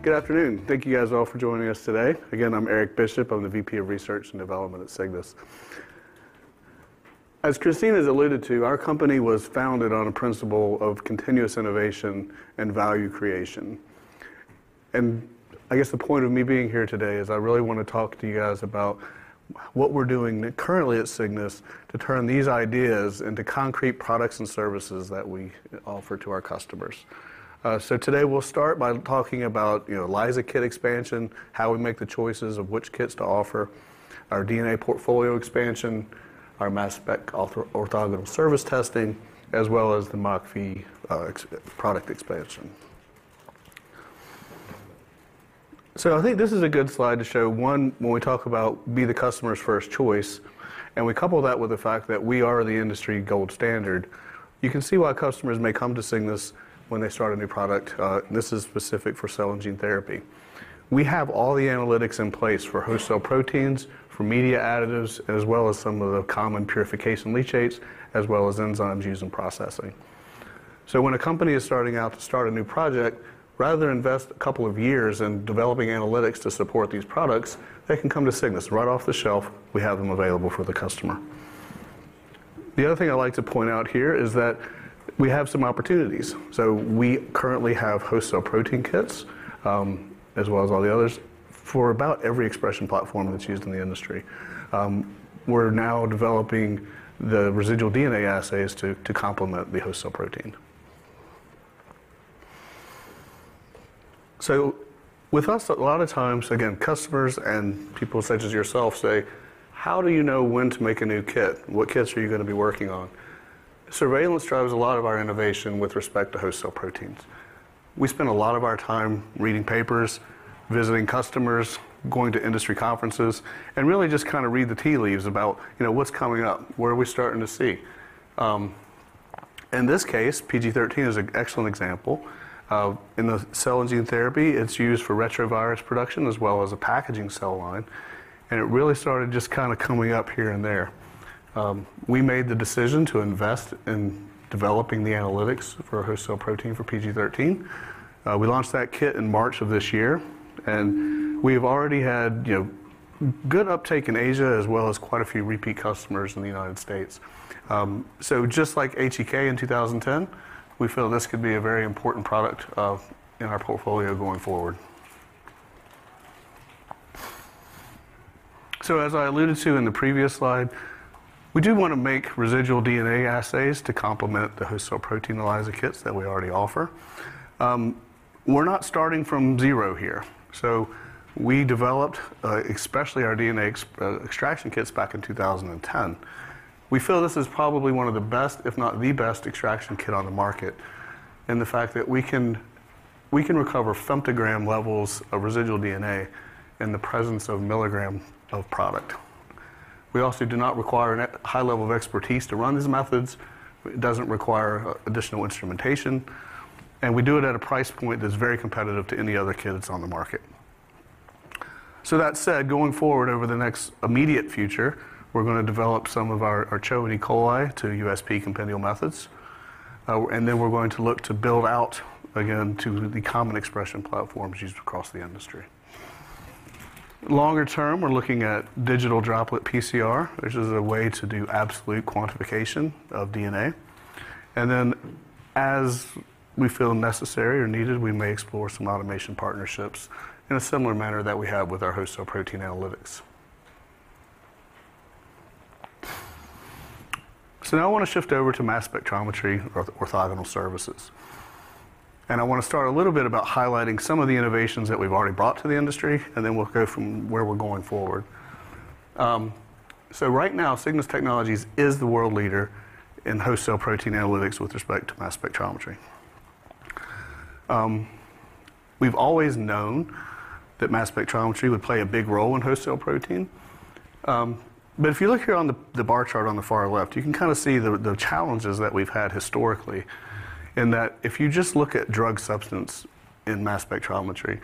Good afternoon. Thank you guys all for joining us today. Again, I'm Eric Bishop. I'm the VP of Research and Development at Cygnus. As Christine has alluded to, our company was founded on a principle of continuous innovation and value creation. And I guess the point of me being here today is I really want to talk to you guys about what we're doing currently at Cygnus, to turn these ideas into concrete products and services that we offer to our customers. So today we'll start by talking about, you know, ELISA kit expansion, how we make the choices of which kits to offer, our DNA portfolio expansion, our mass spec orthogonal service testing, as well as the MockV product expansion. So I think this is a good slide to show, one, when we talk about be the customer's first choice, and we couple that with the fact that we are the industry gold standard. You can see why customers may come to Cygnus when they start a new product, and this is specific for cell and gene therapy. We have all the analytics in place for host cell proteins, for media additives, as well as some of the common purification leachates, as well as enzymes used in processing. So when a company is starting out to start a new project, rather than invest a couple of years in developing analytics to support these products, they can come to Cygnus. Right off the shelf, we have them available for the customer. The other thing I'd like to point out here is that we have some opportunities. So we currently have host cell protein kits, as well as all the others, for about every expression platform that's used in the industry. We're now developing the residual DNA assays to complement the host cell protein. So with us, a lot of times, again, customers and people such as yourself say, "How do you know when to make a new kit? What kits are you gonna be working on?" Surveillance drives a lot of our innovation with respect to host cell proteins. We spend a lot of our time reading papers, visiting customers, going to industry conferences, and really just kind of read the tea leaves about, you know, what's coming up, what are we starting to see? In this case, PG13 is an excellent example. In the cell and gene therapy, it's used for retrovirus production as well as a packaging cell line, and it really started just kind of coming up here and there. We made the decision to invest in developing the analytics for host cell protein for PG13. We launched that kit in March of this year, and we've already had, you know, good uptake in Asia, as well as quite a few repeat customers in the United States. So just like HEK in 2010, we feel this could be a very important product in our portfolio going forward. So as I alluded to in the previous slide, we do want to make residual DNA assays to complement the host cell protein ELISA kits that we already offer. We're not starting from zero here, so we developed especially our DNA extraction kits back in 2010. We feel this is probably one of the best, if not the best, extraction kit on the market, in the fact that we can recover femtogram levels of residual DNA in the presence of milligram of product. We also do not require a high level of expertise to run these methods, it doesn't require additional instrumentation, and we do it at a price point that's very competitive to any other kit that's on the market. So that said, going forward over the next immediate future, we're gonna develop some of our CHO and E. coli to USP compendial methods. And then we're going to look to build out again to the common expression platforms used across the industry. Longer term, we're looking at digital droplet PCR, which is a way to do absolute quantification of DNA. And then as we feel necessary or needed, we may explore some automation partnerships in a similar manner that we have with our host cell protein analytics. So now I want to shift over to mass spectrometry orthogonal services. And I want to start a little bit about highlighting some of the innovations that we've already brought to the industry, and then we'll go from where we're going forward. So right now, Cygnus Technologies is the world leader in host cell protein analytics with respect to mass spectrometry. We've always known that mass spectrometry would play a big role in host cell protein. But if you look here on the bar chart on the far left, you can kind of see the challenges that we've had historically, in that if you just look at drug substance in mass spectrometry,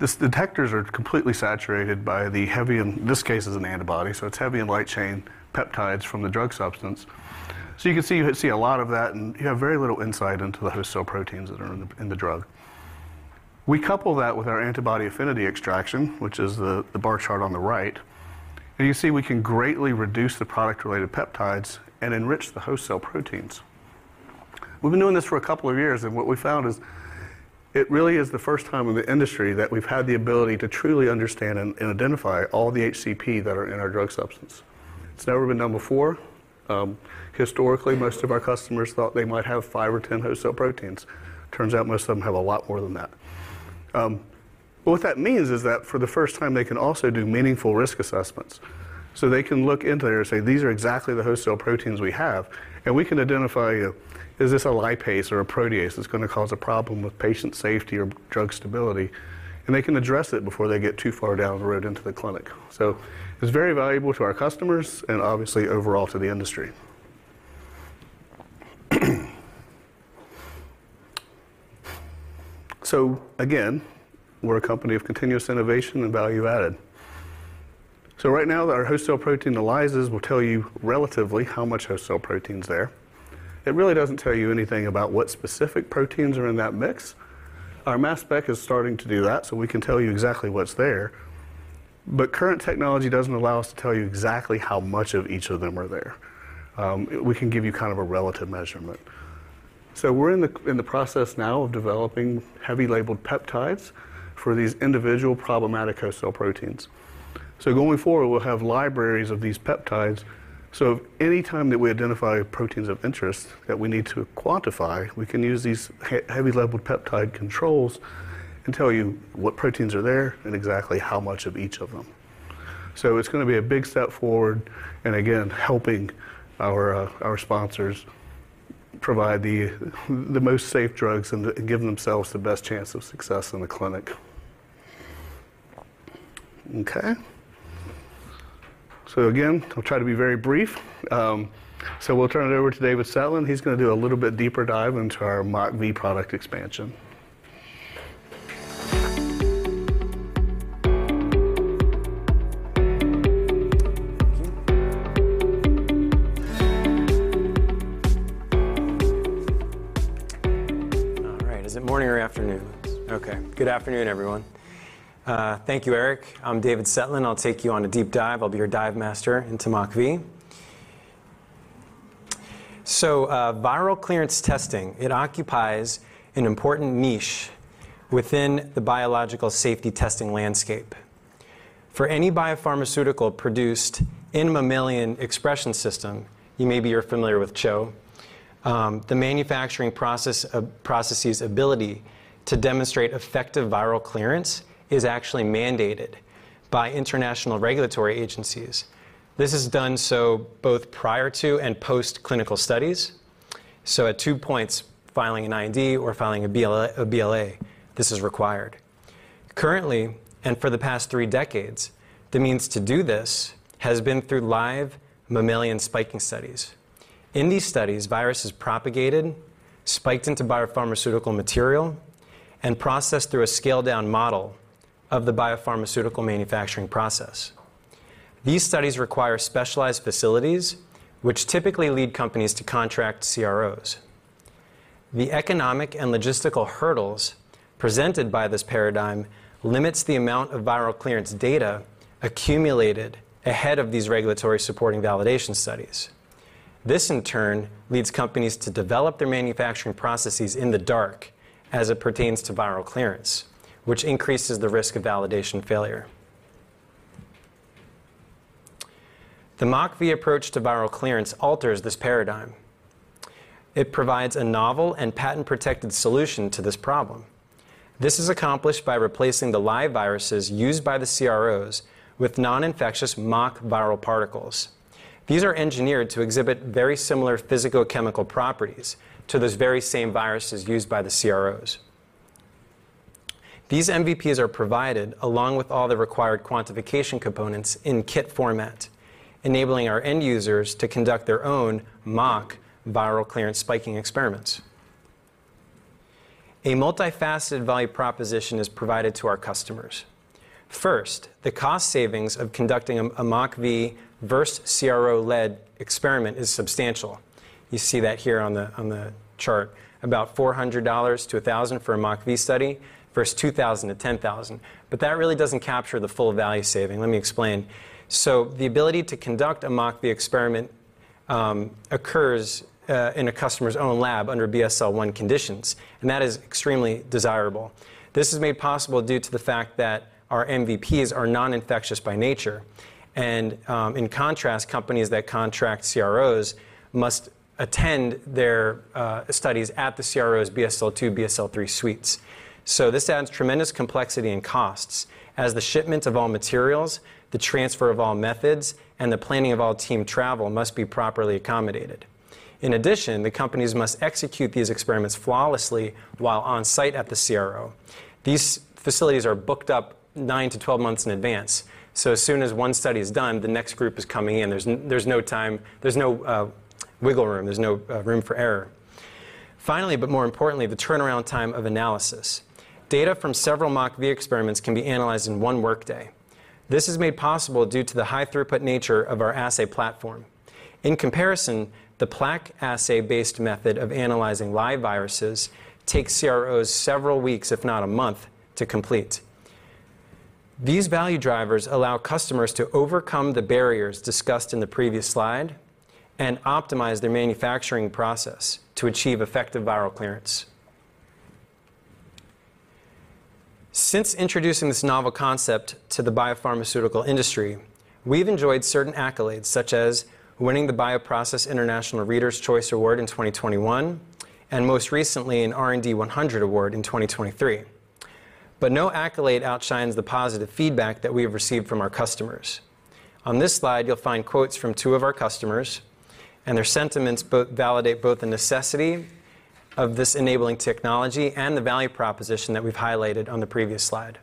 these detectors are completely saturated by the heavy - in this case, it's an antibody, so it's heavy and light chain peptides from the drug substance. So you can see a lot of that, and you have very little insight into the host cell proteins that are in the drug. We couple that with our antibody affinity extraction, which is the bar chart on the right, and you see we can greatly reduce the product-related peptides and enrich the host cell proteins. We've been doing this for a couple of years, and what we've found is it really is the first time in the industry that we've had the ability to truly understand and identify all the HCP that are in our drug substance. It's never been done before. Historically, most of our customers thought they might have five or 10 host cell proteins. Turns out most of them have a lot more than that. What that means is that for the first time, they can also do meaningful risk assessments. So they can look into there and say, "These are exactly the host cell proteins we have," and we can identify, is this a lipase or a protease that's gonna cause a problem with patient safety or drug stability? And they can address it before they get too far down the road into the clinic. So it's very valuable to our customers and obviously overall to the industry. So again, we're a company of continuous innovation and value added. So right now, our host cell protein ELISAs will tell you relatively how much host cell protein is there. It really doesn't tell you anything about what specific proteins are in that mix. Our mass spec is starting to do that, so we can tell you exactly what's there, but current technology doesn't allow us to tell you exactly how much of each of them are there. We can give you kind of a relative measurement. So we're in the process now of developing heavy labeled peptides for these individual problematic host cell proteins. So going forward, we'll have libraries of these peptides, so anytime that we identify proteins of interest that we need to quantify, we can use these heavy labeled peptide controls and tell you what proteins are there and exactly how much of each of them. So it's gonna be a big step forward, and again, helping our sponsors provide the most safe drugs and give themselves the best chance of success in the clinic. Okay. So again, I'll try to be very brief. So we'll turn it over to David Cetlin. He's gonna do a little bit deeper dive into our MockV product expansion. All right. Is it morning or afternoon? Okay. Good afternoon, everyone. Thank you, Eric. I'm David Cetlin. I'll take you on a deep dive. I'll be your dive master into MockV. Viral clearance testing, it occupies an important niche within the biological safety testing landscape. For any biopharmaceutical produced in mammalian expression system, you may be familiar with CHO, the manufacturing process, processes ability to demonstrate effective viral clearance is actually mandated by international regulatory agencies. This is done so both prior to and post-clinical studies. At two points, filing an IND or filing a BLA, this is required. Currently, and for the past three decades, the means to do this has been through live mammalian spiking studies. In these studies, virus is propagated, spiked into biopharmaceutical material, and processed through a scaled-down model of the biopharmaceutical manufacturing process. These studies require specialized facilities, which typically lead companies to contract CROs. The economic and logistical hurdles presented by this paradigm limits the amount of viral clearance data accumulated ahead of these regulatory supporting validation studies. This, in turn, leads companies to develop their manufacturing processes in the dark as it pertains to viral clearance, which increases the risk of validation failure. The MockV approach to viral clearance alters this paradigm. It provides a novel and patent-protected solution to this problem. This is accomplished by replacing the live viruses used by the CROs with non-infectious mock viral particles. These are engineered to exhibit very similar physicochemical properties to those very same viruses used by the CROs. These MVPs are provided along with all the required quantification components in kit format, enabling our end users to conduct their own mock viral clearance spiking experiments. A multifaceted value proposition is provided to our customers. First, the cost savings of conducting a MockV versus CRO-led experiment is substantial. You see that here on the chart, about $400-$1,000 for a MockV study, versus $2,000-$10,000. But that really doesn't capture the full value saving. Let me explain. So the ability to conduct a MockV experiment occurs in a customer's own lab under BSL-1 conditions, and that is extremely desirable. This is made possible due to the fact that our MVPs are non-infectious by nature, and in contrast, companies that contract CROs must attend their studies at the CRO's BSL-2, BSL-3 suites. So this adds tremendous complexity and costs as the shipment of all materials, the transfer of all methods and the planning of all team travel must be properly accommodated. In addition, the companies must execute these experiments flawlessly while on-site at the CRO. These facilities are booked up 9-12 months in advance, so as soon as one study is done, the next group is coming in. There's no time, there's no wiggle room, there's no room for error. Finally, but more importantly, the turnaround time of analysis. Data from several MockV experiments can be analyzed in 1 workday. This is made possible due to the high throughput nature of our assay platform. In comparison, the plaque assay-based method of analyzing live viruses takes CROs several weeks, if not a month, to complete. These value drivers allow customers to overcome the barriers discussed in the previous slide and optimize their manufacturing process to achieve effective viral clearance. Since introducing this novel concept to the biopharmaceutical industry, we've enjoyed certain accolades, such as winning the Bioprocess International Reader's Choice Award in 2021, and most recently, an R&D 100 award in 2023. But no accolade outshines the positive feedback that we have received from our customers. On this slide, you'll find quotes from two of our customers, and their sentiments both validate both the necessity of this enabling technology and the value proposition that we've highlighted on the previous slide.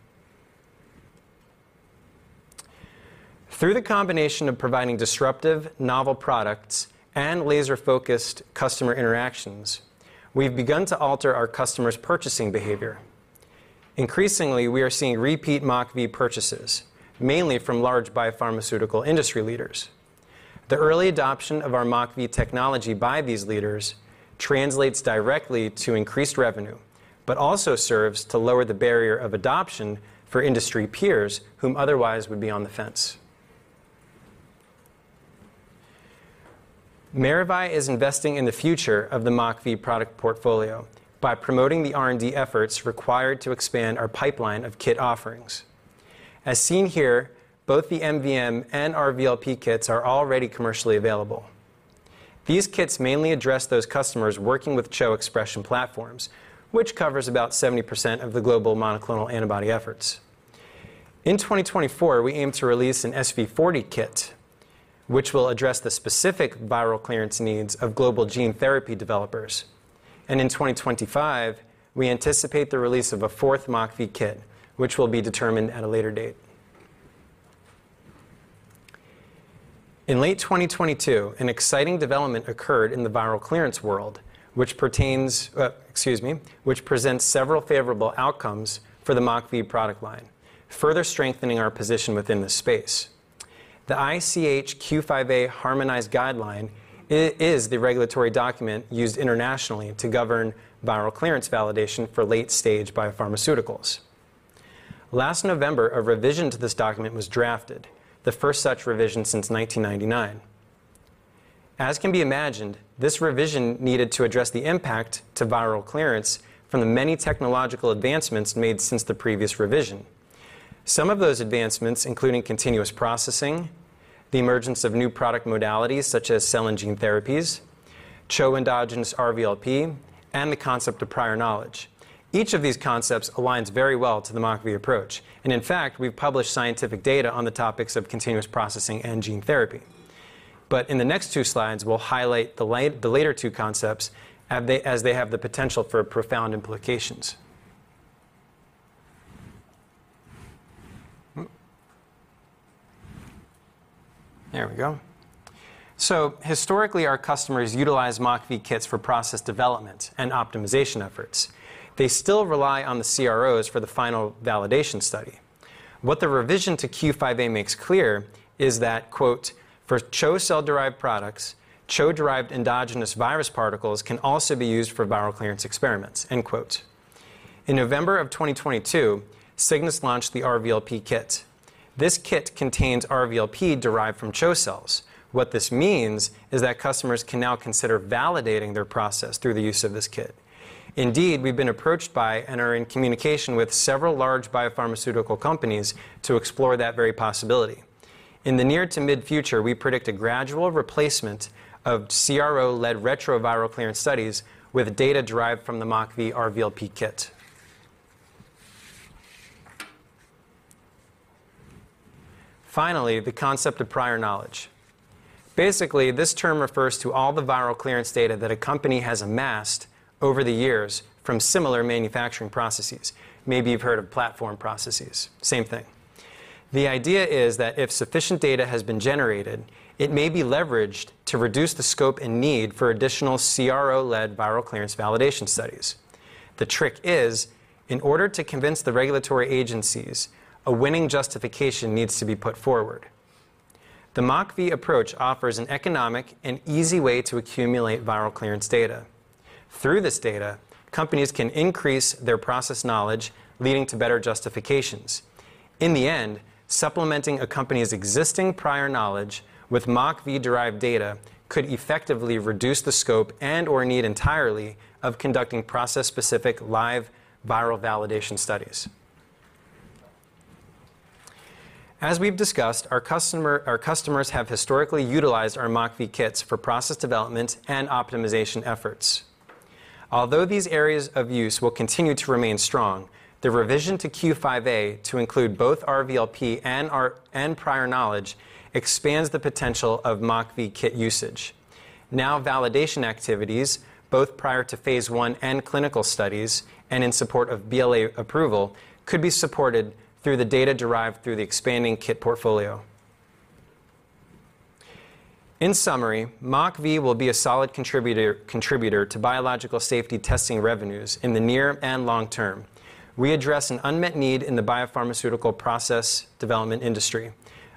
Through the combination of providing disruptive, novel products and laser-focused customer interactions, we've begun to alter our customers' purchasing behavior. Increasingly, we are seeing repeat MockV purchases, mainly from large biopharmaceutical industry leaders. The early adoption of our MockV technology by these leaders translates directly to increased revenue, but also serves to lower the barrier of adoption for industry peers whom otherwise would be on the fence. Maravai is investing in the future of the MockV product portfolio by promoting the R&D efforts required to expand our pipeline of kit offerings. As seen here, both the MVP and RVLP kits are already commercially available. These kits mainly address those customers working with CHO expression platforms, which covers about 70% of the global monoclonal antibody efforts. In 2024, we aim to release an SV40 kit, which will address the specific viral clearance needs of global gene therapy developers. In 2025, we anticipate the release of a fourth MockV kit, which will be determined at a later date. In late 2022, an exciting development occurred in the viral clearance world, which presents several favorable outcomes for the MockV product line, further strengthening our position within this space. The ICH Q5A harmonized guideline is the regulatory document used internationally to govern viral clearance validation for late-stage biopharmaceuticals. Last November, a revision to this document was drafted, the first such revision since 1999. As can be imagined, this revision needed to address the impact to viral clearance from the many technological advancements made since the previous revision. Some of those advancements, including continuous processing, the emergence of new product modalities such as cell and gene therapies, CHO endogenous RVLP, and the concept of prior knowledge. Each of these concepts aligns very well to the MockV approach, and in fact, we've published scientific data on the topics of continuous processing and gene therapy. But in the next two slides, we'll highlight the later two concepts as they have the potential for profound implications. There we go. So historically our customers utilize MockV kits for process development and optimization efforts. They still rely on the CROs for the final validation study. What the revision to Q5A makes clear is that, quote, "For CHO cell-derived products, CHO-derived endogenous virus particles can also be used for viral clearance experiments," end quote. In November of 2022, Cygnus launched the RVLP kit. This kit contains RVLP derived from CHO cells. What this means is that customers can now consider validating their process through the use of this kit. Indeed, we've been approached by and are in communication with several large biopharmaceutical companies to explore that very possibility. In the near to mid-future, we predict a gradual replacement of CRO-led retroviral clearance studies with data derived from the MockV RVLP Kit. Finally, the concept of prior knowledge. Basically, this term refers to all the viral clearance data that a company has amassed over the years from similar manufacturing processes. Maybe you've heard of platform processes. Same thing. The idea is that if sufficient data has been generated, it may be leveraged to reduce the scope and need for additional CRO-led viral clearance validation studies. The trick is, in order to convince the regulatory agencies, a winning justification needs to be put forward. The MockV approach offers an economic and easy way to accumulate viral clearance data. Through this data, companies can increase their process knowledge, leading to better justifications. In the end, supplementing a company's existing prior knowledge with MockV-derived data could effectively reduce the scope and/or need entirely of conducting process-specific live viral validation studies. As we've discussed, our customers have historically utilized our MockV kits for process development and optimization efforts. Although these areas of use will continue to remain strong, the revision to Q5A to include both RVLP and prior knowledge expands the potential of MockV kit usage. Now, validation activities, both prior to phase one and clinical studies, and in support of BLA approval, could be supported through the data derived through the expanding kit portfolio. In summary, MockV will be a solid contributor to Biologics Safety Testing revenues in the near and long term. We address an unmet need in the biopharmaceutical process development industry.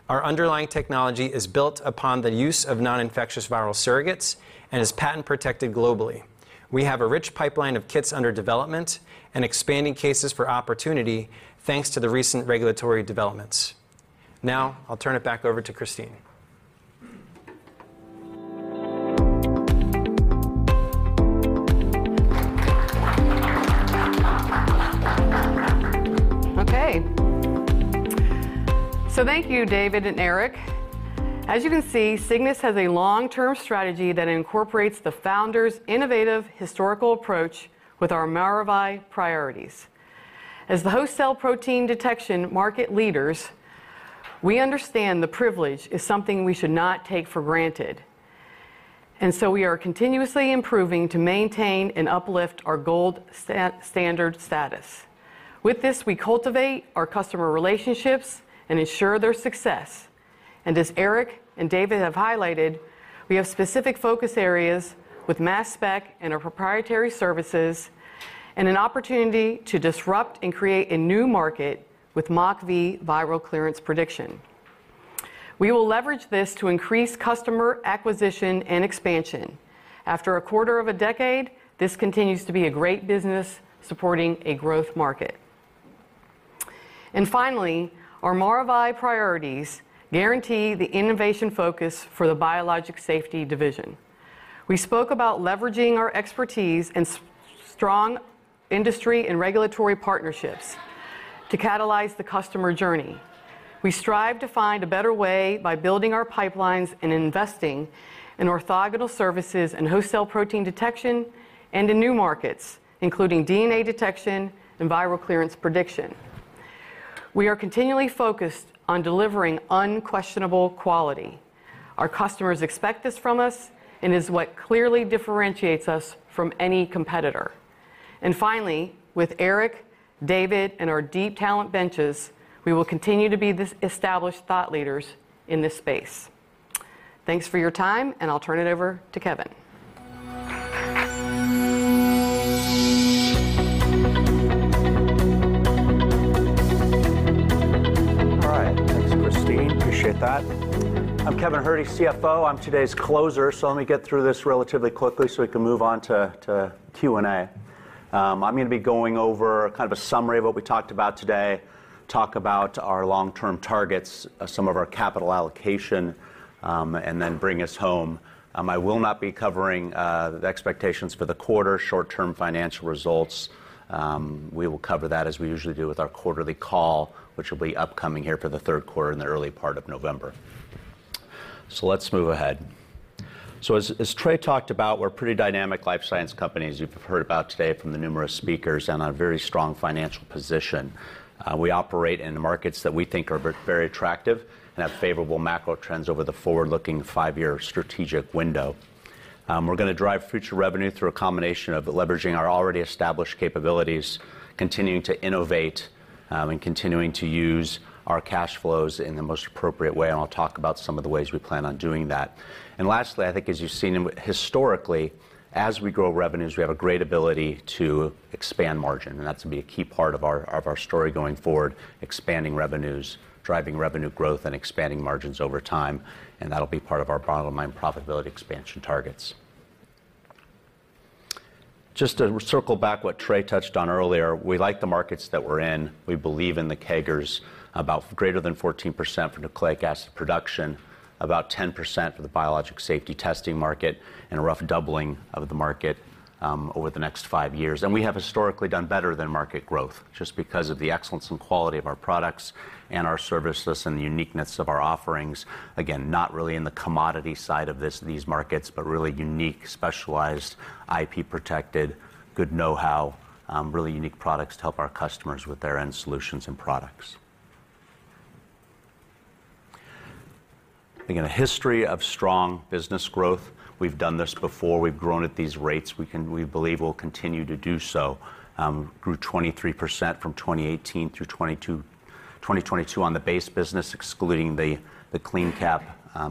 Our underlying technology is built upon the use of non-infectious viral surrogates and is patent-protected globally. We have a rich pipeline of kits under development and expanding cases for opportunity, thanks to the recent regulatory developments. Now, I'll turn it back over to Christine. Okay. So thank you, David and Eric. As you can see, Cygnus has a long-term strategy that incorporates the founder's innovative historical approach with our Maravai priorities. As the host cell protein detection market leaders, we understand the privilege is something we should not take for granted, and so we are continuously improving to maintain and uplift our gold standard status. With this, we cultivate our customer relationships and ensure their success. And as Eric and David have highlighted, we have specific focus areas with mass spec and our proprietary services, and an opportunity to disrupt and create a new market with MockV viral clearance prediction. We will leverage this to increase customer acquisition and expansion. After a quarter of a decade, this continues to be a great business supporting a growth market. And finally, our Maravai priorities guarantee the innovation focus for the biologic safety division. We spoke about leveraging our expertise and strong industry and regulatory partnerships to catalyze the customer journey. We strive to find a better way by building our pipelines and investing in orthogonal services and host cell protein detection and in new markets, including DNA detection and viral clearance prediction. We are continually focused on delivering unquestionable quality. Our customers expect this from us and is what clearly differentiates us from any competitor. And finally with Eric, David, and our deep talent benches, we will continue to be the established thought leaders in this space. Thanks for your time, and I'll turn it over to Kevin. All right. Thanks, Christine. Appreciate that. I'm Kevin Herde, CFO. I'm today's closer, so let me get through this relatively quickly so we can move on to, to Q&A. I'm going to be going over kind of a summary of what we talked about today, talk about our long-term targets, some of our capital allocation, and then bring us home. I will not be covering, the expectations for the quarter, short-term financial results. We will cover that as we usually do with our quarterly call, which will be upcoming here for the third quarter in the early part of November. So let's move ahead. So as, as Trey talked about, we're a pretty dynamic life science company, as you've heard about today from the numerous speakers, and a very strong financial position. We operate in the markets that we think are very attractive and have favorable macro trends over the forward-looking five-year strategic window. We're going to drive future revenue through a combination of leveraging our already established capabilities, continuing to innovate, and continuing to use our cash flows in the most appropriate way, and I'll talk about some of the ways we plan on doing that. And lastly, I think as you've seen historically, as we grow revenues, we have a great ability to expand margin, and that's going to be a key part of our, of our story going forward, expanding revenues, driving revenue growth, and expanding margins over time, and that'll be part of our bottom line profitability expansion targets. Just to circle back what Trey touched on earlier, we like the markets that we're in. We believe in the CAGRs, about greater than 14% for Nucleic Acid Production, about 10% for the biologics safety testing market, and a rough doubling of the market over the next five years. We have historically done better than market growth just because of the excellence and quality of our products and our services and the uniqueness of our offerings. Again, not really in the commodity side of this, these markets, but really unique, specialized, IP-protected, good know-how, really unique products to help our customers with their end solutions and products. Again, a history of strong business growth. We've done this before. We've grown at these rates. We can. We believe we'll continue to do so. Grew 23% from 2018 through 2022 on the base business, excluding the CleanCap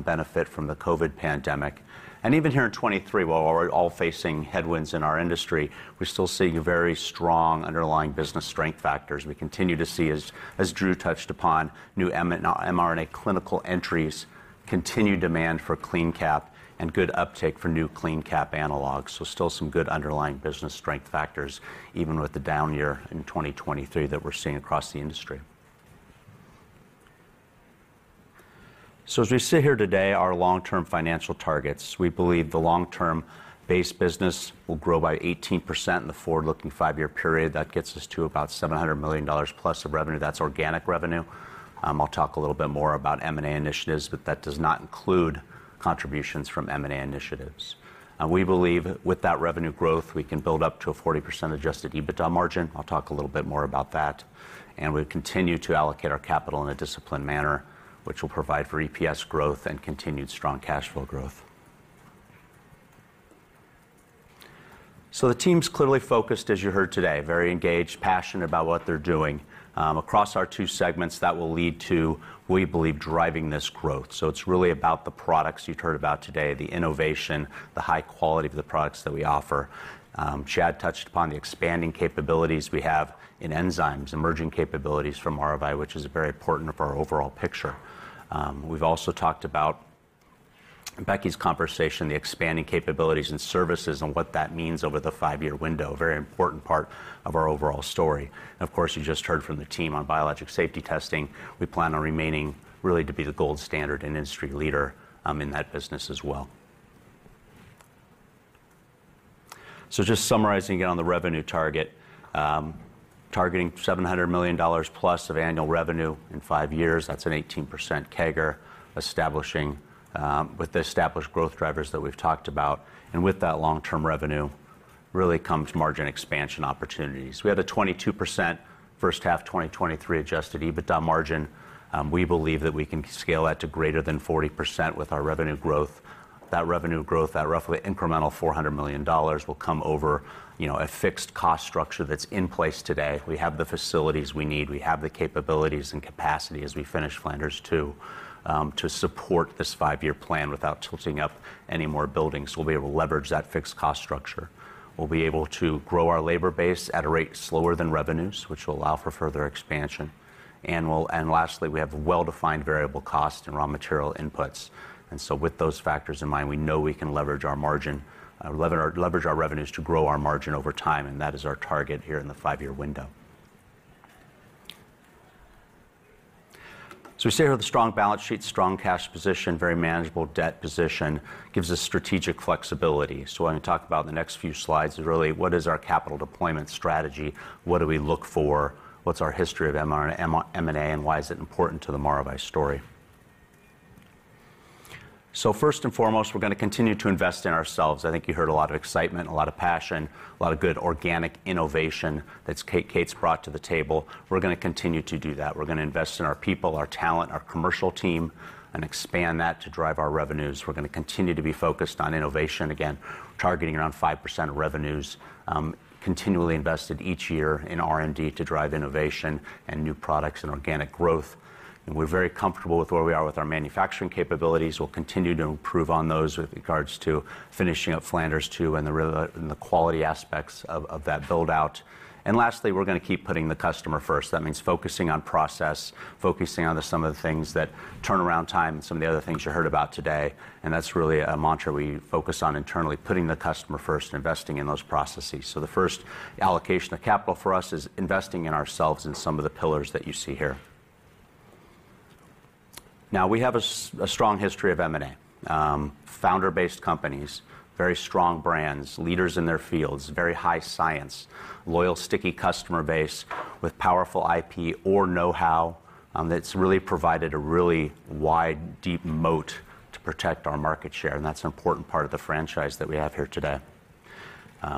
benefit from the COVID pandemic. Even here in 2023, while we're all facing headwinds in our industry, we're still seeing very strong underlying business strength factors. We continue to see, as Drew touched upon, new mRNA clinical entries, continued demand for CleanCap, and good uptake for new CleanCap analogs. Still some good underlying business strength factors, even with the down year in 2023 that we're seeing across the industry. As we sit here today, our long-term financial targets, we believe the long-term base business will grow by 18% in the forward-looking five-year period. That gets us to about $700 million plus of revenue. That's organic revenue. I'll talk a little bit more about M&A initiatives, but that does not include contributions from M&A initiatives. With that revenue growth, we can build up to a 40% adjusted EBITDA margin. I'll talk a little bit more about that. We continue to allocate our capital in a disciplined manner, which will provide for EPS growth and continued strong cash flow growth. The team's clearly focused, as you heard today, very engaged, passionate about what they're doing. Across our two segments, that will lead to, we believe, driving this growth. It's really about the products you've heard about today, the innovation, the high quality of the products that we offer. Chad touched upon the expanding capabilities we have in enzymes, emerging capabilities from Maravai, which is very important for our overall picture. We've also talked about Becky's conversation, the expanding capabilities and services and what that means over the five-year window, a very important part of our overall story. Of course, you just heard from the team on Biologics Safety Testing. We plan on remaining really to be the gold standard and industry leader in that business as well. So just summarizing it on the revenue target, targeting $700 million+ of annual revenue in five years, that's an 18% CAGR. Establishing with the established growth drivers that we've talked about, and with that long-term revenue, really comes margin expansion opportunities. We had a 22% first half 2023 adjusted EBITDA margin. We believe that we can scale that to greater than 40% with our revenue growth. That revenue growth, at roughly incremental $400 million, will come over, you know, a fixed cost structure that's in place today. We have the facilities we need, we have the capabilities and capacity as we finish Flanders 2 to support this five-year plan without tilting up any more buildings. We'll be able to leverage that fixed cost structure. We'll be able to grow our labor base at a rate slower than revenues, which will allow for further expansion. And lastly, we have well-defined variable costs and raw material inputs, and so with those factors in mind, we know we can leverage our margin, leverage our revenues to grow our margin over time, and that is our target here in the five-year window. So we see here the strong balance sheet, strong cash position, very manageable debt position, gives us strategic flexibility. So I'm going to talk about in the next few slides is really what is our capital deployment strategy? What do we look for? What's our history of M&A, and why is it important to the Maravai story? So first and foremost, we're gonna continue to invest in ourselves. I think you heard a lot of excitement, a lot of passion, a lot of good organic innovation that's Kate, Kate's brought to the table. We're gonna continue to do that. We're gonna invest in our people, our talent, our commercial team, and expand that to drive our revenues. We're gonna continue to be focused on innovation. Again, targeting around 5% of revenues, continually invested each year in R&D to drive innovation and new products and organic growth. And we're very comfortable with where we are with our manufacturing capabilities. We'll continue to improve on those with regards to finishing up Flanders 2 and the quality aspects of that build-out. And lastly, we're gonna keep putting the customer first. That means focusing on process, focusing on some of the things that turnaround time and some of the other things you heard about today, and that's really a mantra we focus on internally, putting the customer first, investing in those processes. So the first allocation of capital for us is investing in ourselves in some of the pillars that you see here. Now, we have a strong history of M&A, founder-based companies, very strong brands, leaders in their fields, very high science, loyal, sticky customer base with powerful IP or know-how, that's really provided a really wide, deep moat to protect our market share, and that's an important part of the franchise that we have here today.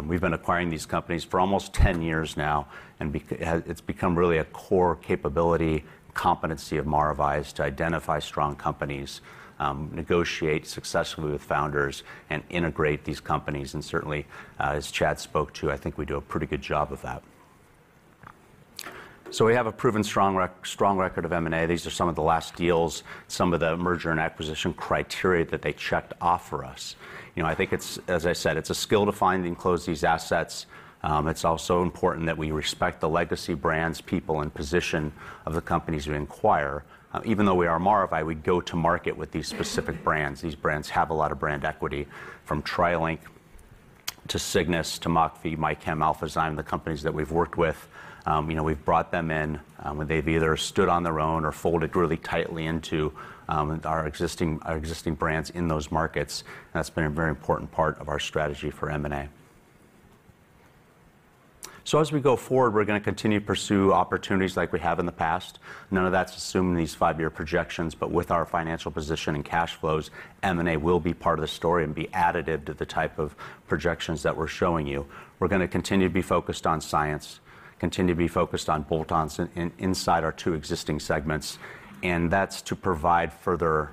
We've been acquiring these companies for almost 10 years now, and it's become really a core capability competency of Maravai, is to identify strong companies, negotiate successfully with founders, and integrate these companies. And certainly, as Chad spoke to, I think we do a pretty good job of that. So we have a proven strong record of M&A. These are some of the last deals, some of the merger and acquisition criteria that they checked off for us. You know, I think it's... As I said, it's a skill to find and close these assets. It's also important that we respect the legacy brands, people, and position of the companies we acquire. Even though we are Maravai, we go to market with these specific brands. These brands have a lot of brand equity, from TriLink to Cygnus, to MockV, MyChem, Alphazyme, the companies that we've worked with, you know, we've brought them in, and they've either stood on their own or folded really tightly into our existing brands in those markets. That's been a very important part of our strategy for M&A. So as we go forward, we're gonna continue to pursue opportunities like we have in the past. None of that's assumed in these five-year projections, but with our financial position and cash flows, M&A will be part of the story and be additive to the type of projections that we're showing you. We're gonna continue to be focused on science, continue to be focused on bolt-ons in, inside our two existing segments, and that's to provide further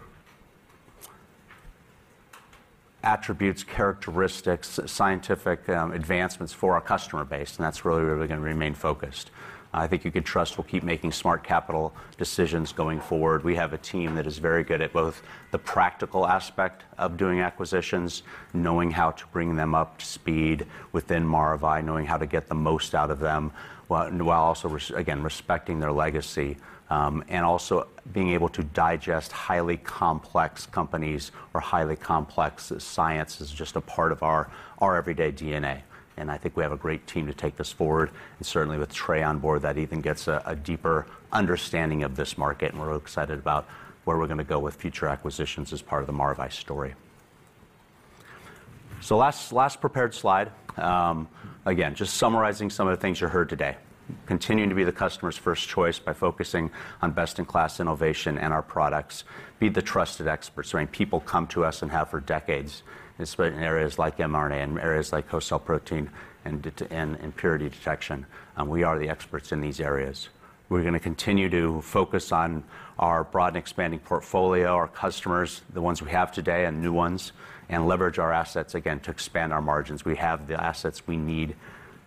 attributes, characteristics, scientific advancements for our customer base, and that's really where we're gonna remain focused. I think you can trust we'll keep making smart capital decisions going forward. We have a team that is very good at both the practical aspect of doing acquisitions, knowing how to bring them up to speed within Maravai, knowing how to get the most out of them, while also respecting again their legacy, and also being able to digest highly complex companies or highly complex science is just a part of our everyday DNA. And I think we have a great team to take this forward, and certainly with Trey on board, that even gets a deeper understanding of this market, and we're excited about where we're gonna go with future acquisitions as part of the Maravai story. So, last prepared slide. Again, just summarizing some of the things you heard today. Continuing to be the customer's first choice by focusing on best-in-class innovation and our products, be the trusted experts, right? People come to us and have for decades, especially in areas like mRNA and areas like cell protein and detection and impurity detection. We are the experts in these areas. We're gonna continue to focus on our broad and expanding portfolio, our customers, the ones we have today and new ones, and leverage our assets again to expand our margins. We have the assets we need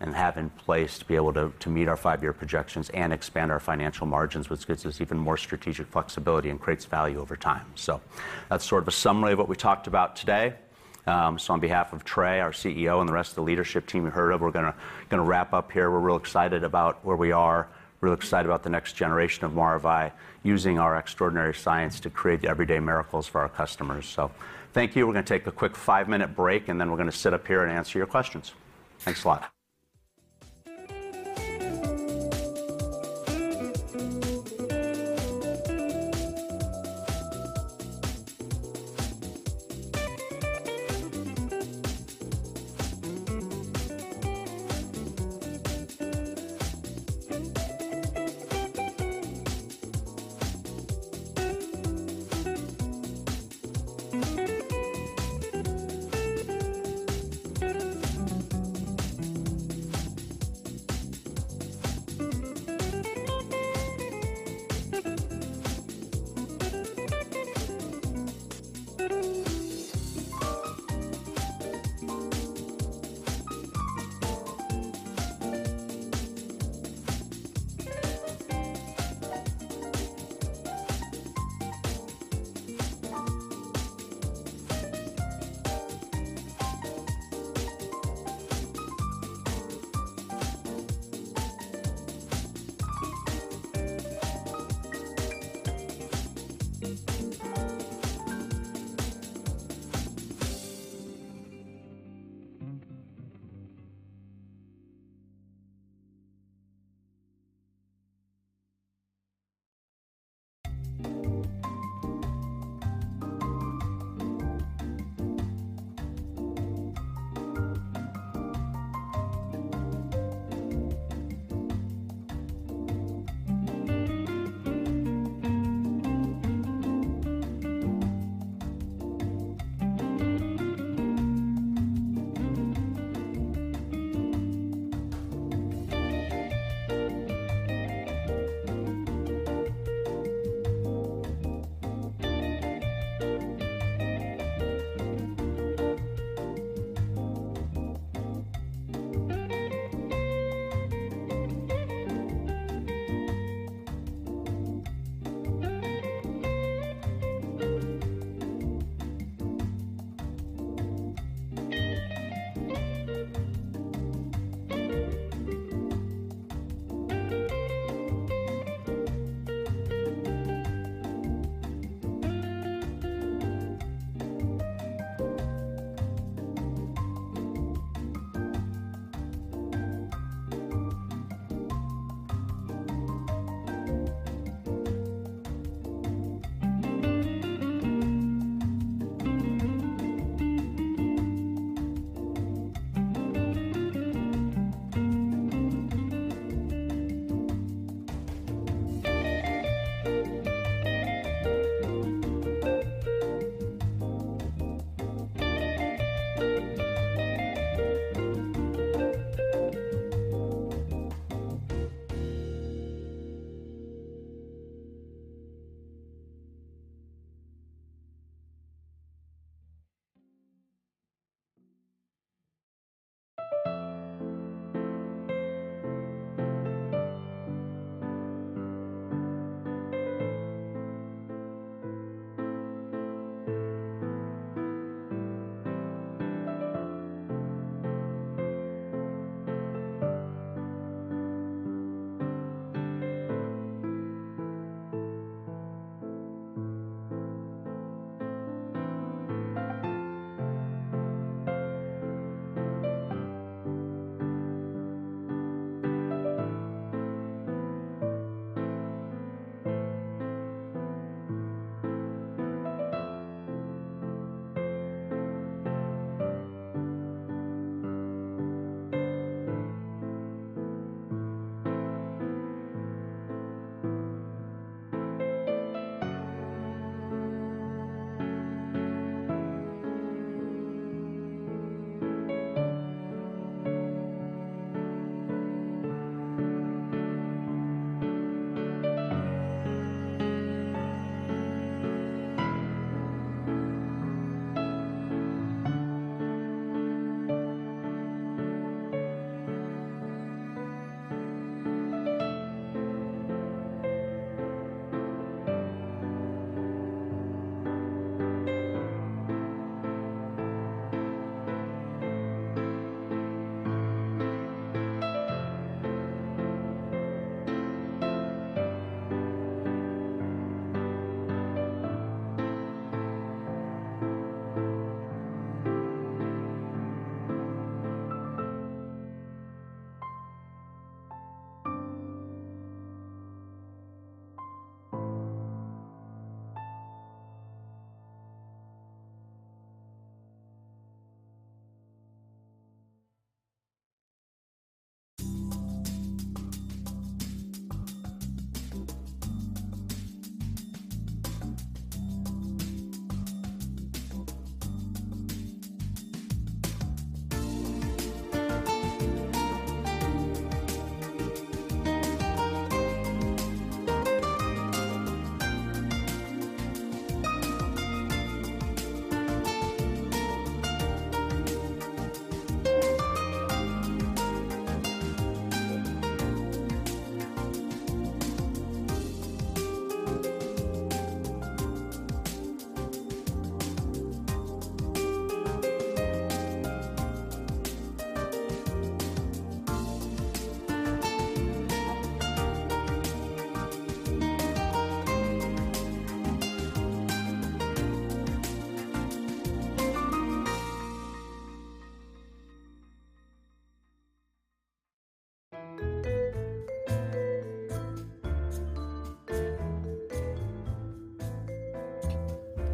and have in place to be able to meet our five-year projections and expand our financial margins, which gives us even more strategic flexibility and creates value over time. So that's sort of a summary of what we talked about today. So on behalf of Trey, our CEO, and the rest of the leadership team you heard of, we're gonna wrap up here. We're real excited about where we are, real excited about the next generation of Maravai, using our extraordinary science to create the everyday miracles for our customers. So thank you. We're gonna take a quick five-minute break, and then we're gonna sit up here and answer your questions. Thanks a lot.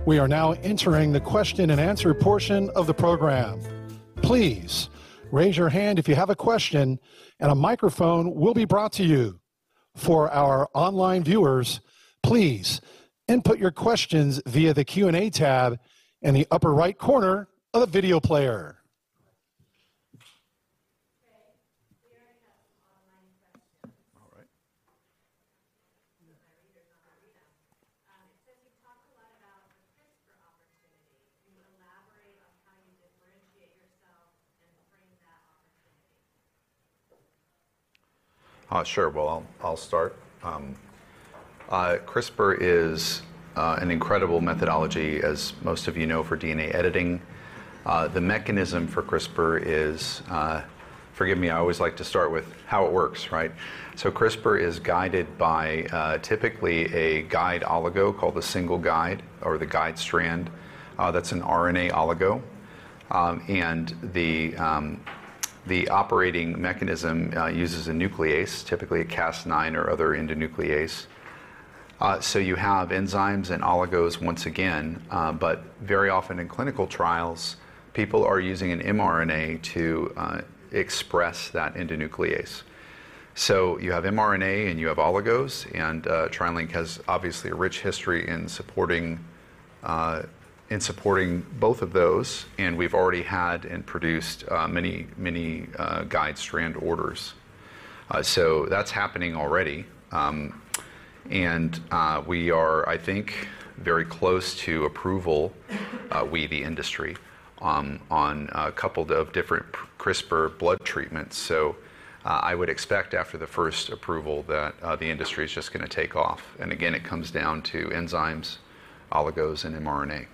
We are now entering the question-and-answer portion of the program. Please raise your hand if you have a question, and a microphone will be brought to you. For our online viewers, please input your questions via the Q&A tab in the upper right corner of the video player. All right. So my readers, on my reader, it says you talked a lot about the CRISPR opportunity. Can you elaborate on how you differentiate yourself and frame that opportunity? Sure. Well, I'll start. CRISPR is an incredible methodology, as most of you know, for DNA editing. The mechanism for CRISPR is - forgive me, I always like to start with how it works, right? So CRISPR is guided by typically a guide oligo, called the single guide or the guide strand, that's an RNA oligo. And the operating mechanism uses a nuclease, typically a Cas9 or other endonuclease. So you have enzymes and oligos once again, but very often in clinical trials, people are using an mRNA to express that endonuclease. So you have mRNA, and you have oligos, and TriLink has obviously a rich history in supporting both of those, and we've already had and produced many, many guide strand orders. So that's happening already. We are, I think, very close to approval, we, the industry, on a couple of different CRISPR blood treatments. I would expect after the first approval that the industry is just gonna take off, and again, it comes down to enzymes, oligos, and mRNA.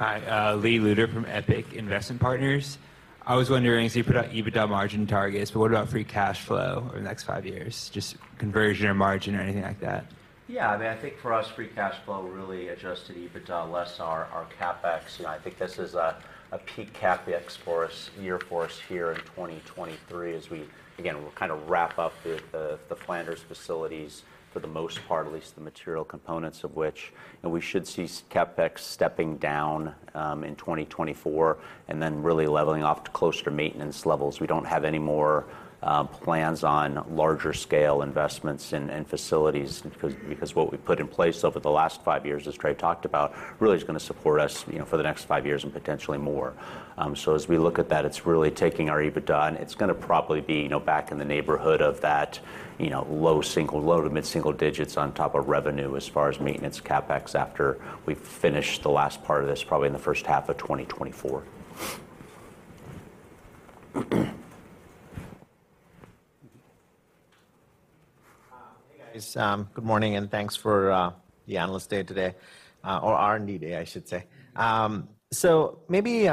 Hi, Lee Luther from Epic Investment Partners. I was wondering, so you put out EBITDA margin targets, but what about free cash flow over the next five years? Just conversion or margin or anything like that. Yeah, I mean I think for us, free cash flow really adjusts to EBITDA less our, our CapEx. You know, I think this is a, a peak CapEx for us, year for us here in 2023, as we again, we'll kind of wrap up the, the, the Flanders facilities for the most part, at least the material components of which, and we should see CapEx stepping down, in 2024, and then really leveling off to closer maintenance levels. We don't have any more, plans on larger scale investments and, and facilities because, because what we've put in place over the last five years, as Trey talked about, really is gonna support us, you know, for the next five years and potentially more. So as we look at that, it's really taking our EBITDA, and it's gonna probably be, you know, back in the neighborhood of that, you know, low- to mid-single digits on top of revenue as far as maintenance CapEx, after we've finished the last part of this, probably in the first half of 2024. Hey, guys, good morning, and thanks for the Analyst Day today, or R&D Day, I should say. So maybe, you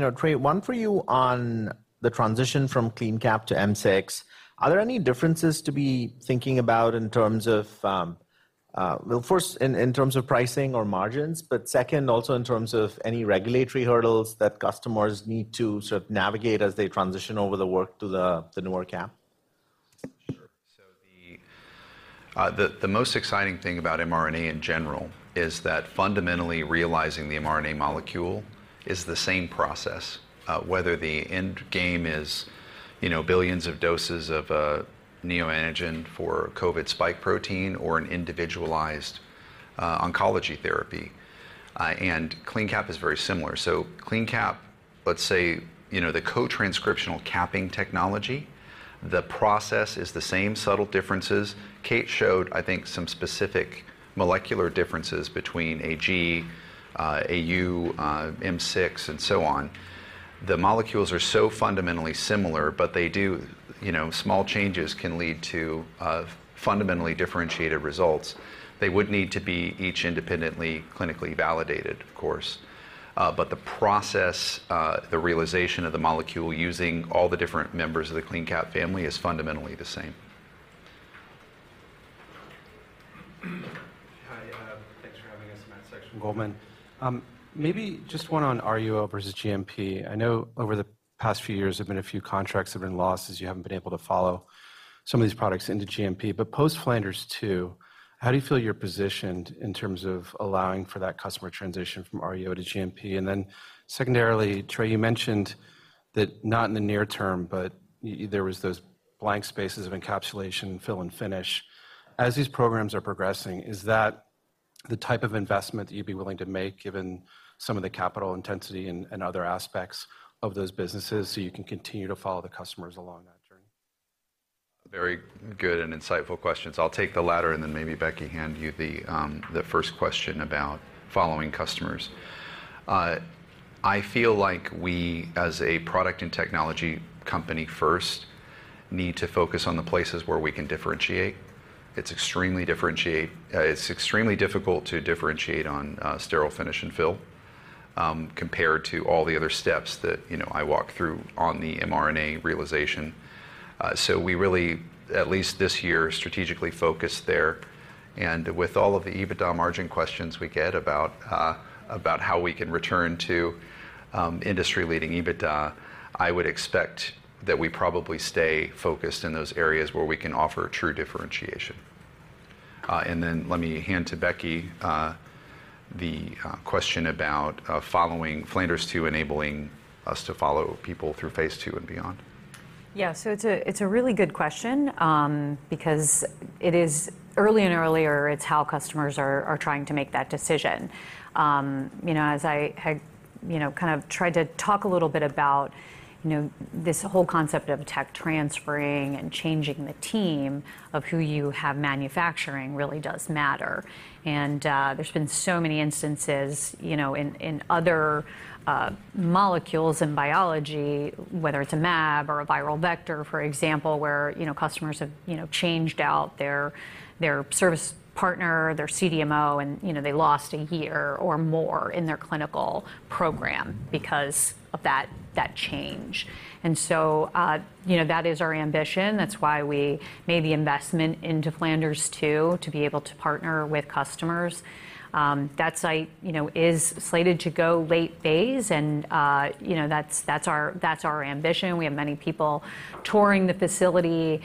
know, Trey, one for you on the transition from CleanCap to M6. Are there any differences to be thinking about in terms of, well, first in terms of pricing or margins, but second, also in terms of any regulatory hurdles that customers need to sort of navigate as they transition over the work to the newer cap? Sure. So the most exciting thing about mRNA in general is that fundamentally realizing the mRNA molecule is the same process, whether the end game is, you know, billions of doses of a neoantigen for a COVID spike protein or an individualized, oncology therapy, and CleanCap is very similar. So CleanCap, let's say, you know, the co-transcriptional capping technology, the process is the same, subtle differences. Kate showed, I think, some specific molecular differences between AG, AU, M6, and so on. The molecules are so fundamentally similar, but they do - you know, small changes can lead to, fundamentally differentiated results. They would need to be each independently clinically validated of course, but the process, the realization of the molecule using all the different members of the CleanCap family is fundamentally the same. Hi, thanks for having us. Matt Sykes from Goldman. Maybe just one on RUO versus GMP. I know over the past few years, there have been a few contracts that have been lost as you haven't been able to follow some of these products into GMP. But post Flanders 2, how do you feel you're positioned in terms of allowing for that customer transition from RUO to GMP? And then secondarily, Trey, you mentioned that not in the near term, but - there was those blank spaces of encapsulation, fill, and finish. As these programs are progressing, is that the type of investment that you'd be willing to make, given some of the capital intensity and, and other aspects of those businesses, so you can continue to follow the customers along that journey? Very good and insightful questions. I'll take the latter, and then maybe Becky, hand you the first question about following customers. I feel like we, as a product and technology company first, need to focus on the places where we can differentiate. It's extremely difficult to differentiate on sterile finish and fill, compared to all the other steps that, you know, I walk through on the mRNA realization. So we really, at least this year, strategically focused there. And with all of the EBITDA margin questions we get about how we can return to industry-leading EBITDA, I would expect that we probably stay focused in those areas where we can offer a true differentiation. Then let me hand to Becky the question about following Flanders 2 enabling us to follow people through phase II and beyond. Yeah. So it's a really good question, because it is earlier and earlier, it's how customers are trying to make that decision. You know, as I had, you know, kind of tried to talk a little bit about, you know, this whole concept of tech transferring and changing the team of who you have manufacturing really does matter. And there's been so many instances, you know, in other molecules in biology, whether it's a mAb or a viral vector, for example, where, you know, customers have, you know, changed out their service partner, their CDMO, and, you know, they lost a year or more in their clinical program because of that change. And so, you know, that is our ambition. That's why we made the investment into Flanders 2, to be able to partner with customers. That site, you know, is slated to go late phase, and, you know, that's, that's our, that's our ambition. We have many people touring the facility,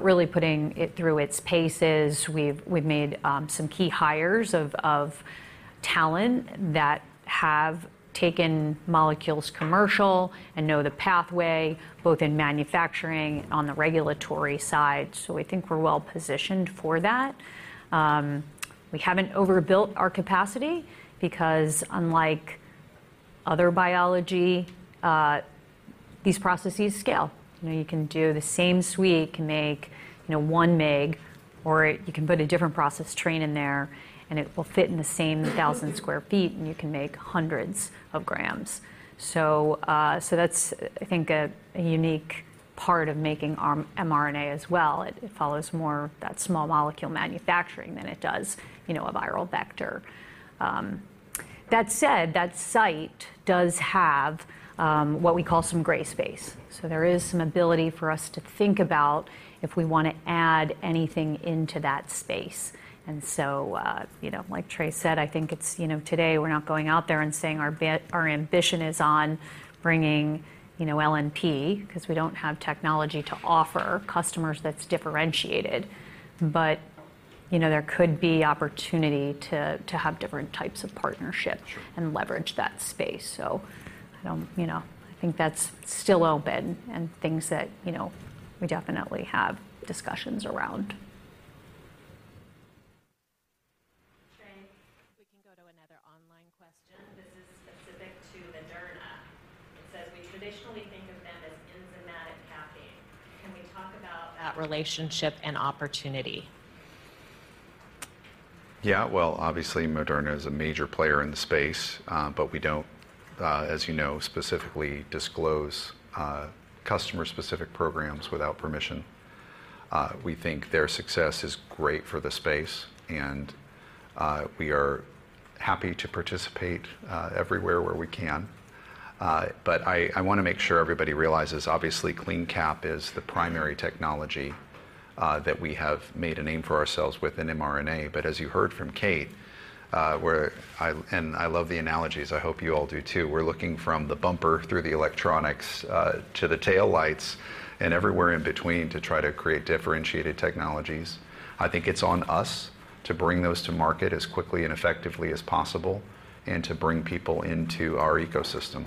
really putting it through its paces. We've, we've made, some key hires of, of talent that have taken molecules commercial and know the pathway, both in manufacturing on the regulatory side. So we think we're well positioned for that. We haven't overbuilt our capacity because, unlike other biology, these processes scale. You know, you can do the same suite, can make, you know, 1 mg, or you can put a different process train in there, and it will fit in the same 1,000 sq ft, and you can make hundreds of grams. So, so that's, I think, a, a unique part of making our mRNA as well. It follows more that small molecule manufacturing than it does, you know, a viral vector. That said, that site does have what we call some gray space, so there is some ability for us to think about if we wanna add anything into that space. And so, you know, like Trey said, I think it's - you know, today we're not going out there and saying our bit- our ambition is on bringing, you know, LNP 'cause we don't have technology to offer customers that's differentiated. But you know, there could be opportunity to, to have different types of partnerships and leverage that space. So, you know, I think that's still open and things that, you know, we definitely have discussions around. Trey, we can go to another online question. This is specific to Moderna. It says, "We traditionally think of them as enzymatic capping. Can we talk about that relationship and opportunity? Yeah. Well obviously, Moderna is a major player in the space, but we don't, as you know, specifically disclose customer-specific programs without permission. We think their success is great for the space, and we are happy to participate everywhere where we can. But I wanna make sure everybody realizes, obviously CleanCap is the primary technology that we have made a name for ourselves with in mRNA. But as you heard from Kate, and I love the analogies, I hope you all do, too. We're looking from the bumper through the electronics to the tail lights and everywhere in between to try to create differentiated technologies. I think it's on us to bring those to market as quickly and effectively as possible, and to bring people into our ecosystem.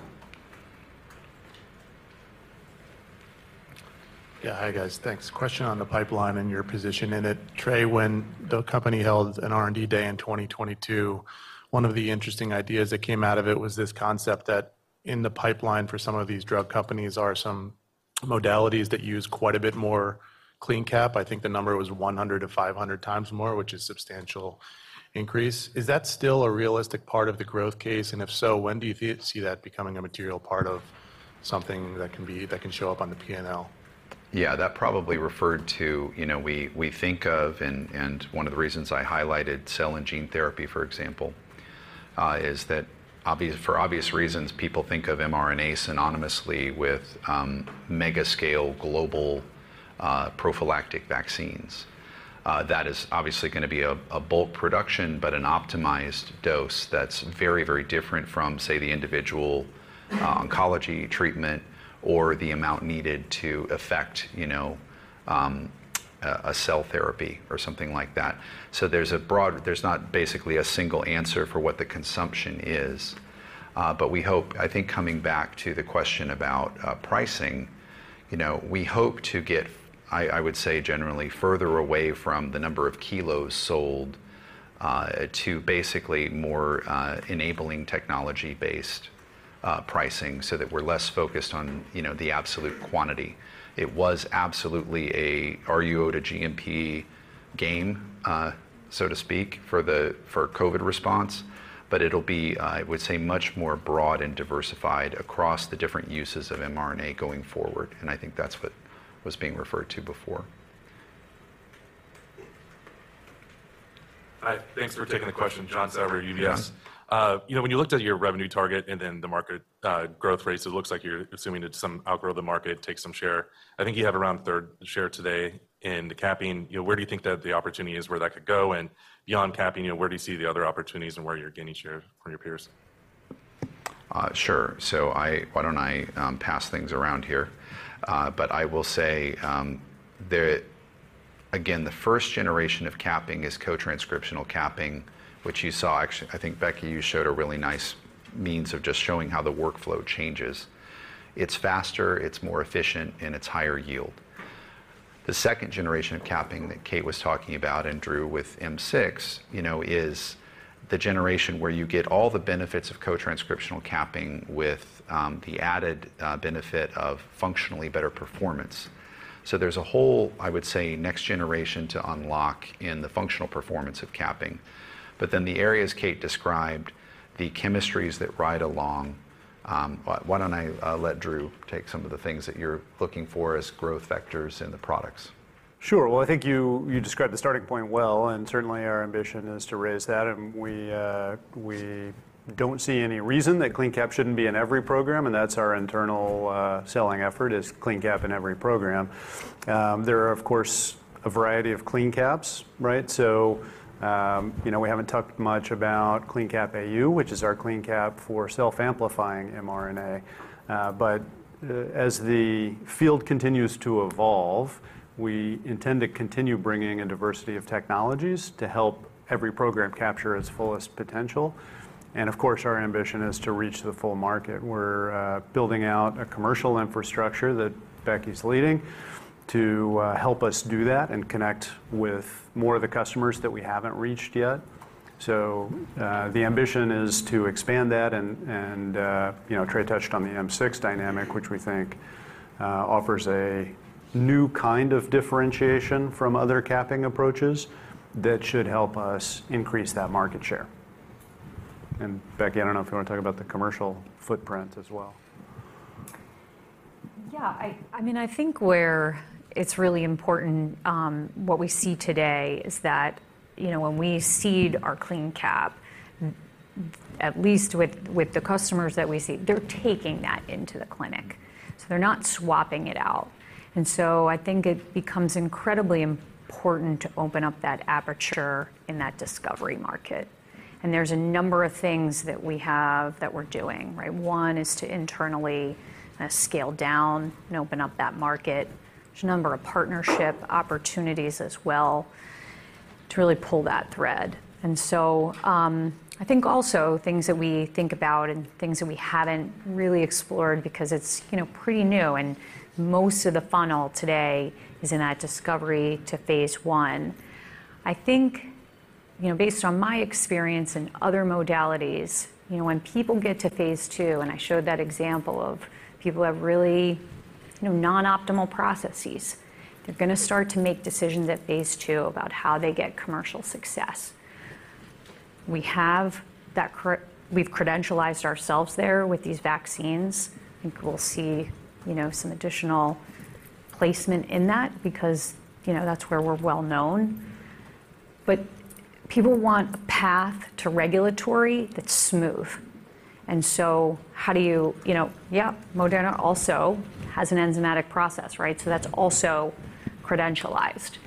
Yeah. Hi, guys. Thanks. Question on the pipeline and your position in it. Trey, when the company held an R&D day in 2022, one of the interesting ideas that came out of it was this concept that in the pipeline for some of these drug companies are some modalities that use quite a bit more CleanCap. I think the number was 100-500 times more, which is substantial increase. Is that still a realistic part of the growth case? And if so, when do you see that becoming a material part of something that can be that can show up on the P&L? Yeah, that probably referred to - you know, we think of, and one of the reasons I highlighted cell and gene therapy, for example, is that for obvious reasons, people think of mRNA synonymously with mega-scale global prophylactic vaccines. That is obviously gonna be a bulk production, but an optimized dose that's very, very different from, say, the individual oncology treatment or the amount needed to affect, you know, a cell therapy or something like that. So there's not basically a single answer for what the consumption is, but we hope - I think coming back to the question about pricing, you know, we hope to get, I would say generally, further away from the number of kilos sold, to basically more enabling technology-based pricing so that we're less focused on, you know, the absolute quantity. It was absolutely a RUO to GMP game so to speak for COVID response, but it'll be, I would say much more broad and diversified across the different uses of mRNA going forward, and I think that's what was being referred to before. Hi, thanks for taking the question. John Sourbeer UBS. You know, when you looked at your revenue target and then the market, growth rates, it looks like you're assuming that some outgrow the market, take some share. I think you have around a third share today in the capping. You know, where do you think that the opportunity is where that could go? And beyond capping, you know, where do you see the other opportunities and where you're gaining share from your peers? Sure. So why don't I pass things around here? But I will say that, again, the first generation of capping is co-transcriptional capping, which you saw actually. I think Becky, you showed a really nice means of just showing how the workflow changes. It's faster, it's more efficient, and it's higher yield. The second generation of capping that Kate was talking about, and Drew with M6, you know, is the generation where you get all the benefits of co-transcriptional capping with the added benefit of functionally better performance. So there's a whole, I would say, next generation to unlock in the functional performance of capping. But then the areas Kate described, the chemistries that ride along. Why don't I let Drew take some of the things that you're looking for as growth vectors in the products? Sure. Well, I think you, you described the starting point well, and certainly, our ambition is to raise that, and we, we don't see any reason that CleanCap shouldn't be in every program, and that's our internal, selling effort, is CleanCap in every program. There are, of course, a variety of CleanCaps, right? So, you know, we haven't talked much about CleanCap AU, which is our CleanCap for self-amplifying mRNA. But as the field continues to evolve, we intend to continue bringing a diversity of technologies to help every program capture its fullest potential. And of course, our ambition is to reach the full market. We're, building out a commercial infrastructure that Becky's leading, to help us do that and connect with more of the customers that we haven't reached yet. So the ambition is to expand that, and - and, you know, Trey touched on the M6 dynamic, which we think offers a new kind of differentiation from other capping approaches that should help us increase that market share. And Becky, I don't know if you want to talk about the commercial footprint as well. Yeah. I mean, I think where it's really important, what we see today is that, you know, when we seed our CleanCap, at least with the customers that we see, they're taking that into the clinic, so they're not swapping it out. And so I think it becomes incredibly important to open up that aperture in that discovery market. And there's a number of things that we have that we're doing, right? One is to internally scale down and open up that market. There's a number of partnership opportunities as well to really pull that thread. And so I think also things that we think about and things that we haven't really explored because it's, you know, pretty new and most of the funnel today is in that discovery to Phase one. I think, you know, based on my experience in other modalities, you know, when people get to phase II, and I showed that example of people who have really, you know, non-optimal processes, they're gonna start to make decisions at phase II about how they get commercial success. We've credentialized ourselves there with these vaccines. I think we'll see, you know, some additional placement in that because, you know, that's where we're well known. But people want a path to regulatory that's smooth, and so how do you... You know, yeah, Moderna also has an enzymatic process, right? So that's also credentialized.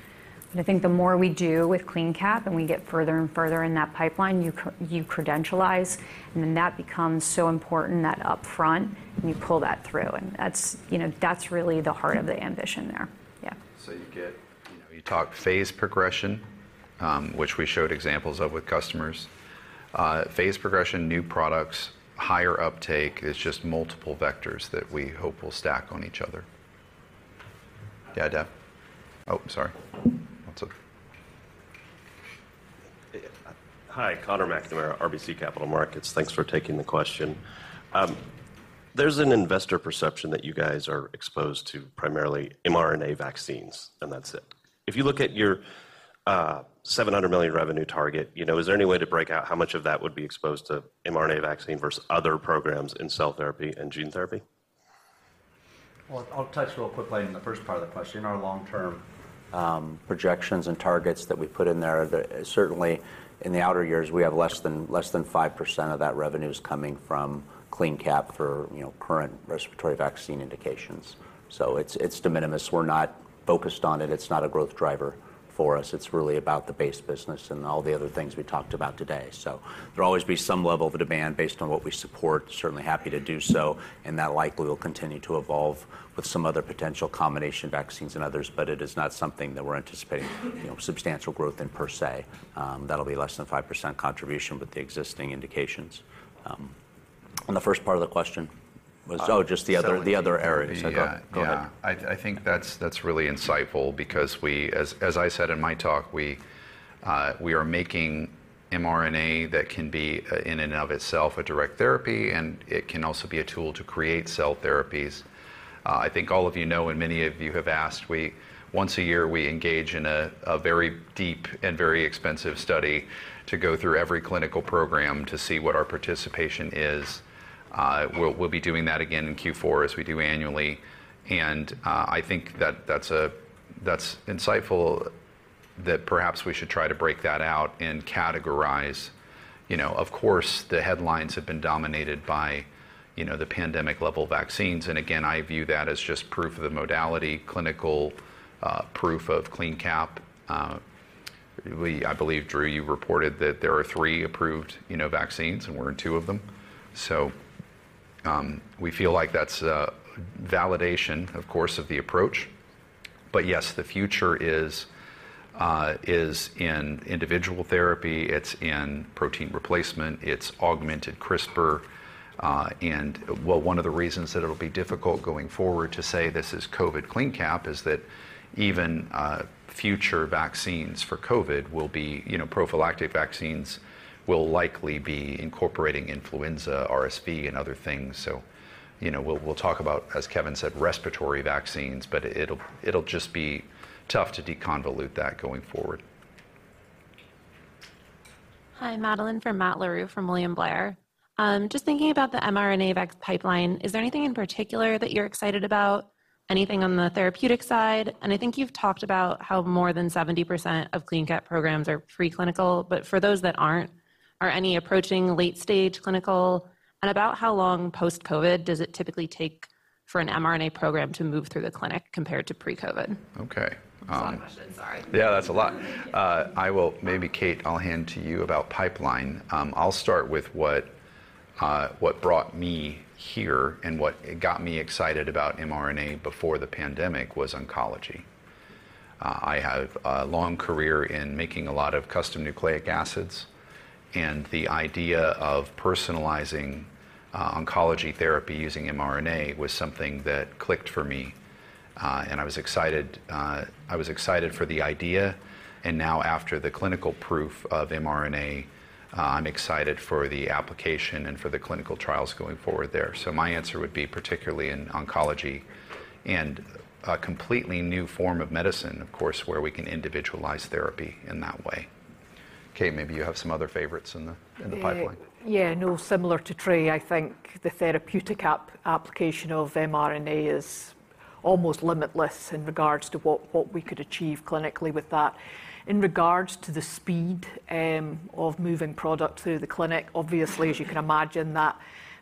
I think the more we do with CleanCap, and we get further and further in that pipeline, you credentialize, and then that becomes so important that upfront, and you pull that through, and that's, you know, that's really the heart of the ambition there. Yeah. So you get, you know, you talk phase progression, which we showed examples of with customers. Phase progression, new products, higher uptake, it's just multiple vectors that we hope will stack on each other. Yeah, Dev? Oh, sorry. What's up? Hi, Conor McNamara, RBC Capital Markets. Thanks for taking the question. There's an investor perception that you guys are exposed to primarily mRNA vaccines, and that's it. If you look at your $700 million revenue target, you know, is there any way to break out how much of that would be exposed to mRNA vaccine versus other programs in cell therapy and gene therapy? Well, I'll touch real quickly on the first part of the question. Our long-term projections and targets that we put in there, the-- certainly, in the outer years, we have less than, less than 5% of that revenue is coming from CleanCap for, you know, current respiratory vaccine indications. So it's, it's de minimis. We're not focused on it. It's not a growth driver for us. It's really about the base business and all the other things we talked about today. So there'll always be some level of demand based on what we support, certainly happy to do so, and that likely will continue to evolve with some other potential combination vaccines and others, but it is not something that we're anticipating, you know, substantial growth in per se. That'll be less than 5% contribution with the existing indications. The first part of the question was - oh, just the other areas. Yeah. Go, go ahead. Yeah. I think that's really insightful because we—as I said in my talk, we are making mRNA that can be in and of itself a direct therapy, and it can also be a tool to create cell therapies. I think all of you know, and many of you have asked, we—once a year, we engage in a very deep and very expensive study to go through every clinical program to see what our participation is. We'll be doing that again in Q4, as we do annually, and I think that's insightful that perhaps we should try to break that out and categorize. You know, of course, the headlines have been dominated by, you know, the pandemic-level vaccines, and again, I view that as just proof of the modality, clinical proof of CleanCap. We, I believe, Drew, you reported that there are three approved, you know, vaccines, and we're in two of them. So, we feel like that's a validation, of course, of the approach. But yes, the future is in individual therapy, it's in protein replacement, it's augmented CRISPR, and... Well, one of the reasons that it'll be difficult going forward to say this is COVID CleanCap is that even future vaccines for COVID will be, you know, prophylactic vaccines will likely be incorporating influenza, RSV, and other things. So, you know, we'll talk about, as Kevin said, respiratory vaccines, but it'll just be tough to deconvolute that going forward. Hi, Madeleine on for Matt Larew from William Blair. Just thinking about the mRNA vax pipeline, is there anything in particular that you're excited about? Anything on the therapeutic side? And I think you've talked about how more than 70% of CleanCap programs are preclinical, but for those that aren't, are any approaching late-stage clinical? And about how long post-COVID does it typically take for an mRNA program to move through the clinic compared to pre-COVID? Okay. It's a lot of questions, sorry. Yeah, that's a lot. I will - maybe, Kate, I'll hand to you about pipeline. I'll start with what, what brought me here and what got me excited about mRNA before the pandemic was oncology. I have a long career in making a lot of custom nucleic acids, and the idea of personalizing oncology therapy using mRNA was something that clicked for me, and I was excited, I was excited for the idea, and now after the clinical proof of mRNA, I'm excited for the application and for the clinical trials going forward there. So my answer would be particularly in oncology and a completely new form of medicine, of course, where we can individualize therapy in that way. Kate, maybe you have some other favorites in the pipeline. Yeah, no, similar to Trey, I think the therapeutic application of mRNA is almost limitless in regards to what we could achieve clinically with that. In regards to the speed of moving product through the clinic, obviously, as you can imagine, that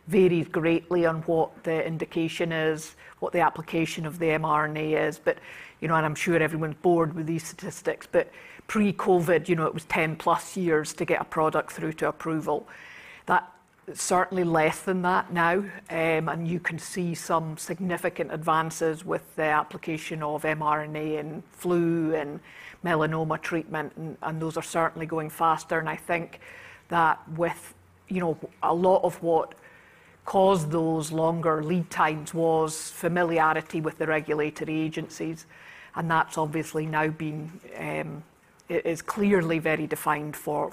varies greatly on what the indication is, what the application of the mRNA is. But, you know, and I'm sure everyone's bored with these statistics, but pre-COVID, you know, it was 10+ years to get a product through to approval. That certainly less than that now, and you can see some significant advances with the application of mRNA in flu and melanoma treatment, and those are certainly going faster. I think that with, you know, a lot of what caused those longer lead times was familiarity with the regulatory agencies, and that's obviously now been, it is clearly very defined for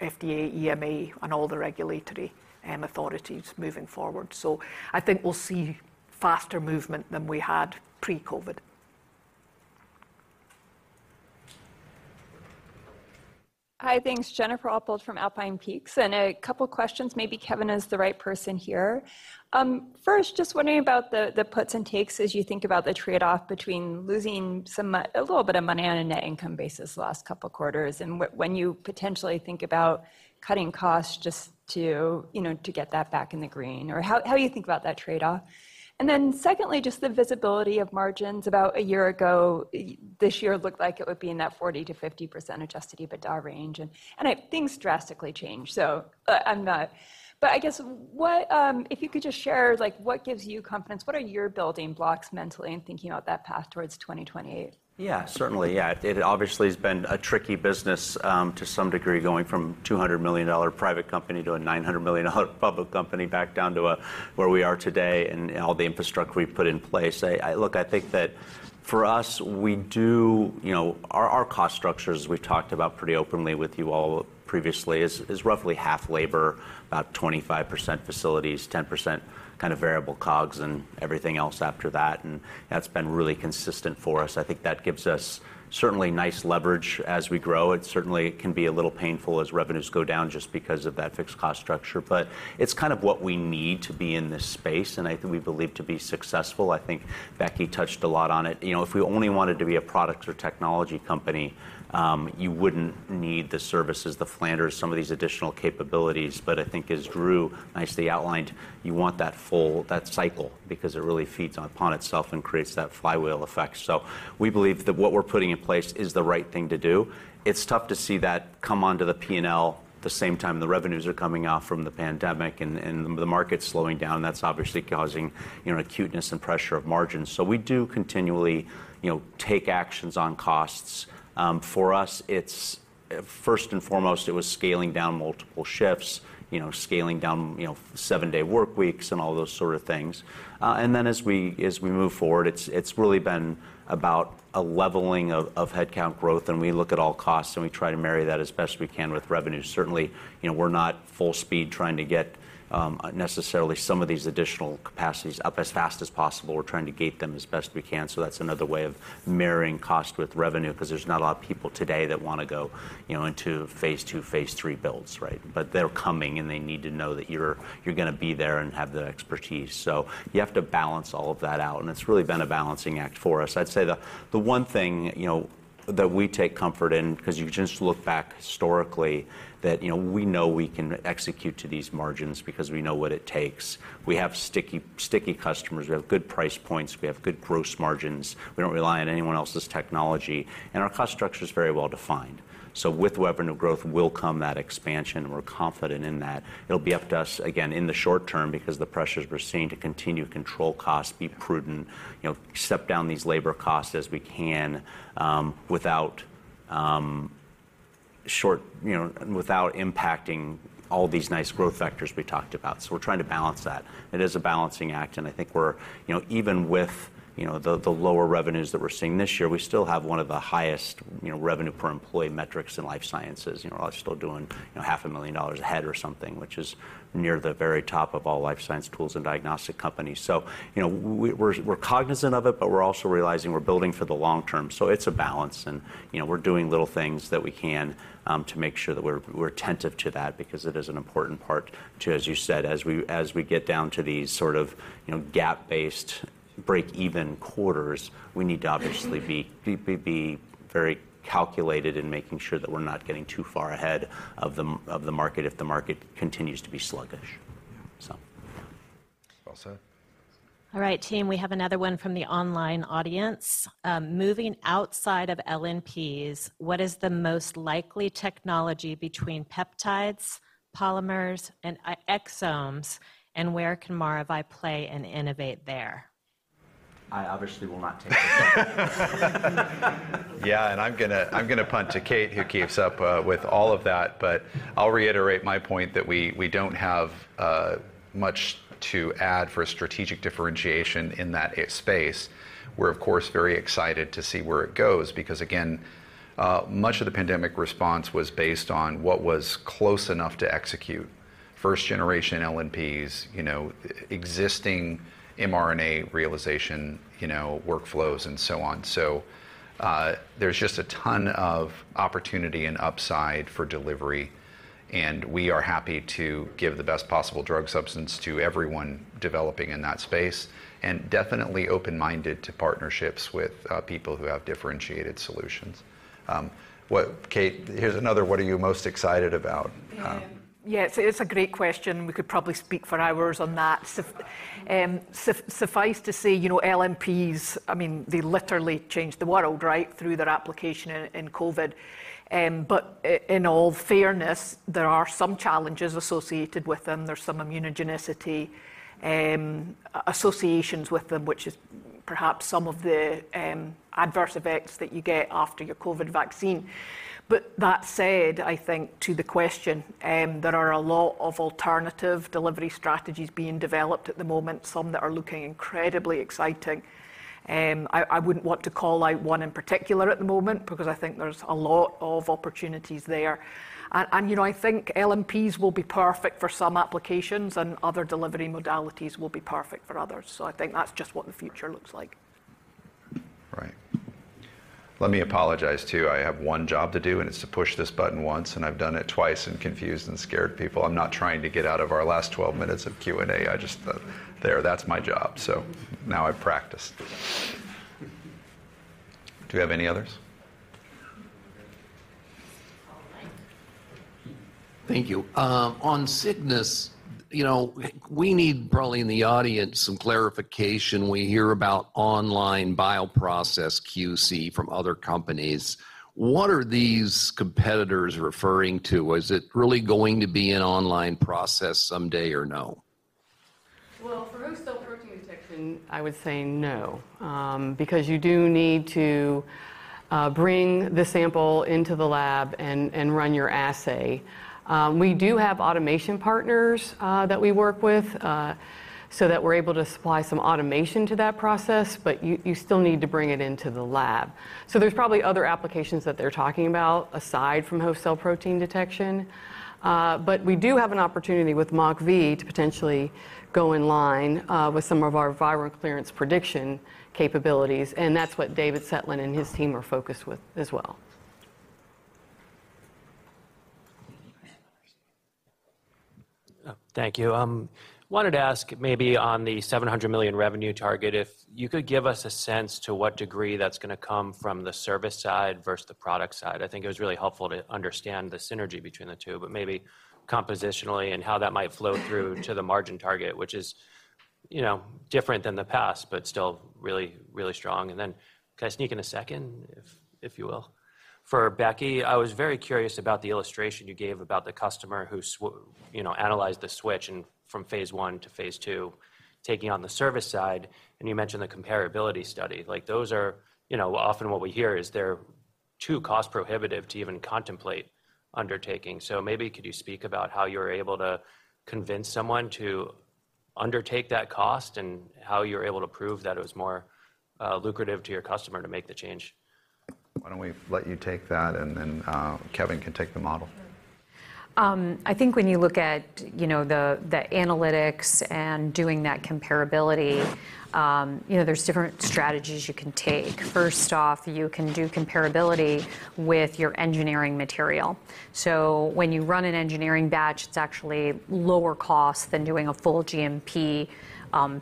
FDA, EMA, and all the regulatory authorities moving forward. So I think we'll see faster movement than we had pre-COVID. Hi, thanks. Jennifer Oppold from Alpine Peaks, and a couple questions, maybe Kevin is the right person here. First, just wondering about the puts and takes as you think about the trade-off between losing a little bit of money on a net income basis last couple quarters, and when you potentially think about cutting costs just to, you know, to get that back in the green, or how you think about that trade-off? And then secondly, just the visibility of margins. About a year ago, this year looked like it would be in that 40%-50% adjusted EBITDA range, and things drastically changed, so, I'm not... But I guess, what if you could just share, like, what gives you confidence? What are your building blocks mentally in thinking about that path towards 2028? Yeah, certainly, yeah. It obviously has been a tricky business, to some degree, going from $200 million private company to a $900 million public company, back down to where we are today and all the infrastructure we've put in place. Look, I think that for us, you know, our cost structures, as we've talked about pretty openly with you all previously, is roughly half labor, about 25% facilities, 10% kind of variable COGS and everything else after that, and that's been really consistent for us. I think that gives us certainly nice leverage as we grow. It certainly can be a little painful as revenues go down just because of that fixed cost structure, but it's kind of what we need to be in this space, and I think we believe to be successful. I think Becky touched a lot on it. You know, if we only wanted to be a product or technology company, you wouldn't need the services, the Flanders, some of these additional capabilities. But I think as Drew nicely outlined, you want that full cycle because it really feeds upon itself and creates that flywheel effect. So we believe that what we're putting in place is the right thing to do. It's tough to see that come onto the P&L the same time the revenues are coming off from the pandemic and the market's slowing down. That's obviously causing, you know, acuteness and pressure of margins. So we do continually, you know, take actions on costs. For us, it's first and foremost, it was scaling down multiple shifts, you know, scaling down, you know, seven-day work weeks, and all those sort of things. And then as we move forward, it's really been about a leveling of headcount growth, and we look at all costs, and we try to marry that as best we can with revenues. Certainly, you know, we're not full speed trying to get necessarily some of these additional capacities up as fast as possible. We're trying to gate them as best we can, so that's another way of marrying cost with revenue, 'cause there's not a lot of people today that wanna go, you know, into phase two, phase three builds, right? But they're coming, and they need to know that you're gonna be there and have the expertise. So you have to balance all of that out, and it's really been a balancing act for us. I'd say the one thing, you know - That we take comfort in, because you just look back historically that, you know, we know we can execute to these margins because we know what it takes. We have sticky, sticky customers. We have good price points. We have good gross margins. We don't rely on anyone else's technology, and our cost structure is very well-defined. So with revenue growth will come that expansion, and we're confident in that. It'll be up to us, again, in the short term, because the pressures we're seeing to continue to control costs, be prudent, you know, step down these labor costs as we can, without, short- you know, without impacting all these nice growth vectors we talked about. So we're trying to balance that. It is a balancing act, and I think we're... You know, even with the lower revenues that we're seeing this year, we still have one of the highest revenue per employee metrics in life sciences. You know, we're still doing $500,000 a head or something, which is near the very top of all life science tools and diagnostic companies. So, you know, we're cognizant of it, but we're also realizing we're building for the long term. So it's a balance, and you know, we're doing little things that we can to make sure that we're attentive to that because it is an important part to, as you said, as we get down to these sort of, you know, GAAP-based breakeven quarters, we need to obviously be very calculated in making sure that we're not getting too far ahead of the market if the market continues to be sluggish. Well said. All right, team, we have another one from the online audience. "Moving outside of LNPs, what is the most likely technology between peptides, polymers, and exosomes, and where can Maravai play and innovate there? I obviously will not take that. Yeah, and I'm gonna punt to Kate, who keeps up with all of that, but I'll reiterate my point that we don't have much to add for strategic differentiation in that space. We're of course very excited to see where it goes, because again, much of the pandemic response was based on what was close enough to execute. First generation LNPs, you know, existing mRNA realization, you know, workflows, and so on. So, there's just a ton of opportunity and upside for delivery, and we are happy to give the best possible drug substance to everyone developing in that space, and definitely open-minded to partnerships with people who have differentiated solutions. What - Kate, here's another: "What are you most excited about? Yeah, it's a great question, and we could probably speak for hours on that. Suffice to say, you know, LNPs, I mean, they literally changed the world, right? Through their application in COVID. But in all fairness, there are some challenges associated with them. There's some immunogenicity associations with them, which is perhaps some of the adverse effects that you get after your COVID vaccine. But that said, I think to the question, there are a lot of alternative delivery strategies being developed at the moment, some that are looking incredibly exciting. I wouldn't want to call out one in particular at the moment because I think there's a lot of opportunities there. And you know, I think LNPs will be perfect for some applications, and other delivery modalities will be perfect for others. So I think that's just what the future looks like. Right. Let me apologize, too. I have one job to do, and it's to push this button once, and I've done it twice and confused and scared people. I'm not trying to get out of our last 12 minutes of Q&A. I just - there, that's my job, so now I've practiced. Do we have any others? All right. Thank you. On Cygnus, you know, we need probably in the audience some clarification. We hear about online bioprocess QC from other companies. What are these competitors referring to? Is it really going to be an online process someday or no? Well, for host cell protein detection, I would say no, because you do need to bring the sample into the lab and run your assay. We do have automation partners that we work with, so that we're able to supply some automation to that process, but you still need to bring it into the lab. So there's probably other applications that they're talking about aside from host cell protein detection. But we do have an opportunity with MockV to potentially go in line with some of our viral clearance prediction capabilities, and that's what David Cetlin and his team are focused with as well. Thank you. Wanted to ask maybe on the $700 million revenue target, if you could give us a sense to what degree that's gonna come from the service side versus the product side. I think it was really helpful to understand the synergy between the two, but maybe compositionally and how that might flow through to the margin target, which is, you know, different than the past, but still really, really strong. And then can I sneak in a second, if you will? For Becky, I was very curious about the illustration you gave about the customer who you know, analyzed the switch and from phase one to phase two, taking on the service side, and you mentioned the comparability study. Like, those are... You know, often what we hear is they're too cost prohibitive to even contemplate undertaking. So maybe could you speak about how you're able to convince someone to undertake that cost and how you're able to prove that it was more lucrative to your customer to make the change? Why don't we let you take that, and then, Kevin can take the model? I think when you look at, you know, the, the analytics and doing that comparability, you know, there's different strategies you can take. First off, you can do comparability with your engineering material. So when you run an engineering batch, it's actually lower cost than doing a full GMP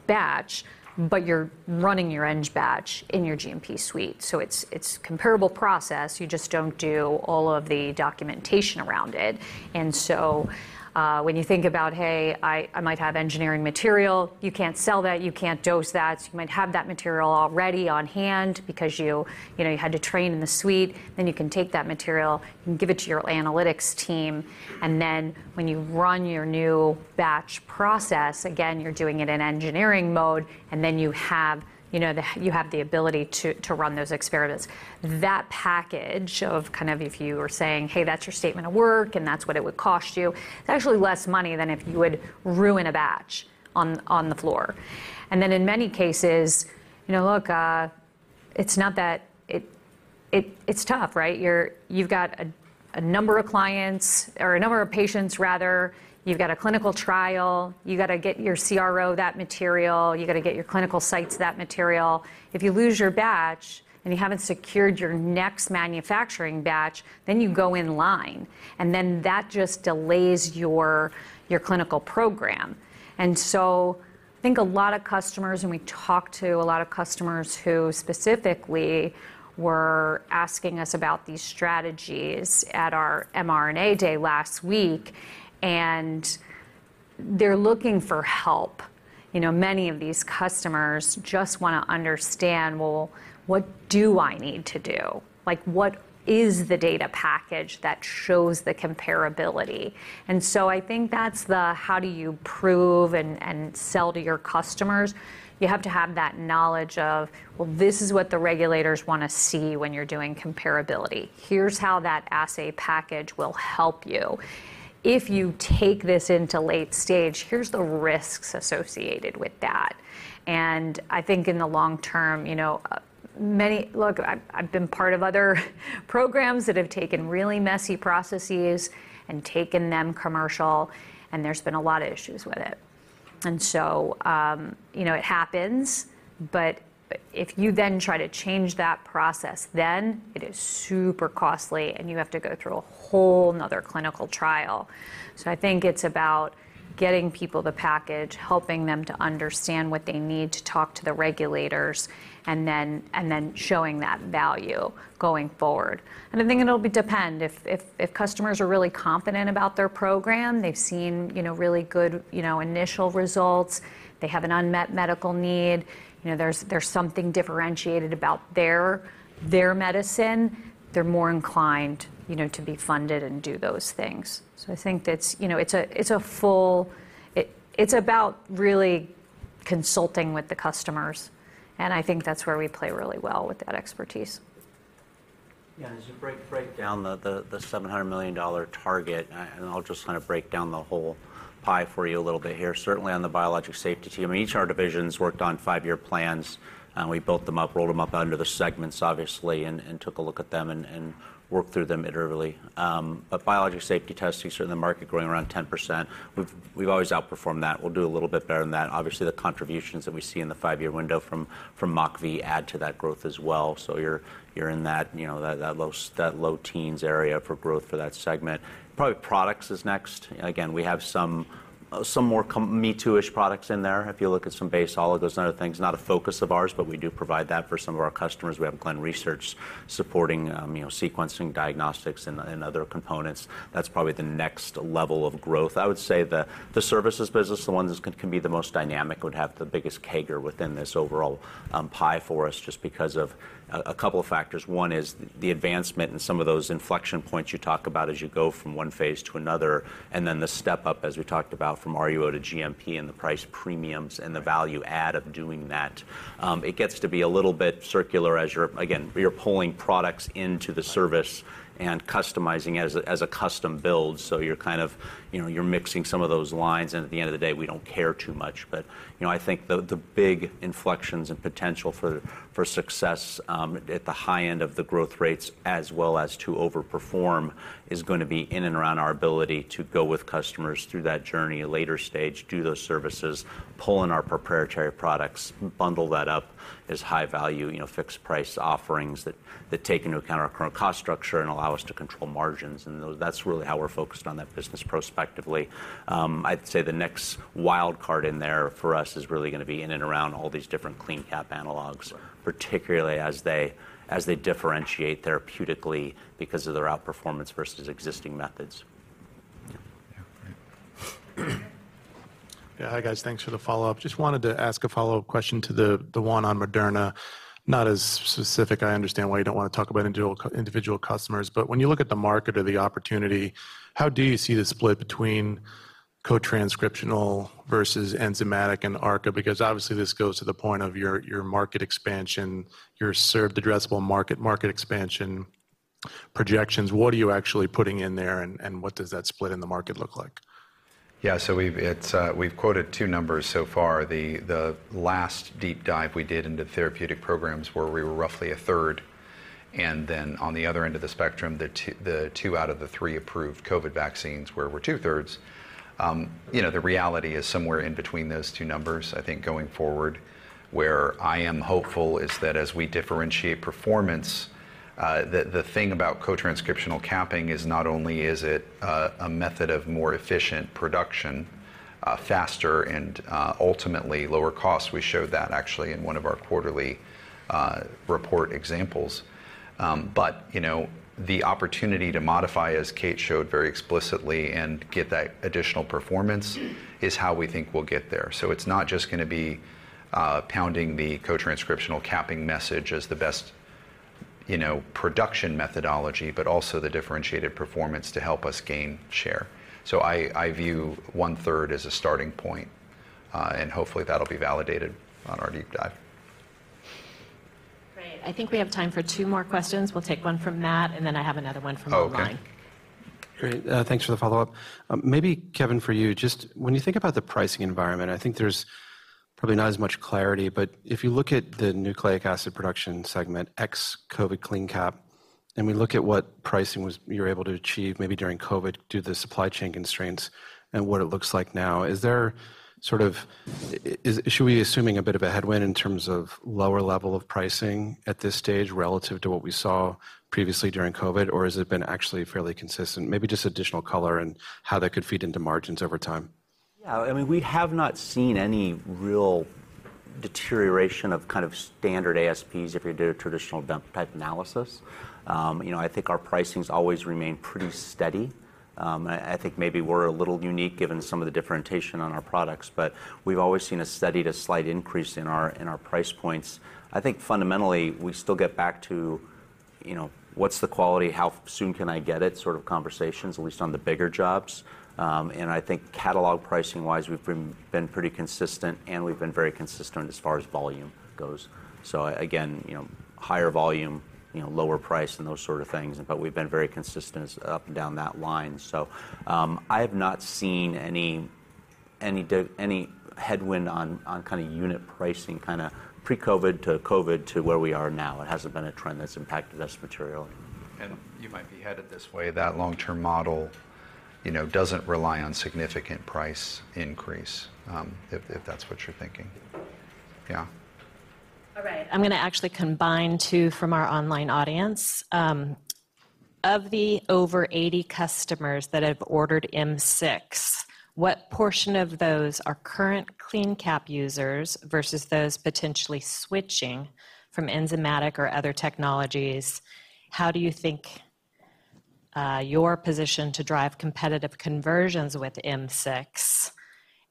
batch, but you're running your eng batch in your GMP suite. So it's, it's comparable process, you just don't do all of the documentation around it. And so, when you think about, hey, I, I might have engineering material, you can't sell that, you can't dose that. You might have that material already on hand because you, you know, you had to train in the suite. Then you can take that material and give it to your analytics team, and then when you run your new batch process, again, you're doing it in engineering mode, and then you have, you know, the ability to run those experiments. That package of kind of if you were saying, "Hey, that's your statement of work, and that's what it would cost you," it's actually less money than if you would ruin a batch on the floor. And then in many cases, you know, look, it's not that... it's tough, right? You've got a number of clients or a number of patients rather, you've got a clinical trial, you've got to get your CRO that material, you've got to get your clinical sites that material. If you lose your batch and you haven't secured your next manufacturing batch, then you go in line, and then that just delays your, your clinical program. So I think a lot of customers, and we talked to a lot of customers who specifically were asking us about these strategies at our mRNA Day last week, and they're looking for help. You know, many of these customers just want to understand, "Well, what do I need to do? Like, what is the data package that shows the comparability?" So I think that's the how do you prove and, and sell to your customers. You have to have that knowledge of, well, this is what the regulators want to see when you're doing comparability. Here's how that assay package will help you. If you take this into late stage, here's the risks associated with that. I think in the long term, you know, Look, I've been part of other programs that have taken really messy processes and taken them commercial, and there's been a lot of issues with it. So you know, it happens, but if you then try to change that process, then it is super costly, and you have to go through a whole another clinical trial. So I think it's about getting people the package, helping them to understand what they need to talk to the regulators, and then showing that value going forward. And I think it'll depend. If customers are really confident about their program, they've seen, you know, really good, you know, initial results, they have an unmet medical need, you know, there's something differentiated about their medicine, they're more inclined, you know, to be funded and do those things. So I think it's, you know, it's a full - it's about really consulting with the customers, and I think that's where we play really well with that expertise. Yeah, as you break down the $700 million target, and I'll just kind of break down the whole pie for you a little bit here. Certainly, on the Biologics Safety team, each of our divisions worked on five-year plans, and we built them up, rolled them up under the segments, obviously, and took a look at them and worked through them iteratively. But Biologics Safety Testing is certainly the market growing around 10%. We've always outperformed that. We'll do a little bit better than that. Obviously, the contributions that we see in the five-year window from MockV add to that growth as well. So you're in that, you know, that low teens area for growth for that segment. Probably products is next. Again, we have some more me-too-ish products in there. If you look at some base oligos and other things, not a focus of ours, but we do provide that for some of our customers. We have Glen Research supporting, you know, sequencing, diagnostics, and other components. That's probably the next level of growth. I would say the services business, the ones that can be the most dynamic, would have the biggest CAGR within this overall pie for us, just because of a couple of factors. One is the advancement in some of those inflection points you talk about as you go from one phase to another, and then the step up, as we talked about, from RUO to GMP and the price premiums and the value add of doing that. It gets to be a little bit circular as you're - Again, you're pulling products into the service and customizing it as a, as a custom build. So you're kind of, you know, you're mixing some of those lines, and at the end of the day, we don't care too much. But, you know, I think the, the big inflections and potential for, for success, at the high end of the growth rates, as well as to overperform, is going to be in and around our ability to go with customers through that journey, a later stage, do those services, pull in our proprietary products, bundle that up as high value, you know, fixed price offerings that, that take into account our current cost structure and allow us to control margins, and that's really how we're focused on that business prospectively. I'd say the next wild card in there for us is really going to be in and around all these different CleanCap analogs, particularly as they, as they differentiate therapeutically because of their outperformance versus existing methods. Yeah, hi, guys. Thanks for the follow-up. Just wanted to ask a follow-up question to the, the one on Moderna. Not as specific, I understand why you don't want to talk about individual customers, but when you look at the market or the opportunity, how do you see the split between co-transcriptional versus enzymatic and ARCA? Because obviously, this goes to the point of your, your market expansion, your served addressable market, market expansion. Projections, what are you actually putting in there, and, and what does that split in the market look like? Yeah, so we've quoted two numbers so far. The last deep dive we did into therapeutic programs where we were roughly 1/3, and then on the other end of the spectrum, the two out of the three approved COVID vaccines, where we're 2/3. You know, the reality is somewhere in between those two numbers. I think going forward, where I am hopeful is that as we differentiate performance, the thing about co-transcriptional capping is not only is it a method of more efficient production, faster and ultimately lower cost; we showed that actually in one of our quarterly report examples. But you know, the opportunity to modify, as Kate showed very explicitly, and get that additional performance is how we think we'll get there. So it's not just gonna be pounding the co-transcriptional capping message as the best, you know, production methodology, but also the differentiated performance to help us gain share. So I view one-third as a starting point, and hopefully that'll be validated on our deep dive. Great. I think we have time for two more questions. We'll take one from Matt, and then I have another one from the online. Oh, okay. Great, thanks for the follow-up. Maybe Kevin, for you, just when you think about the pricing environment, I think there's probably not as much clarity, but if you look at the Nucleic Acid Production segment, ex-COVID CleanCap, and we look at what pricing was - you're able to achieve, maybe during COVID, due to the supply chain constraints and what it looks like now, is there sort of - should we be assuming a bit of a headwind in terms of lower level of pricing at this stage relative to what we saw previously during COVID, or has it been actually fairly consistent? Maybe just additional color and how that could feed into margins over time. Yeah, I mean we have not seen any real deterioration of kind of standard ASPs if you did a traditional dump type analysis. You know, I think our pricing's always remained pretty steady. I think maybe we're a little unique, given some of the differentiation on our products, but we've always seen a steady to slight increase in our price points. I think fundamentally, we still get back to, you know, what's the quality, how soon can I get it, sort of conversations, at least on the bigger jobs. And I think catalog pricing-wise, we've been pretty consistent, and we've been very consistent as far as volume goes. So again, you know, higher volume, you know, lower price and those sort of things, but we've been very consistent up and down that line. I have not seen any headwind on kinda unit pricing, kinda pre-COVID, to COVID, to where we are now. It hasn't been a trend that's impacted us materially. You might be headed this way, that long-term model, you know, doesn't rely on significant price increase, if that's what you're thinking. Yeah. All right, I'm gonna actually combine two from our online audience. Of the over 80 customers that have ordered M6, what portion of those are current CleanCap users versus those potentially switching from enzymatic or other technologies? How do you think you're positioned to drive competitive conversions with M6?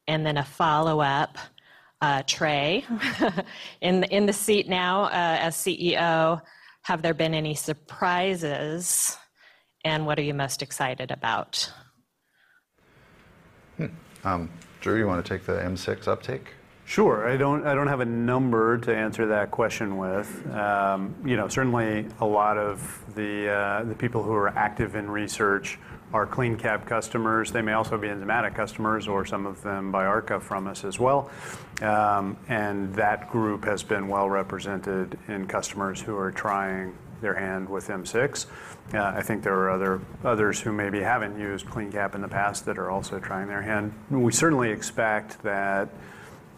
And then a follow-up, Trey, in the seat now, as CEO, have there been any surprises, and what are you most excited about? Drew, you wanna take the M6 uptake? Sure. I don't - I don't have a number to answer that question with. You know, certainly a lot of the people who are active in research are CleanCap customers. They may also be enzymatic customers, or some of them buy ARCA from us as well. And that group has been well represented in customers who are trying their hand with M6. I think there are others who maybe haven't used CleanCap in the past that are also trying their hand. We certainly expect that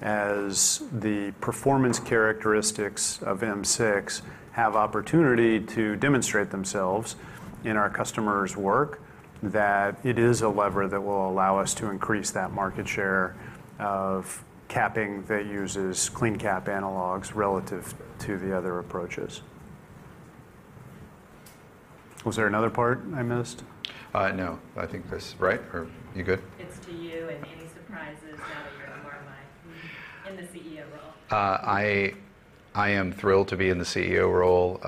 as the performance characteristics of M6 have opportunity to demonstrate themselves in our customers' work, that it is a lever that will allow us to increase that market share of capping that uses CleanCap analogs relative to the other approaches. Was there another part I missed? No. I think this - right? Or you good? It's to you, and any surprises now that you're more like in the CEO role? I am thrilled to be in the CEO role.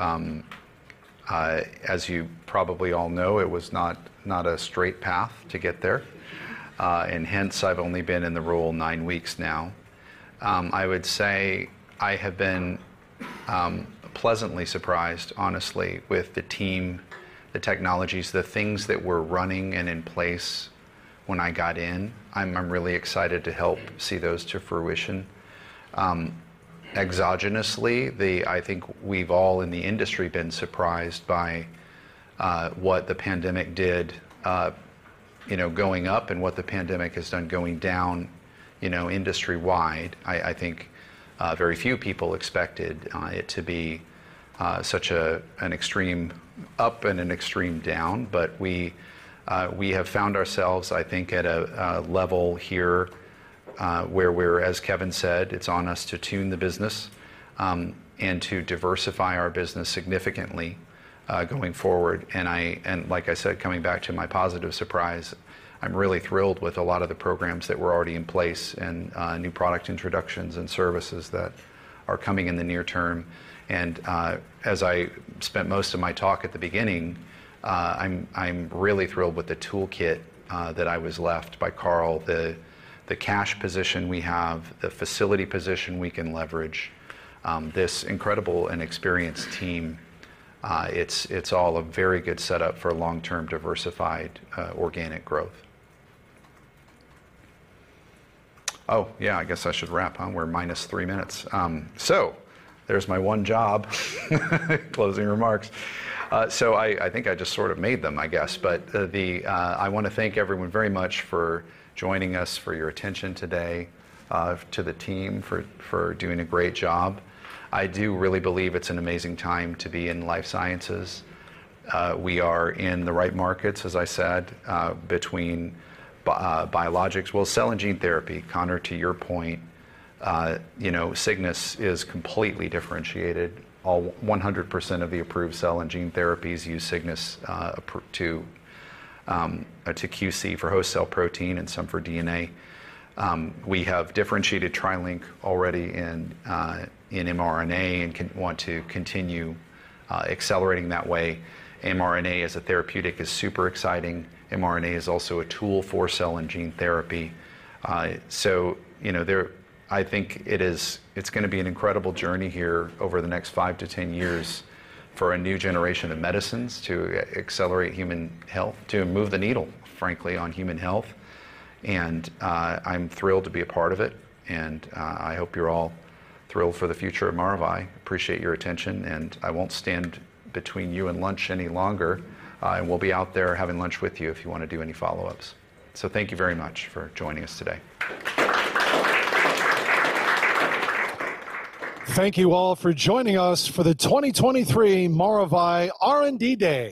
As you probably all know, it was not a straight path to get there, and hence, I've only been in the role nine weeks now. I would say I have been pleasantly surprised, honestly, with the team, the technologies, the things that were running and in place when I got in. I'm really excited to help see those to fruition. Exogenously, I think we've all, in the industry, been surprised by what the pandemic did, you know, going up and what the pandemic has done going down, you know, industry-wide. I think very few people expected it to be such an extreme up and an extreme down, but we have found ourselves, I think, at a level here where we're, as Kevin said, it's on us to tune the business and to diversify our business significantly going forward. And like I said, coming back to my positive surprise, I'm really thrilled with a lot of the programs that were already in place and new product introductions and services that are coming in the near term. And as I spent most of my talk at the beginning, I'm really thrilled with the toolkit that I was left by Carl, the cash position we have, the facility position we can leverage, this incredible and experienced team. It's all a very good setup for long-term, diversified, organic growth. Oh, yeah, I guess I should wrap, huh? We're minus 3 minutes. So there's my one job, closing remarks. So I think I just sort of made them, I guess, but I wanna thank everyone very much for joining us, for your attention today, to the team for doing a great job. I do really believe it's an amazing time to be in life sciences. We are in the right markets, as I said, between biologics. Well, cell and gene therapy, Conor, to your point, you know, Cygnus is completely differentiated. All 100% of the approved cell and gene therapies use Cygnus to QC for host cell protein and some for DNA. We have differentiated TriLink already in mRNA and want to continue accelerating that way. mRNA as a therapeutic is super exciting. mRNA is also a tool for cell and gene therapy. So, you know, there, I think it's gonna be an incredible journey here over the next five to 10 years for a new generation of medicines to accelerate human health, to move the needle, frankly, on human health, and I'm thrilled to be a part of it, and I hope you're all thrilled for the future of Maravai. Appreciate your attention, and I won't stand between you and lunch any longer, and we'll be out there having lunch with you if you wanna do any follow-ups. So thank you very much for joining us today. Thank you all for joining us for the 2023 Maravai R&D Day.